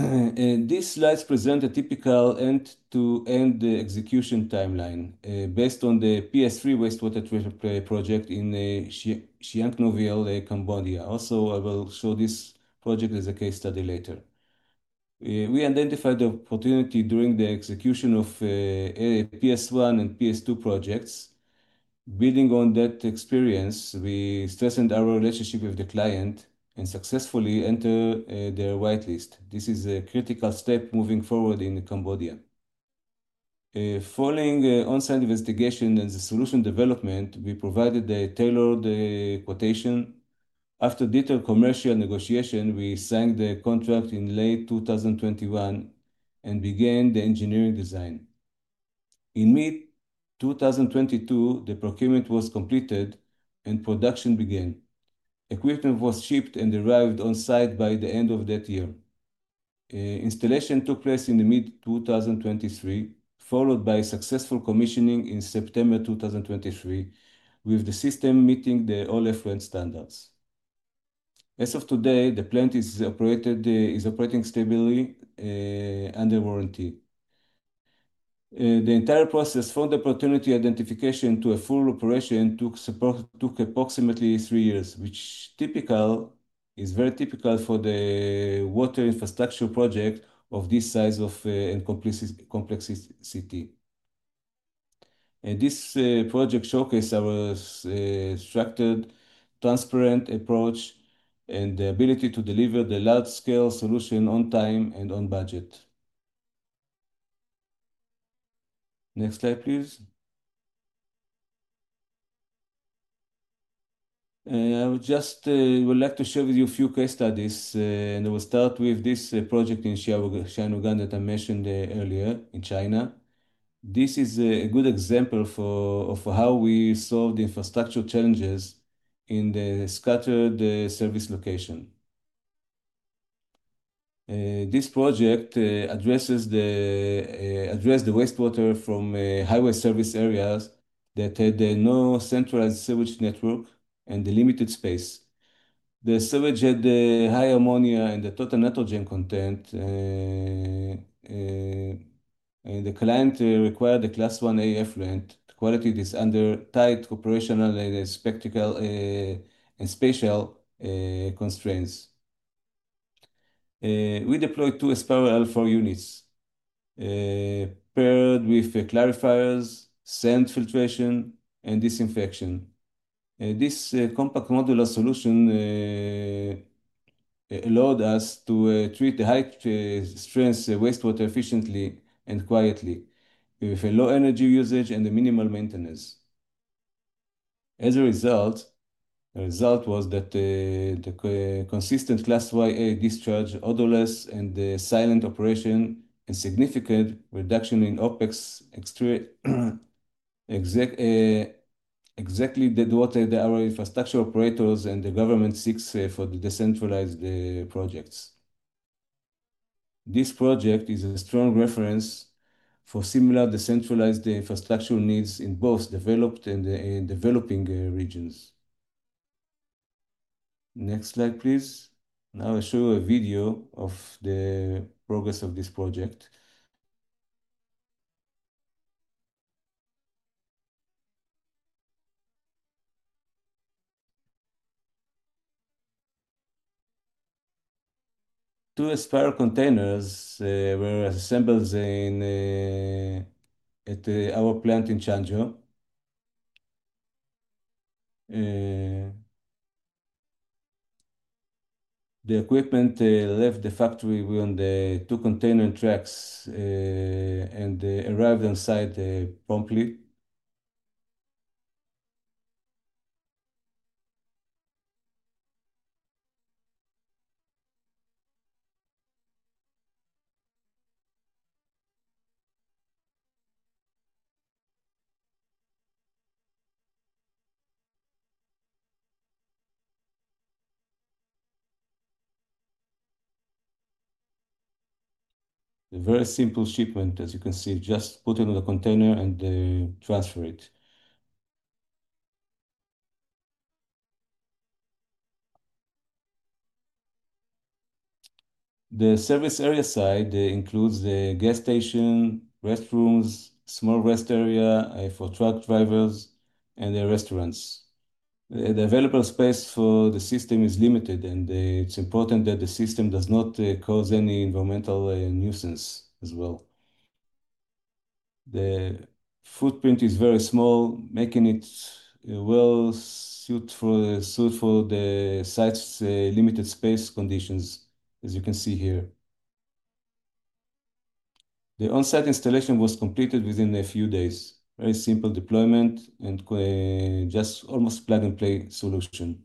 These slides present a typical end-to-end execution timeline based on the PS3 wastewater project in Sihanoukville, Cambodia. Also, I will show this project as a case study later. We identified the opportunity during the execution of PS1 and PS2 projects. Building on that experience, we strengthened our relationship with the client and successfully entered their whitelist. This is a critical step moving forward in Cambodia. Following on-site investigation and the solution development, we provided a tailored quotation. After detailed commercial negotiation, we signed the contract in late 2021 and began the engineering design. In mid-2022, the procurement was completed and production began. Equipment was shipped and arrived on-site by the end of that year. Installation took place in mid-2023, followed by successful commissioning in September 2023, with the system meeting all effluent standards. As of today, the plant is operating stably under warranty. The entire process, from the opportunity identification to a full operation, took approximately three years, which is very typical for the water infrastructure project of this size and complexity. This project showcased our structured, transparent approach and the ability to deliver the large-scale solution on time and on budget. Next slide, please. I would just like to share with you a few case studies. We will start with this project in Xiaogan that I mentioned earlier in China. This is a good example of how we solved infrastructure challenges in the scattered service location. This project addresses the wastewater from highway service areas that had no centralized sewage network and limited space. The sewage had high ammonia and total nitrogen content. The client required a Class 1A effluent quality that is under tight operational and spatial constraints. We deployed two Aspiral L4 units paired with clarifiers, sand filtration, and disinfection. This compact modular solution allowed us to treat the high-strength wastewater efficiently and quietly with low energy usage and minimal maintenance. As a result, the consistent Class 1A discharge, odorless and silent operation, and significant reduction in OpEx exactly deducted our infrastructure operators and the government seeks for the decentralized projects. This project is a strong reference for similar decentralized infrastructure needs in both developed and developing regions. Next slide, please. Now I'll show you a video of the progress of this project. Two Aspiral containers were assembled at our plant in Changzhou. The equipment left the factory on the two container trucks and arrived on-site promptly. Very simple shipment, as you can see, just put it in the container and transfer it. The service area site includes the gas station, restrooms, small rest area for truck drivers, and the restaurants. The available space for the system is limited, and it's important that the system does not cause any environmental nuisance as well. The footprint is very small, making it well suited for the site's limited space conditions, as you can see here. The on-site installation was completed within a few days. Very simple deployment and just almost plug-and-play solution.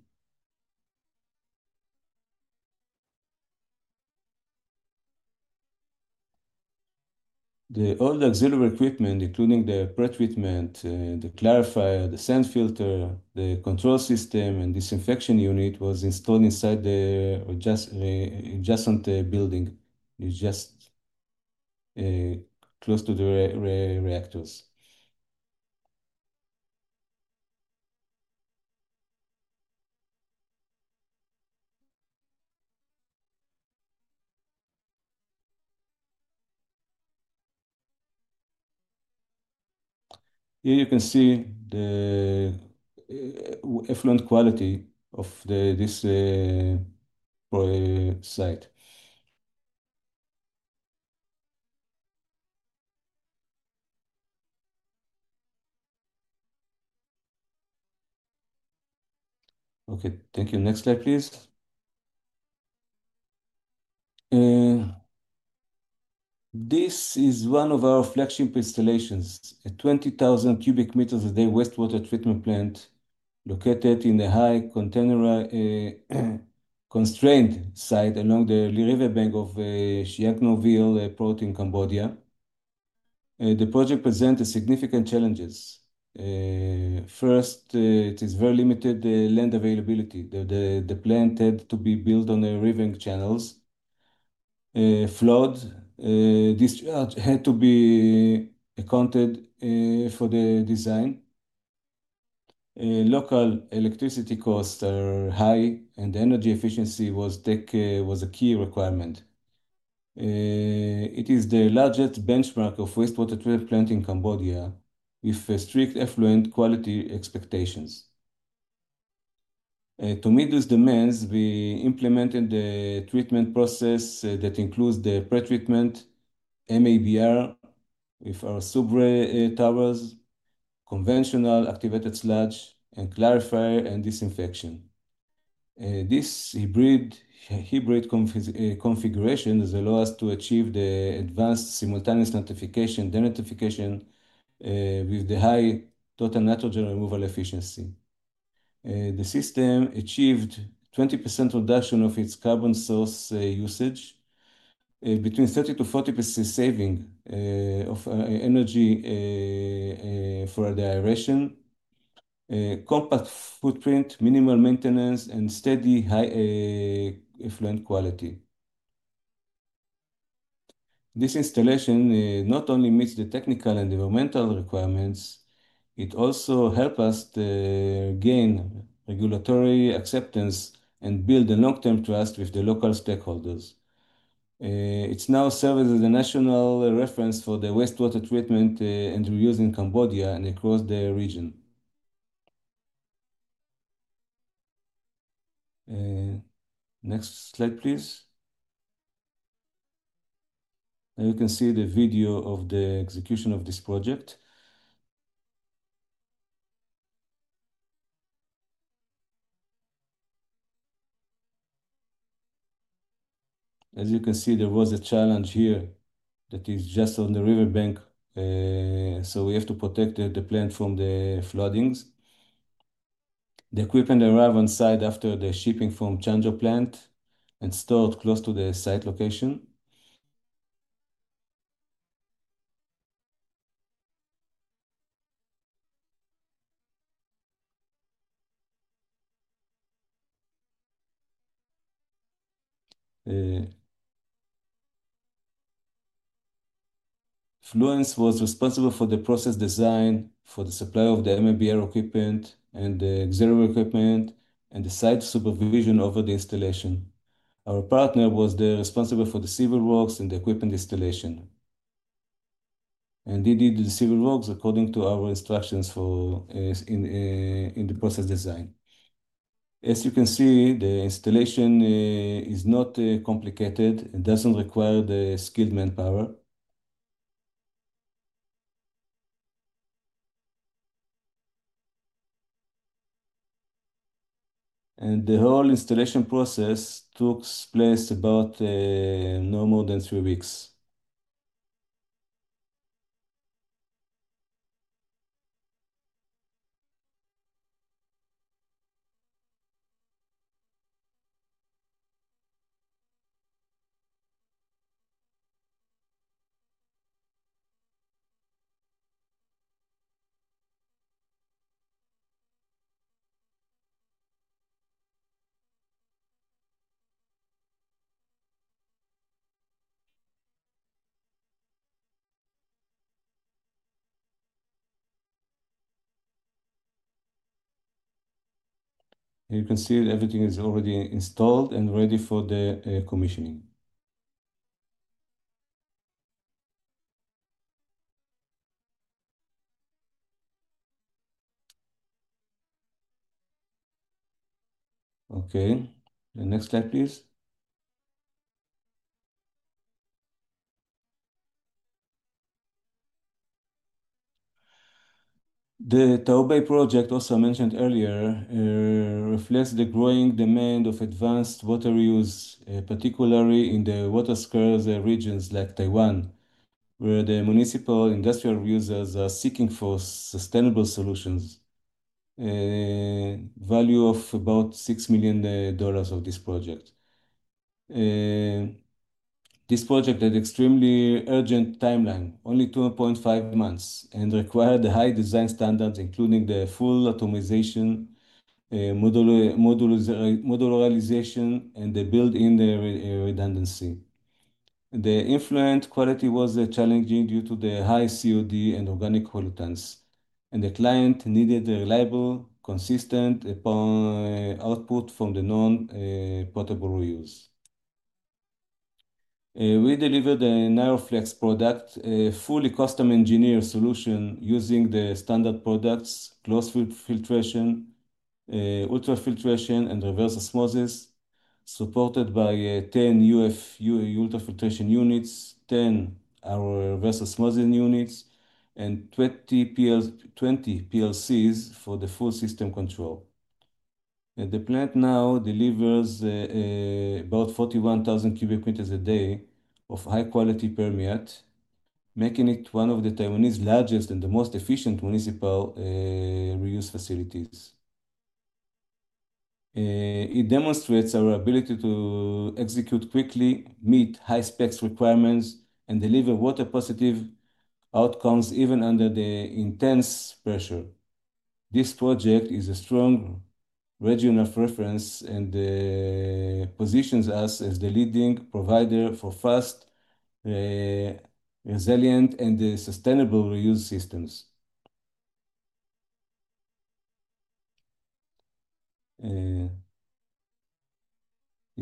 All the auxiliary equipment, including the pre-treatment, the clarifier, the sand filter, the control system, and disinfection unit, was installed inside the adjacent building, just close to the reactors. Here you can see the effluent quality of this site. Okay, thank you. Next slide, please. This is one of our flagship installations, a 20,000 cubic meters a day wastewater treatment plant located in a high containerized constrained site along the river bank of Sihanoukville Port in Cambodia. The project presented significant challenges. First, it is very limited land availability. The plant had to be built on the river channels. Flood discharge had to be accounted for the design. Local electricity costs are high, and energy efficiency was a key requirement. It is the largest benchmark of wastewater treatment plant in Cambodia with strict effluent quality expectations. To meet these demands, we implemented the treatment process that includes the pre-treatment, MABR with our SUBRE towers, conventional activated sludge, and clarifier and disinfection. This hybrid configuration allows us to achieve the advanced simultaneous denitrification with the high total nitrogen removal efficiency. The system achieved 20% reduction of its carbon source usage, between 30-40% saving of energy for the aeration, compact footprint, minimal maintenance, and steady effluent quality. This installation not only meets the technical and environmental requirements, it also helps us to gain regulatory acceptance and build a long-term trust with the local stakeholders. It now serves as a national reference for the wastewater treatment and reuse in Cambodia and across the region. Next slide, please. You can see the video of the execution of this project. As you can see, there was a challenge here that is just on the riverbank, so we have to protect the plant from the floodings. The equipment arrived on-site after the shipping from Changzhou plant and stored close to the site location. Fluence was responsible for the process design for the supply of the MABR equipment and the auxiliary equipment and the site supervision over the installation. Our partner was responsible for the civil works and the equipment installation. They did the civil works according to our instructions in the process design. As you can see, the installation is not complicated and does not require skilled manpower. The whole installation process took place in no more than three weeks. You can see everything is already installed and ready for the commissioning. Okay, next slide, please. The Taobei project, also mentioned earlier, reflects the growing demand of advanced water use, particularly in the water-scarce regions like Taiwan, where the municipal industrial users are seeking for sustainable solutions. Value of about $6 million of this project. This project had an extremely urgent timeline, only 2.5 months, and required high design standards, including the full atomization, modularization, and the built-in redundancy. The effluent quality was challenging due to the high COD and organic pollutants, and the client needed reliable, consistent output from the non-potable reuse. We delivered a Niroflex product, a fully custom-engineered solution using the standard products, close filtration, ultrafiltration, and reverse osmosis, supported by 10 UF ultrafiltration units, 10 reverse osmosis units, and 20 PLCs for the full system control. The plant now delivers about 41,000 cubic meters a day of high-quality permeate, making it one of Taiwan's largest and most efficient municipal reuse facilities. It demonstrates our ability to execute quickly, meet high-spec requirements, and deliver water-positive outcomes even under intense pressure. This project is a strong regional reference and positions us as the leading provider for fast, resilient, and sustainable reuse systems. You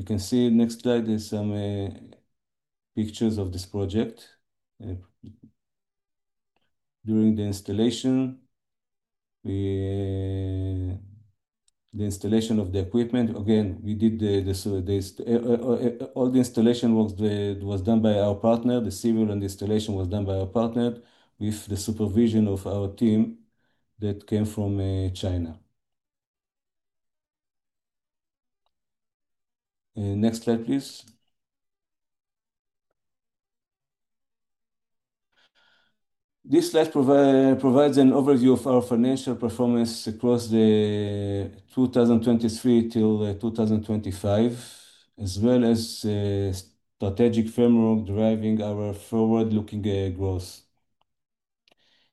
can see the next slide is some pictures of this project. During the installation, the installation of the equipment, again, we did all the installation was done by our partner. The civil and the installation was done by our partner with the supervision of our team that came from China. Next slide, please. This slide provides an overview of our financial performance across 2023 to 2025, as well as strategic framework driving our forward-looking growth.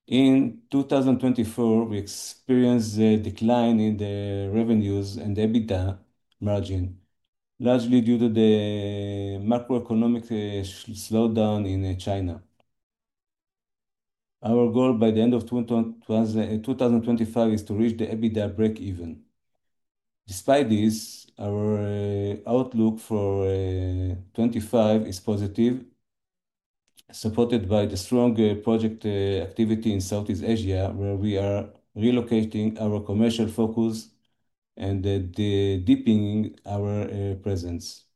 In 2024, we experienced a decline in the revenues and EBITDA margin, largely due to the macroeconomic slowdown in China. Our goal by the end of 2025 is to reach the EBITDA break-even. Despite this, our outlook for 2025 is positive, supported by the strong project activity in Southeast Asia, where we are relocating our commercial focus and deepening our presence.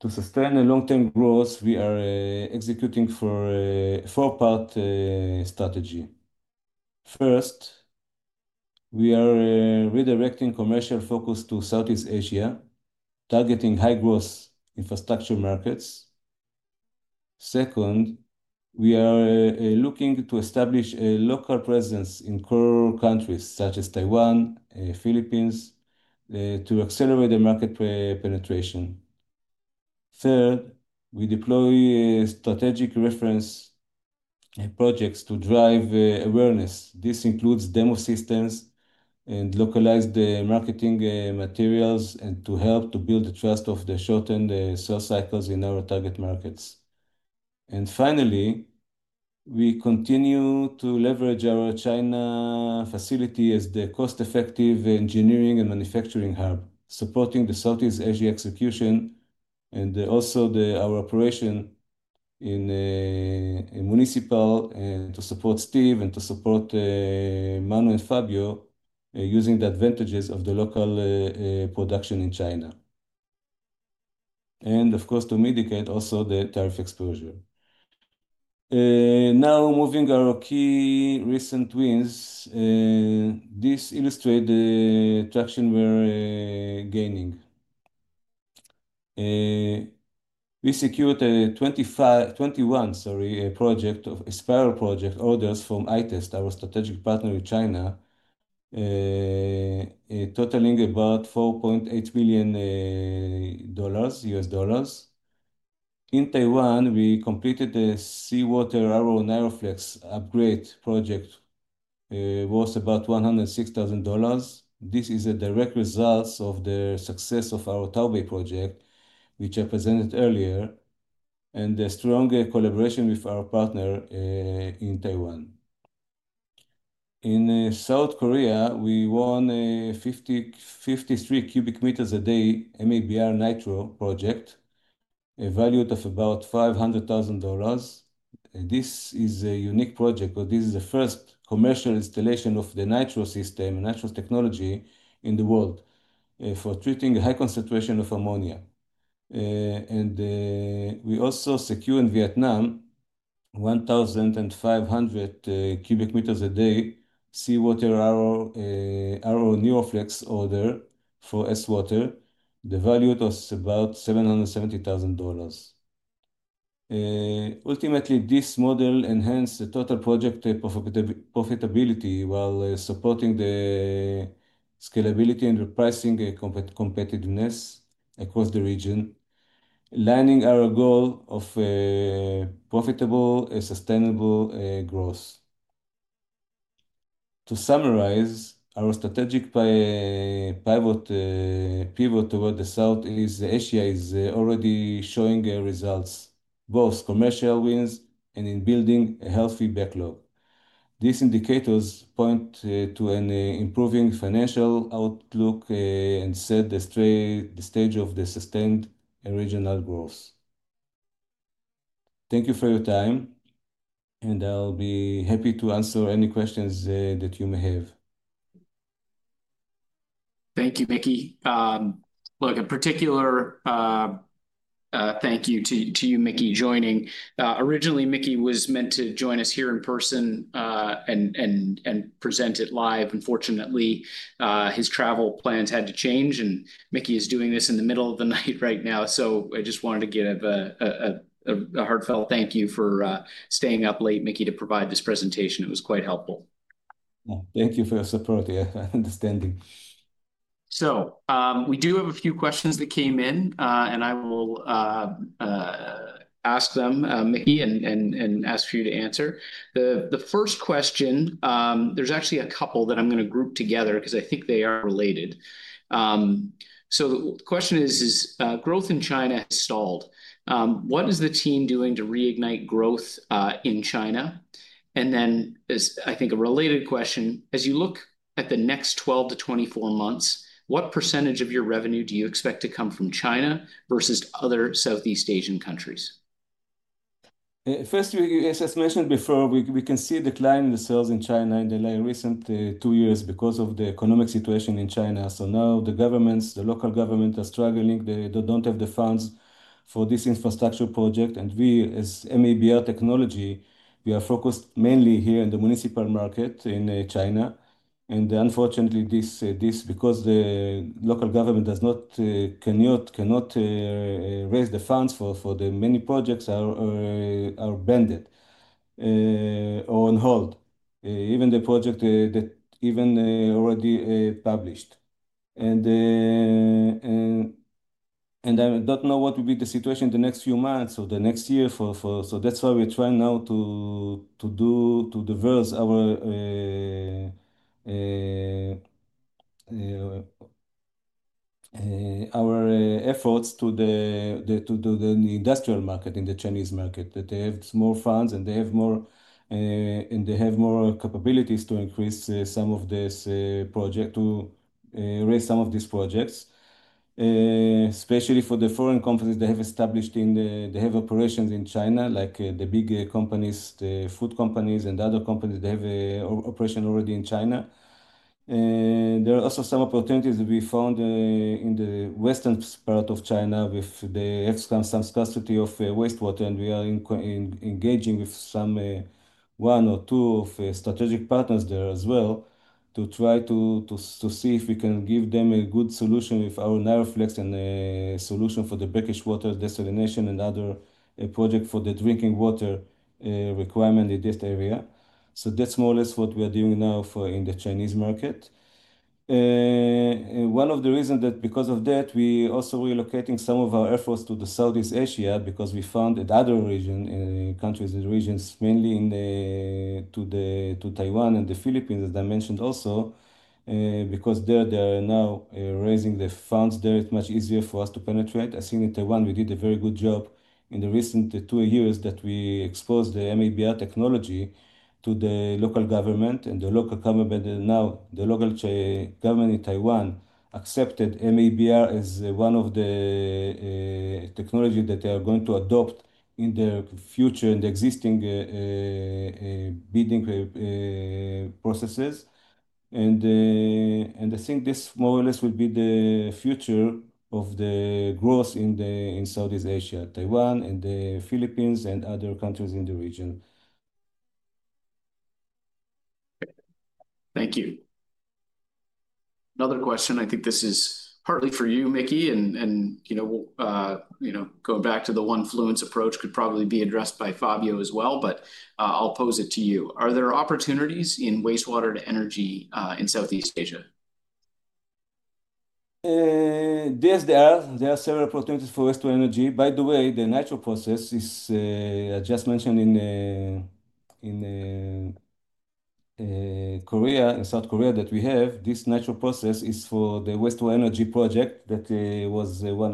To sustain long-term growth, we are executing a four-part strategy. First, we are redirecting commercial focus to Southeast Asia, targeting high-growth infrastructure markets. Second, we are looking to establish a local presence in core countries such as Taiwan and the Philippines to accelerate the market penetration. Third, we deploy strategic reference projects to drive awareness. This includes demo systems and localized marketing materials to help build the trust of the short-term sales cycles in our target markets. Finally, we continue to leverage our China facility as the cost-effective engineering and manufacturing hub, supporting the Southeast Asia execution and also our operation in municipal to support Steve and to support Manu and Fabio using the advantages of the local production in China. Of course, to mitigate also the tariff exposure. Now, moving to our key recent wins, this illustrates the traction we're gaining. We secured 21 Aspiral project orders from ITEST, our strategic partner in China, totaling about $4.8 million U.S. dollars. In Taiwan, we completed the Seawater Arrow Niroflex upgrade project, which was about $106,000. This is a direct result of the success of our Taobei project, which I presented earlier, and the strong collaboration with our partner in Taiwan. In South Korea, we won a 53 cubic meters a day MABR Nitro project, valued at about $500,000. This is a unique project, but this is the first commercial installation of the Nitro system, a Nitro technology in the world for treating a high concentration of ammonia. We also secured in Vietnam a 1,500 cubic meters a day Seawater Arrow Niroflex order for Swater. The value was about $770,000. Ultimately, this model enhanced the total project profitability while supporting the scalability and repricing competitiveness across the region, aligning our goal of profitable, sustainable growth. To summarize, our strategic pivot toward the South Asia is already showing results, both commercial wins and in building a healthy backlog. These indicators point to an improving financial outlook and set the stage for sustained regional growth. Thank you for your time, and I'll be happy to answer any questions that you may have. Thank you, Mickey. Look, a particular thank you to you, Mickey, joining. Originally, Mickey was meant to join us here in person and present it live. Unfortunately, his travel plans had to change, and Mickey is doing this in the middle of the night right now. I just wanted to give a heartfelt thank you for staying up late, Mickey, to provide this presentation. It was quite helpful. Thank you for your support. I understand. We do have a few questions that came in, and I will ask them, Mickey, and ask for you to answer. The first question, there's actually a couple that I'm going to group together because I think they are related. The question is, growth in China has stalled. What is the team doing to reignite growth in China? I think a related question, as you look at the next 12 months-24 months, what percentage of your revenue do you expect to come from China versus other Southeast Asian countries? As mentioned before, we can see a decline in the sales in China in the recent two years because of the economic situation in China. Now the governments, the local government, are struggling. They do not have the funds for this infrastructure project. We, as MABR technology, are focused mainly here in the municipal market in China. Unfortunately, because the local government cannot raise the funds for the many projects, projects are abandoned or on hold, even the projects that have already been published. I do not know what will be the situation in the next few months or the next year. That is why we are trying now to diversify our efforts to the industrial market in the Chinese market. They have more funds, and they have more capabilities to increase some of these projects, to raise some of these projects, especially for the foreign companies that have established operations in China, like the big companies, the food companies, and other companies that have operations already in China. There are also some opportunities to be found in the western part of China with the excellent scarcity of wastewater. We are engaging with one or two of the strategic partners there as well to try to see if we can give them a good solution with our Niroflex and a solution for the brackish water desalination and other projects for the drinking water requirement in this area. That is more or less what we are doing now in the Chinese market. One of the reasons that, because of that, we are also relocating some of our efforts to Southeast Asia because we found in other regions, countries and regions, mainly to Taiwan and the Philippines, as I mentioned also, because there they are now raising the funds. It is much easier for us to penetrate. I think in Taiwan, we did a very good job in the recent two years that we exposed the MABR technology to the local government. The local government in Taiwan accepted MABR as one of the technologies that they are going to adopt in the future in the existing bidding processes. I think this more or less will be the future of the growth in Southeast Asia, Taiwan, the Philippines, and other countries in the region. Thank you. Another question. I think this is partly for you, Mickey. Going back to the OneFluence approach, it could probably be addressed by Fabio as well, but I'll pose it to you. Are there opportunities in wastewater energy in Southeast Asia? Yes, there are several opportunities for wastewater energy. By the way, the natural process is, as just mentioned in South Korea, that we have. This natural process is for the wastewater energy project that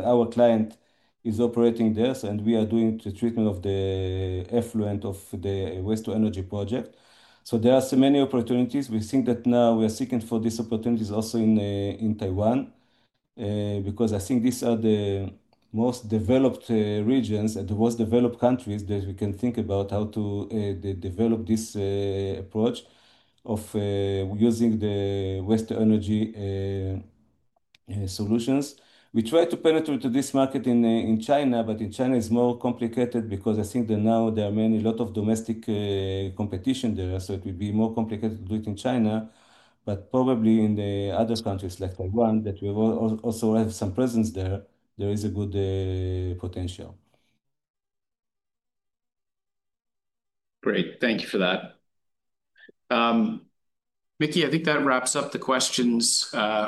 our client is operating there. We are doing the treatment of the effluent of the wastewater energy project. There are many opportunities. We think that now we are seeking these opportunities also in Taiwan because I think these are the most developed regions and the most developed countries that we can think about, how to develop this approach of using the wastewater energy solutions. We try to penetrate this market in China, but in China, it is more complicated because I think now there is a lot of domestic competition there. It would be more complicated to do it in China, but probably in other countries like Taiwan, where we also have some presence, there is good potential. Great. Thank you for that. Mickey, I think that wraps up the questions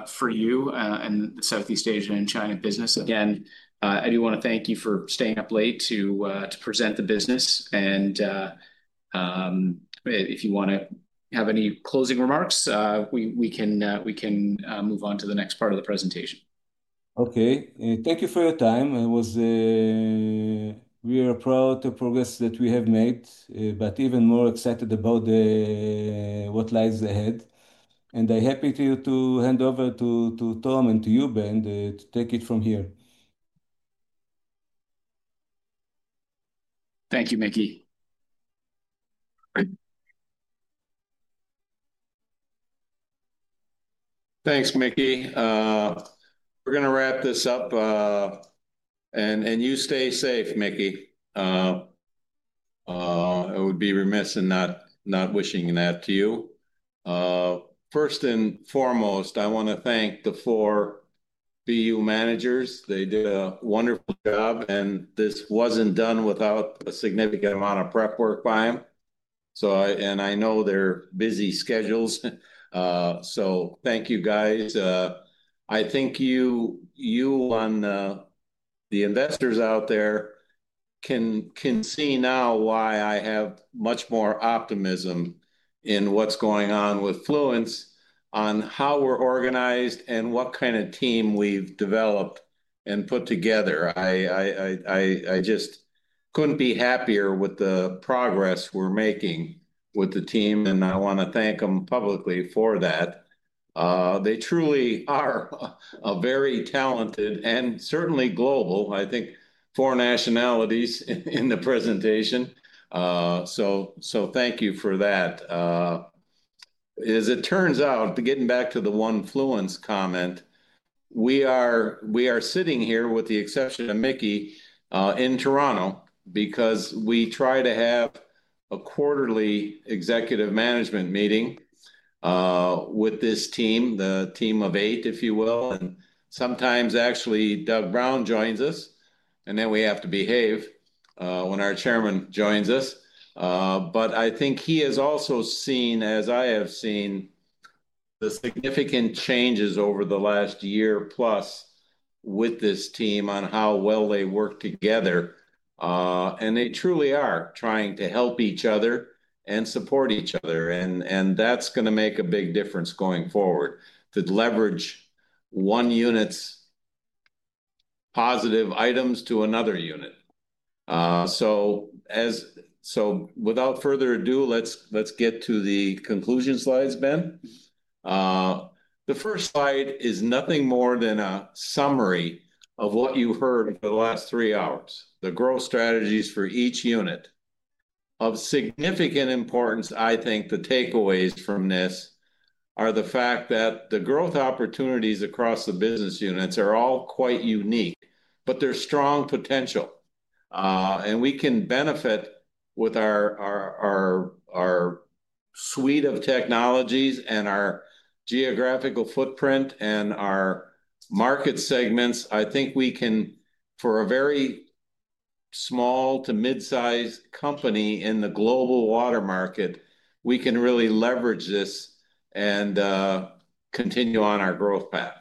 for you and the Southeast Asia and China business. Again, I do want to thank you for staying up late to present the business. If you want to have any closing remarks, we can move on to the next part of the presentation. Okay. Thank you for your time. We are proud of the progress that we have made, but even more excited about what lies ahead. I'm happy to hand over to Tom and to you, Ben, to take it from here. Thank you, Mickey. Thanks, Mickey. We're going to wrap this up. You stay safe, Mickey. I would be remiss in not wishing that to you. First and foremost, I want to thank the four BU managers. They did a wonderful job. This was not done without a significant amount of prep work by them. I know their busy schedules. Thank you, guys. I think you on the investors out there can see now why I have much more optimism in what's going on with Fluence on how we're organized and what kind of team we've developed and put together. I just couldn't be happier with the progress we're making with the team. I want to thank them publicly for that. They truly are very talented and certainly global, I think, four nationalities in the presentation. Thank you for that. As it turns out, getting back to the one Fluence comment, we are sitting here with the exception of Mickey in Toronto because we try to have a quarterly executive management meeting with this team, the team of eight, if you will. Sometimes, actually, Doug Brown joins us, and then we have to behave when our Chairman joins us. I think he has also seen, as I have seen, the significant changes over the last year plus with this team on how well they work together. They truly are trying to help each other and support each other. That is going to make a big difference going forward to leverage one unit's positive items to another unit. Without further ado, let's get to the conclusion slides, Ben. The first slide is nothing more than a summary of what you heard for the last three hours, the growth strategies for each unit of significant importance. I think the takeaways from this are the fact that the growth opportunities across the business units are all quite unique, but they are strong potential. We can benefit with our suite of technologies and our geographical footprint and our market segments. I think we can, for a very small to mid-size company in the global water market, we can really leverage this and continue on our growth path.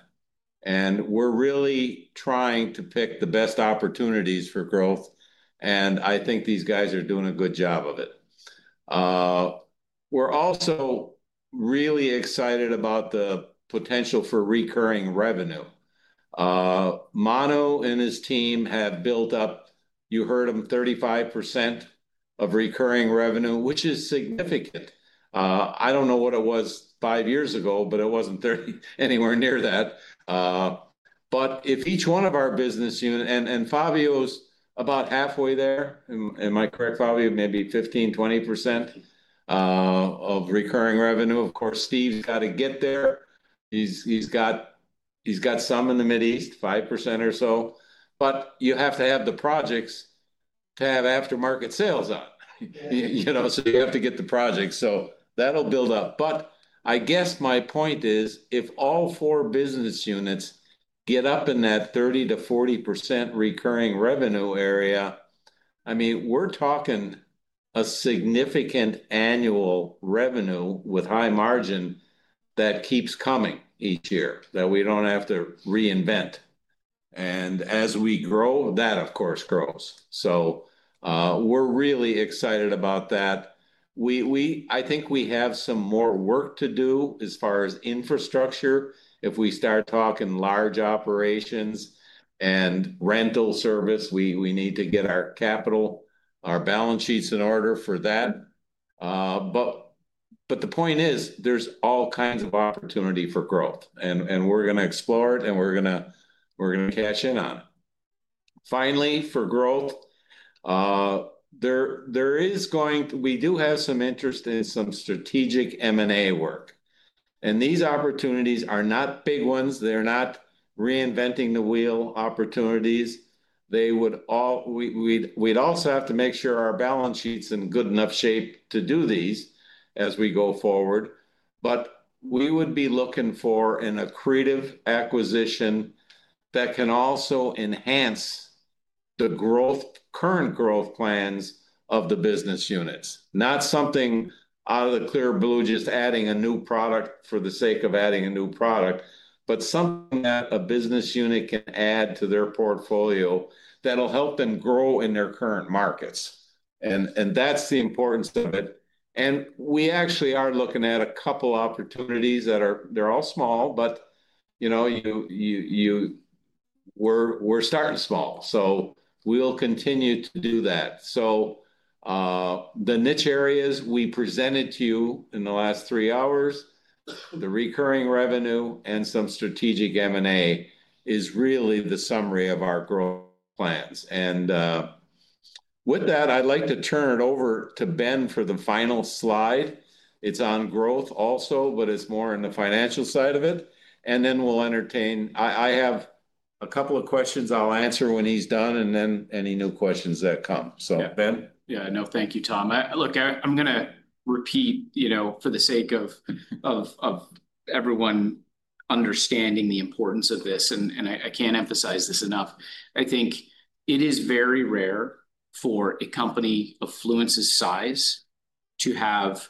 We're really trying to pick the best opportunities for growth. I think these guys are doing a good job of it. We're also really excited about the potential for recurring revenue. Manu and his team have built up, you heard him, 35% of recurring revenue, which is significant. I don't know what it was five years ago, but it wasn't anywhere near that. If each one of our business units, and Fabio's about halfway there, am I correct, Fabio, maybe 15%-20% of recurring revenue. Of course, Steve's got to get there. He's got some in the Mideast, 5% or so. You have to have the projects to have aftermarket sales on. You have to get the projects. That will build up. I guess my point is, if all four business units get up in that 30%-40% recurring revenue area, I mean, we're talking a significant annual revenue with high margin that keeps coming each year that we don't have to reinvent. As we grow, that, of course, grows. We're really excited about that. I think we have some more work to do as far as infrastructure. If we start talking large operations and rental service, we need to get our capital, our balance sheets in order for that. The point is, there's all kinds of opportunity for growth. We're going to explore it, and we're going to cash in on it. Finally, for growth, we do have some interest in some strategic M&A work. These opportunities are not big ones. They're not reinventing the wheel opportunities. We'd also have to make sure our balance sheet's in good enough shape to do these as we go forward. We would be looking for an accretive acquisition that can also enhance the current growth plans of the business units. Not something out of the clear blue just adding a new product for the sake of adding a new product, but something that a business unit can add to their portfolio that'll help them grow in their current markets. That's the importance of it. We actually are looking at a couple of opportunities that are all small, but we're starting small. We'll continue to do that. The niche areas we presented to you in the last three hours, the recurring revenue, and some strategic M&A is really the summary of our growth plans. With that, I'd like to turn it over to Ben for the final slide. It's on growth also, but it's more in the financial side of it. Then we'll entertain—I have a couple of questions I'll answer when he's done and then any new questions that come. Ben. Yeah. No, thank you, Tom. Look, I'm going to repeat for the sake of everyone understanding the importance of this. I can't emphasize this enough. I think it is very rare for a company of Fluence's size to have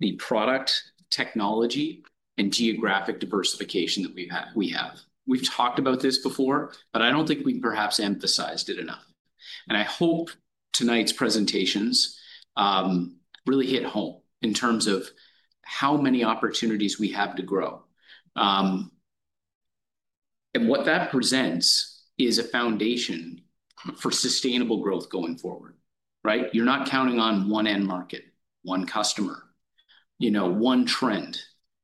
the product technology and geographic diversification that we have. We've talked about this before, but I don't think we've perhaps emphasized it enough. I hope tonight's presentations really hit home in terms of how many opportunities we have to grow. What that presents is a foundation for sustainable growth going forward, right? You're not counting on one end market, one customer, one trend.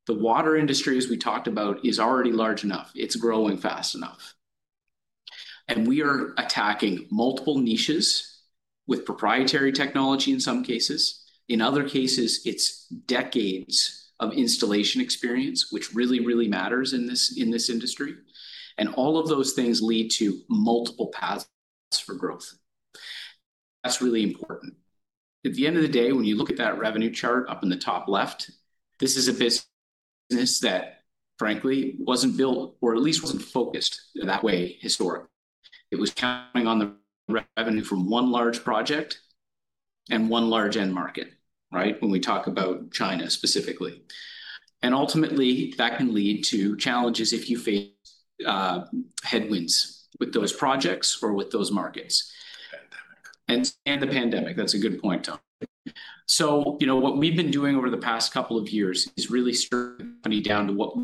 The water industry, as we talked about, is already large enough. It's growing fast enough. We are attacking multiple niches with proprietary technology in some cases. In other cases, it's decades of installation experience, which really, really matters in this industry. All of those things lead to multiple paths for growth. That's really important. At the end of the day, when you look at that revenue chart up in the top left, this is a business that, frankly, wasn't built or at least wasn't focused that way historically. It was counting on the revenue from one large project and one large end market, right, when we talk about China specifically. Ultimately, that can lead to challenges if you face headwinds with those projects or with those markets. The pandemic. That's a good point, Tom. What we've been doing over the past couple of years is really stripping the company down to what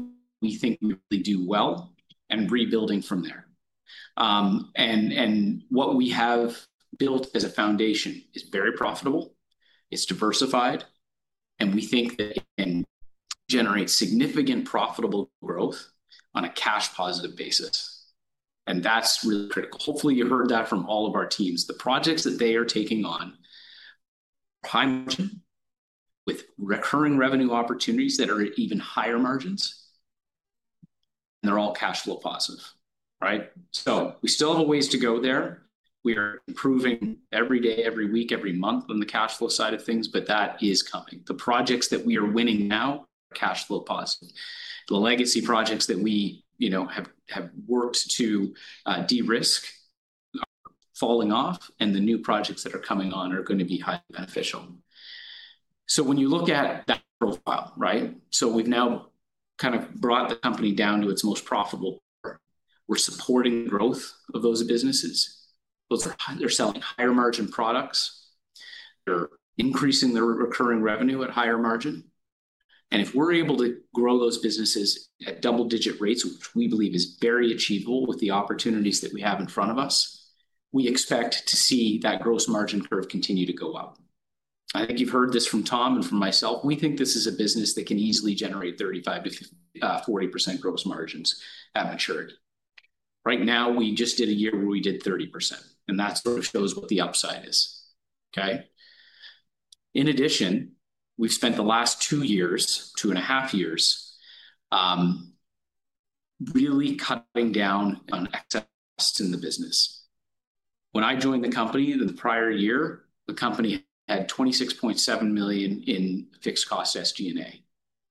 we think we do well and rebuilding from there. What we have built as a foundation is very profitable. It is diversified. We think that it can generate significant profitable growth on a cash-positive basis. That is really critical. Hopefully, you heard that from all of our teams. The projects that they are taking on are high margin with recurring revenue opportunities that are at even higher margins. They are all cash-flow positive, right? We still have a ways to go there. We are improving every day, every week, every month on the cash-flow side of things, but that is coming. The projects that we are winning now are cash-flow positive. The legacy projects that we have worked to de-risk are falling off, and the new projects that are coming on are going to be highly beneficial. When you look at that profile, right, we have now kind of brought the company down to its most profitable. We are supporting the growth of those businesses. They are selling higher-margin products. They are increasing their recurring revenue at higher margin. If we are able to grow those businesses at double-digit rates, which we believe is very achievable with the opportunities that we have in front of us, we expect to see that gross margin curve continue to go up. I think you have heard this from Tom and from myself. We think this is a business that can easily generate 35%-40% gross margins at maturity. Right now, we just did a year where we did 30%. That sort of shows what the upside is, okay? In addition, we've spent the last two years, two and a half years, really cutting down on excess in the business. When I joined the company the prior year, the company had $26.7 million in fixed-cost SG&A.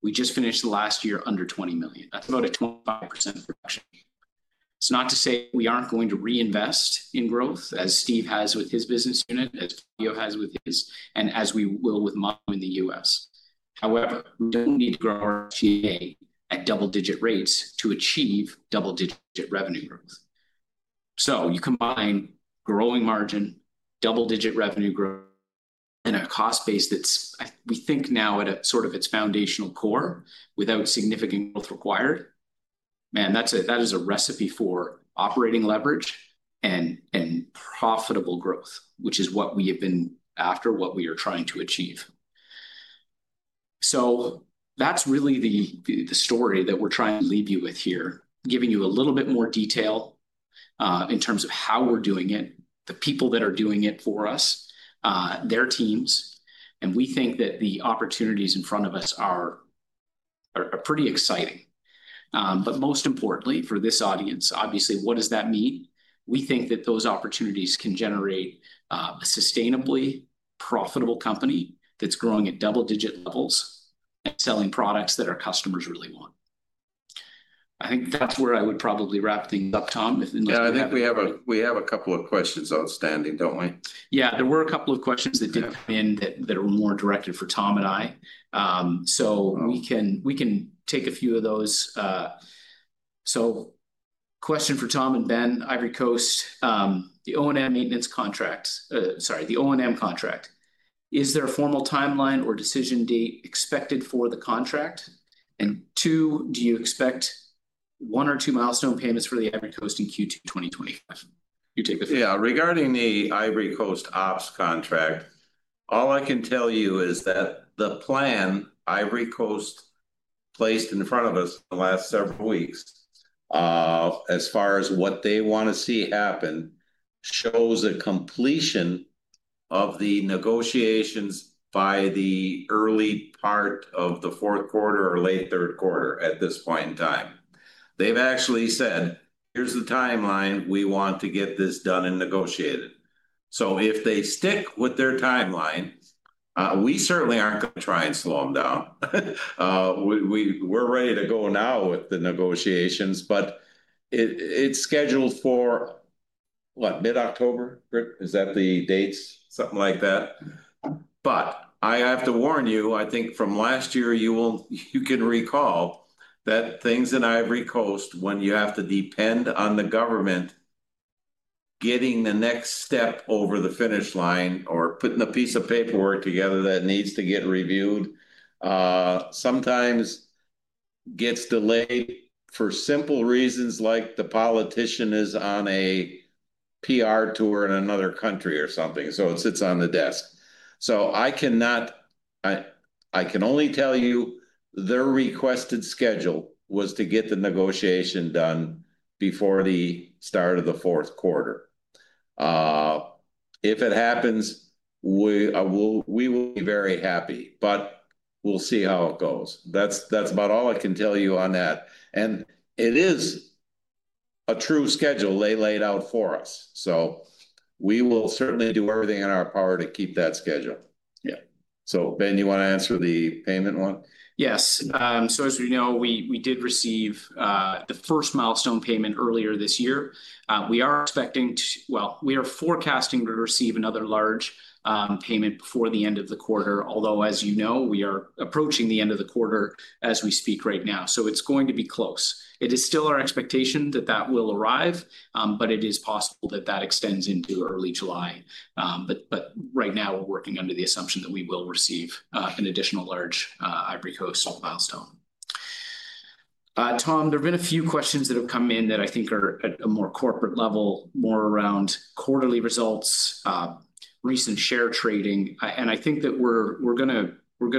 We just finished the last year under $20 million. That's about a 25% reduction. It's not to say we aren't going to reinvest in growth, as Steve has with his business unit, as Fabio has with his, and as we will with Manu in the U.S.. However, we don't need to grow our SG&A at double-digit rates to achieve double-digit revenue growth. You combine growing margin, double-digit revenue growth, and a cost base that we think now at sort of its foundational core without significant growth required. Man, that is a recipe for operating leverage and profitable growth, which is what we have been after, what we are trying to achieve. That is really the story that we are trying to leave you with here, giving you a little bit more detail in terms of how we are doing it, the people that are doing it for us, their teams. We think that the opportunities in front of us are pretty exciting. Most importantly, for this audience, obviously, what does that mean? We think that those opportunities can generate a sustainably profitable company that is growing at double-digit levels and selling products that our customers really want. I think that is where I would probably wrap things up, Tom, if there is anything. Yeah. I think we have a couple of questions outstanding, do not we? Yeah. There were a couple of questions that did not come in that are more directed for Tom and I. We can take a few of those. Question for Tom and Ben, Ivory Coast, the O&M contract. Is there a formal timeline or decision date expected for the contract? And two, do you expect one or two milestone payments for the Ivory Coast in Q2 2025? You take the first. Yeah. Regarding the Ivory Coast Ops contract, all I can tell you is that the plan Ivory Coast placed in front of us in the last several weeks, as far as what they want to see happen, shows a completion of the negotiations by the early part of the fourth quarter or late third quarter at this point in time. They have actually said, "Here is the timeline. We want to get this done and negotiated. If they stick with their timeline, we certainly aren't going to try and slow them down. We're ready to go now with the negotiations, but it's scheduled for, what, mid-October? Is that the dates? Something like that. I have to warn you, I think from last year, you can recall that things in Ivory Coast, when you have to depend on the government getting the next step over the finish line or putting a piece of paperwork together that needs to get reviewed, sometimes gets delayed for simple reasons like the politician is on a PR tour in another country or something, so it sits on the desk. I can only tell you their requested schedule was to get the negotiation done before the start of the fourth quarter. If it happens, we will be very happy, but we'll see how it goes. That is about all I can tell you on that. It is a true schedule they laid out for us. We will certainly do everything in our power to keep that schedule. Yeah. Ben, you want to answer the payment one? Yes. As we know, we did receive the first milestone payment earlier this year. We are expecting to, well, we are forecasting to receive another large payment before the end of the quarter, although, as you know, we are approaching the end of the quarter as we speak right now. It is going to be close. It is still our expectation that that will arrive, but it is possible that that extends into early July. Right now, we're working under the assumption that we will receive an additional large Ivory Coast milestone. Tom, there have been a few questions that have come in that I think are at a more corporate level, more around quarterly results, recent share trading. I think that we're going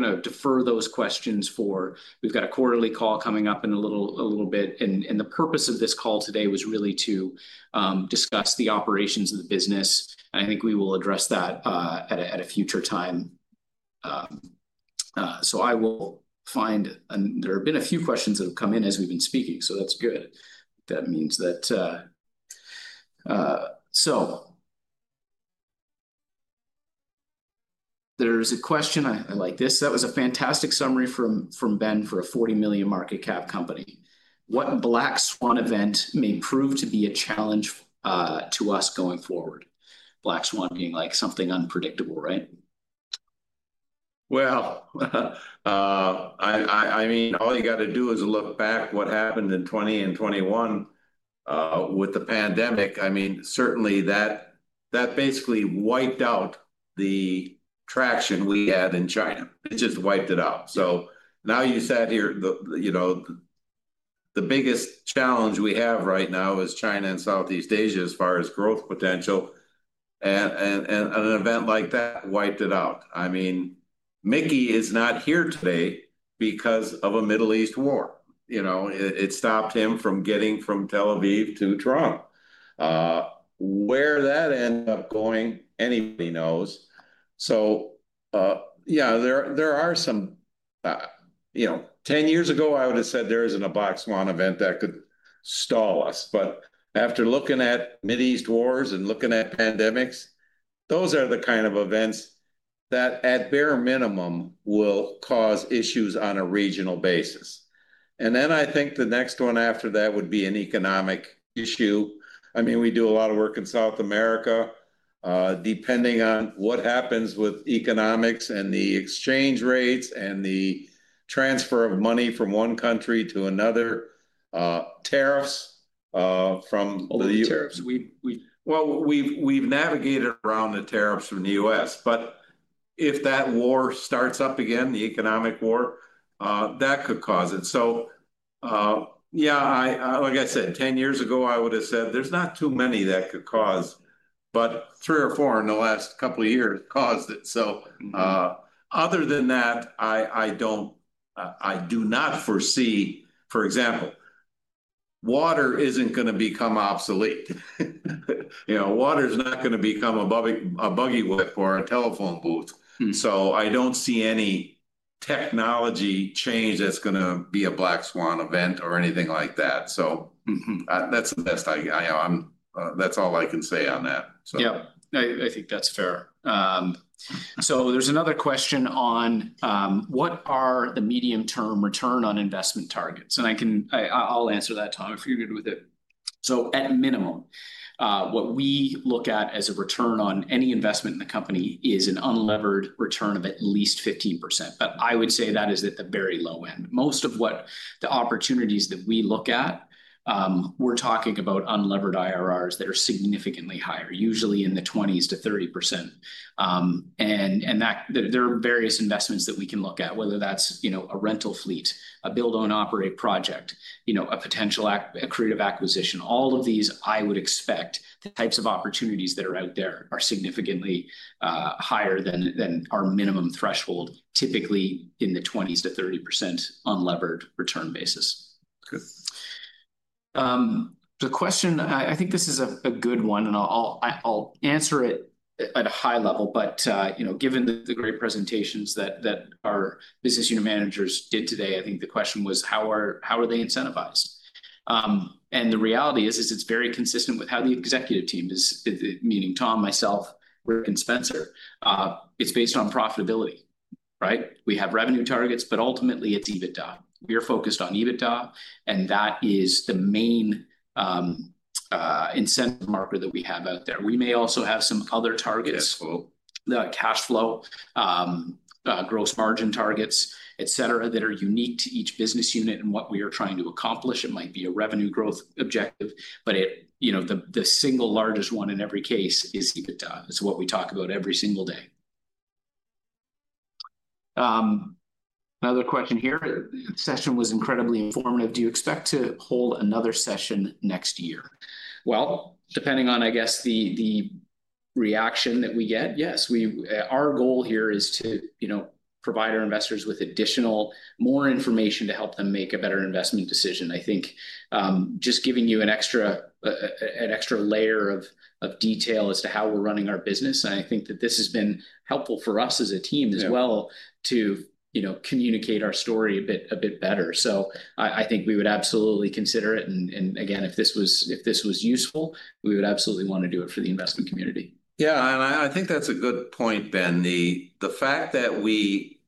to defer those questions for we've got a quarterly call coming up in a little bit. The purpose of this call today was really to discuss the operations of the business. I think we will address that at a future time. I will find there have been a few questions that have come in as we've been speaking, so that's good. That means that there's a question I like this. That was a fantastic summary from Ben for a $40 million market cap company. What black swan event may prove to be a challenge to us going forward? Black swan being like something unpredictable, right? I mean, all you got to do is look back at what happened in 2020 and 2021 with the pandemic. I mean, certainly, that basically wiped out the traction we had in China. It just wiped it out. Now you sit here, the biggest challenge we have right now is China and Southeast Asia as far as growth potential. An event like that wiped it out. I mean, Mickey is not here today because of a Middle East war. It stopped him from getting from Tel Aviv to Toronto. Where that ended up going, anybody knows. Yeah, there are some 10 years ago, I would have said there is not a black swan event that could stall us. After looking at Middle East wars and looking at pandemics, those are the kind of events that at bare minimum will cause issues on a regional basis. I think the next one after that would be an economic issue. I mean, we do a lot of work in South America. Depending on what happens with economics and the exchange rates and the transfer of money from one country to another, tariffs from the U.S.. We have navigated around the tariffs from the U.S.. If that war starts up again, the economic war, that could cause it. Yeah, like I said, 10 years ago, I would have said there are not too many that could cause, but three or four in the last couple of years caused it. Other than that, I do not foresee, for example, water is not going to become obsolete. Water is not going to become a buggy whip for a telephone booth. I do not see any technology change that is going to be a black swan event or anything like that. That is the best I know. That is all I can say on that, so. Yeah. I think that is fair. There is another question on what are the medium-term return on investment targets? I will answer that, Tom, if you are good with it. At minimum, what we look at as a return on any investment in the company is an unlevered return of at least 15%. I would say that is at the very low end. Most of the opportunities that we look at, we are talking about unlevered IRRs that are significantly higher, usually in the 20%-30% range. There are various investments that we can look at, whether that's a rental fleet, a build-own-operate project, a potential creative acquisition. All of these, I would expect, the types of opportunities that are out there are significantly higher than our minimum threshold, typically in the 20%-30% unlevered return basis. The question, I think this is a good one, and I'll answer it at a high level. Given the great presentations that our business unit managers did today, I think the question was, how are they incentivized? The reality is, it's very consistent with how the executive team is, meaning Tom, myself, Rick, and Spencer. It's based on profitability, right? We have revenue targets, but ultimately, it's EBITDA. We are focused on EBITDA, and that is the main incentive marker that we have out there. We may also have some other targets, cash flow, gross margin targets, etc., that are unique to each business unit and what we are trying to accomplish. It might be a revenue growth objective, but the single largest one in every case is EBITDA. It's what we talk about every single day. Another question here. The session was incredibly informative. Do you expect to hold another session next year? Depending on, I guess, the reaction that we get, yes. Our goal here is to provide our investors with additional, more information to help them make a better investment decision. I think just giving you an extra layer of detail as to how we're running our business, and I think that this has been helpful for us as a team as well to communicate our story a bit better. I think we would absolutely consider it. If this was useful, we would absolutely want to do it for the investment community. Yeah. I think that's a good point, Ben. The fact that we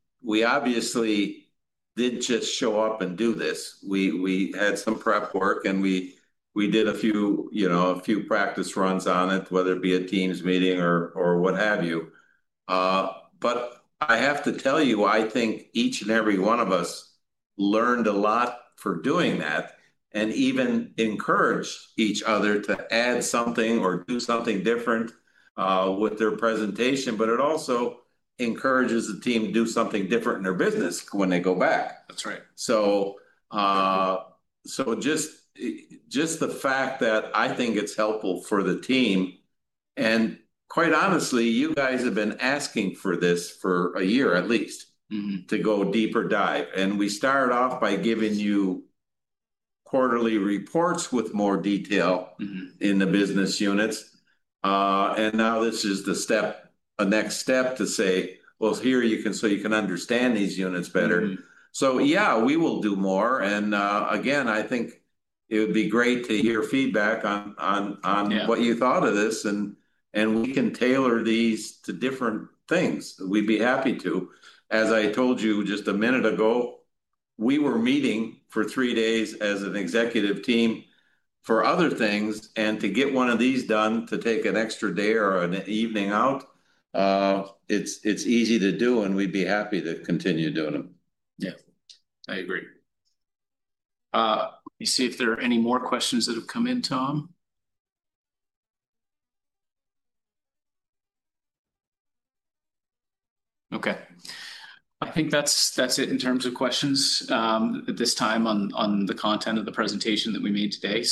obviously did just show up and do this, we had some prep work, and we did a few practice runs on it, whether it be a Teams meeting or what have you. I have to tell you, I think each and every one of us learned a lot for doing that and even encouraged each other to add something or do something different with their presentation, but it also encourages the team to do something different in their business when they go back. That's right. Just the fact that I think it's helpful for the team. Quite honestly, you guys have been asking for this for a year at least to go deeper dive. We started off by giving you quarterly reports with more detail in the business units. This is the next step to say, "You can understand these units better." Yeah, we will do more. Again, I think it would be great to hear feedback on what you thought of this. We can tailor these to different things. We'd be happy to. As I told you just a minute ago, we were meeting for three days as an executive team for other things. To get one of these done, to take an extra day or an evening out, it's easy to do, and we'd be happy to continue doing them. Yeah. I agree. Let me see if there are any more questions that have come in, Tom. Okay. I think that's it in terms of questions at this time on the content of the presentation that we made today.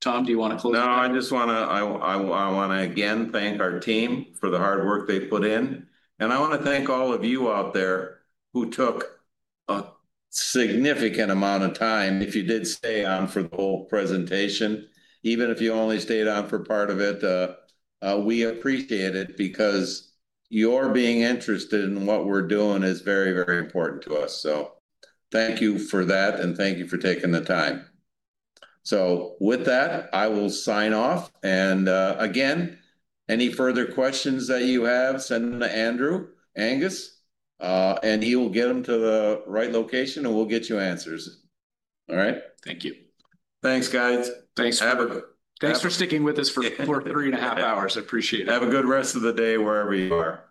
Tom, do you want to close? No, I just want to again thank our team for the hard work they put in. I want to thank all of you out there who took a significant amount of time if you did stay on for the whole presentation, even if you only stayed on for part of it. We appreciate it because your being interested in what we're doing is very, very important to us. Thank you for that, and thank you for taking the time. With that, I will sign off. Again, any further questions that you have, send them to Andrew Angus, and he will get them to the right location, and we'll get you answers. All right? Thank you. Thanks, guys. Thanks for having us. Thanks for sticking with us for three and a half hours. I appreciate it. Have a good rest of the day wherever you are.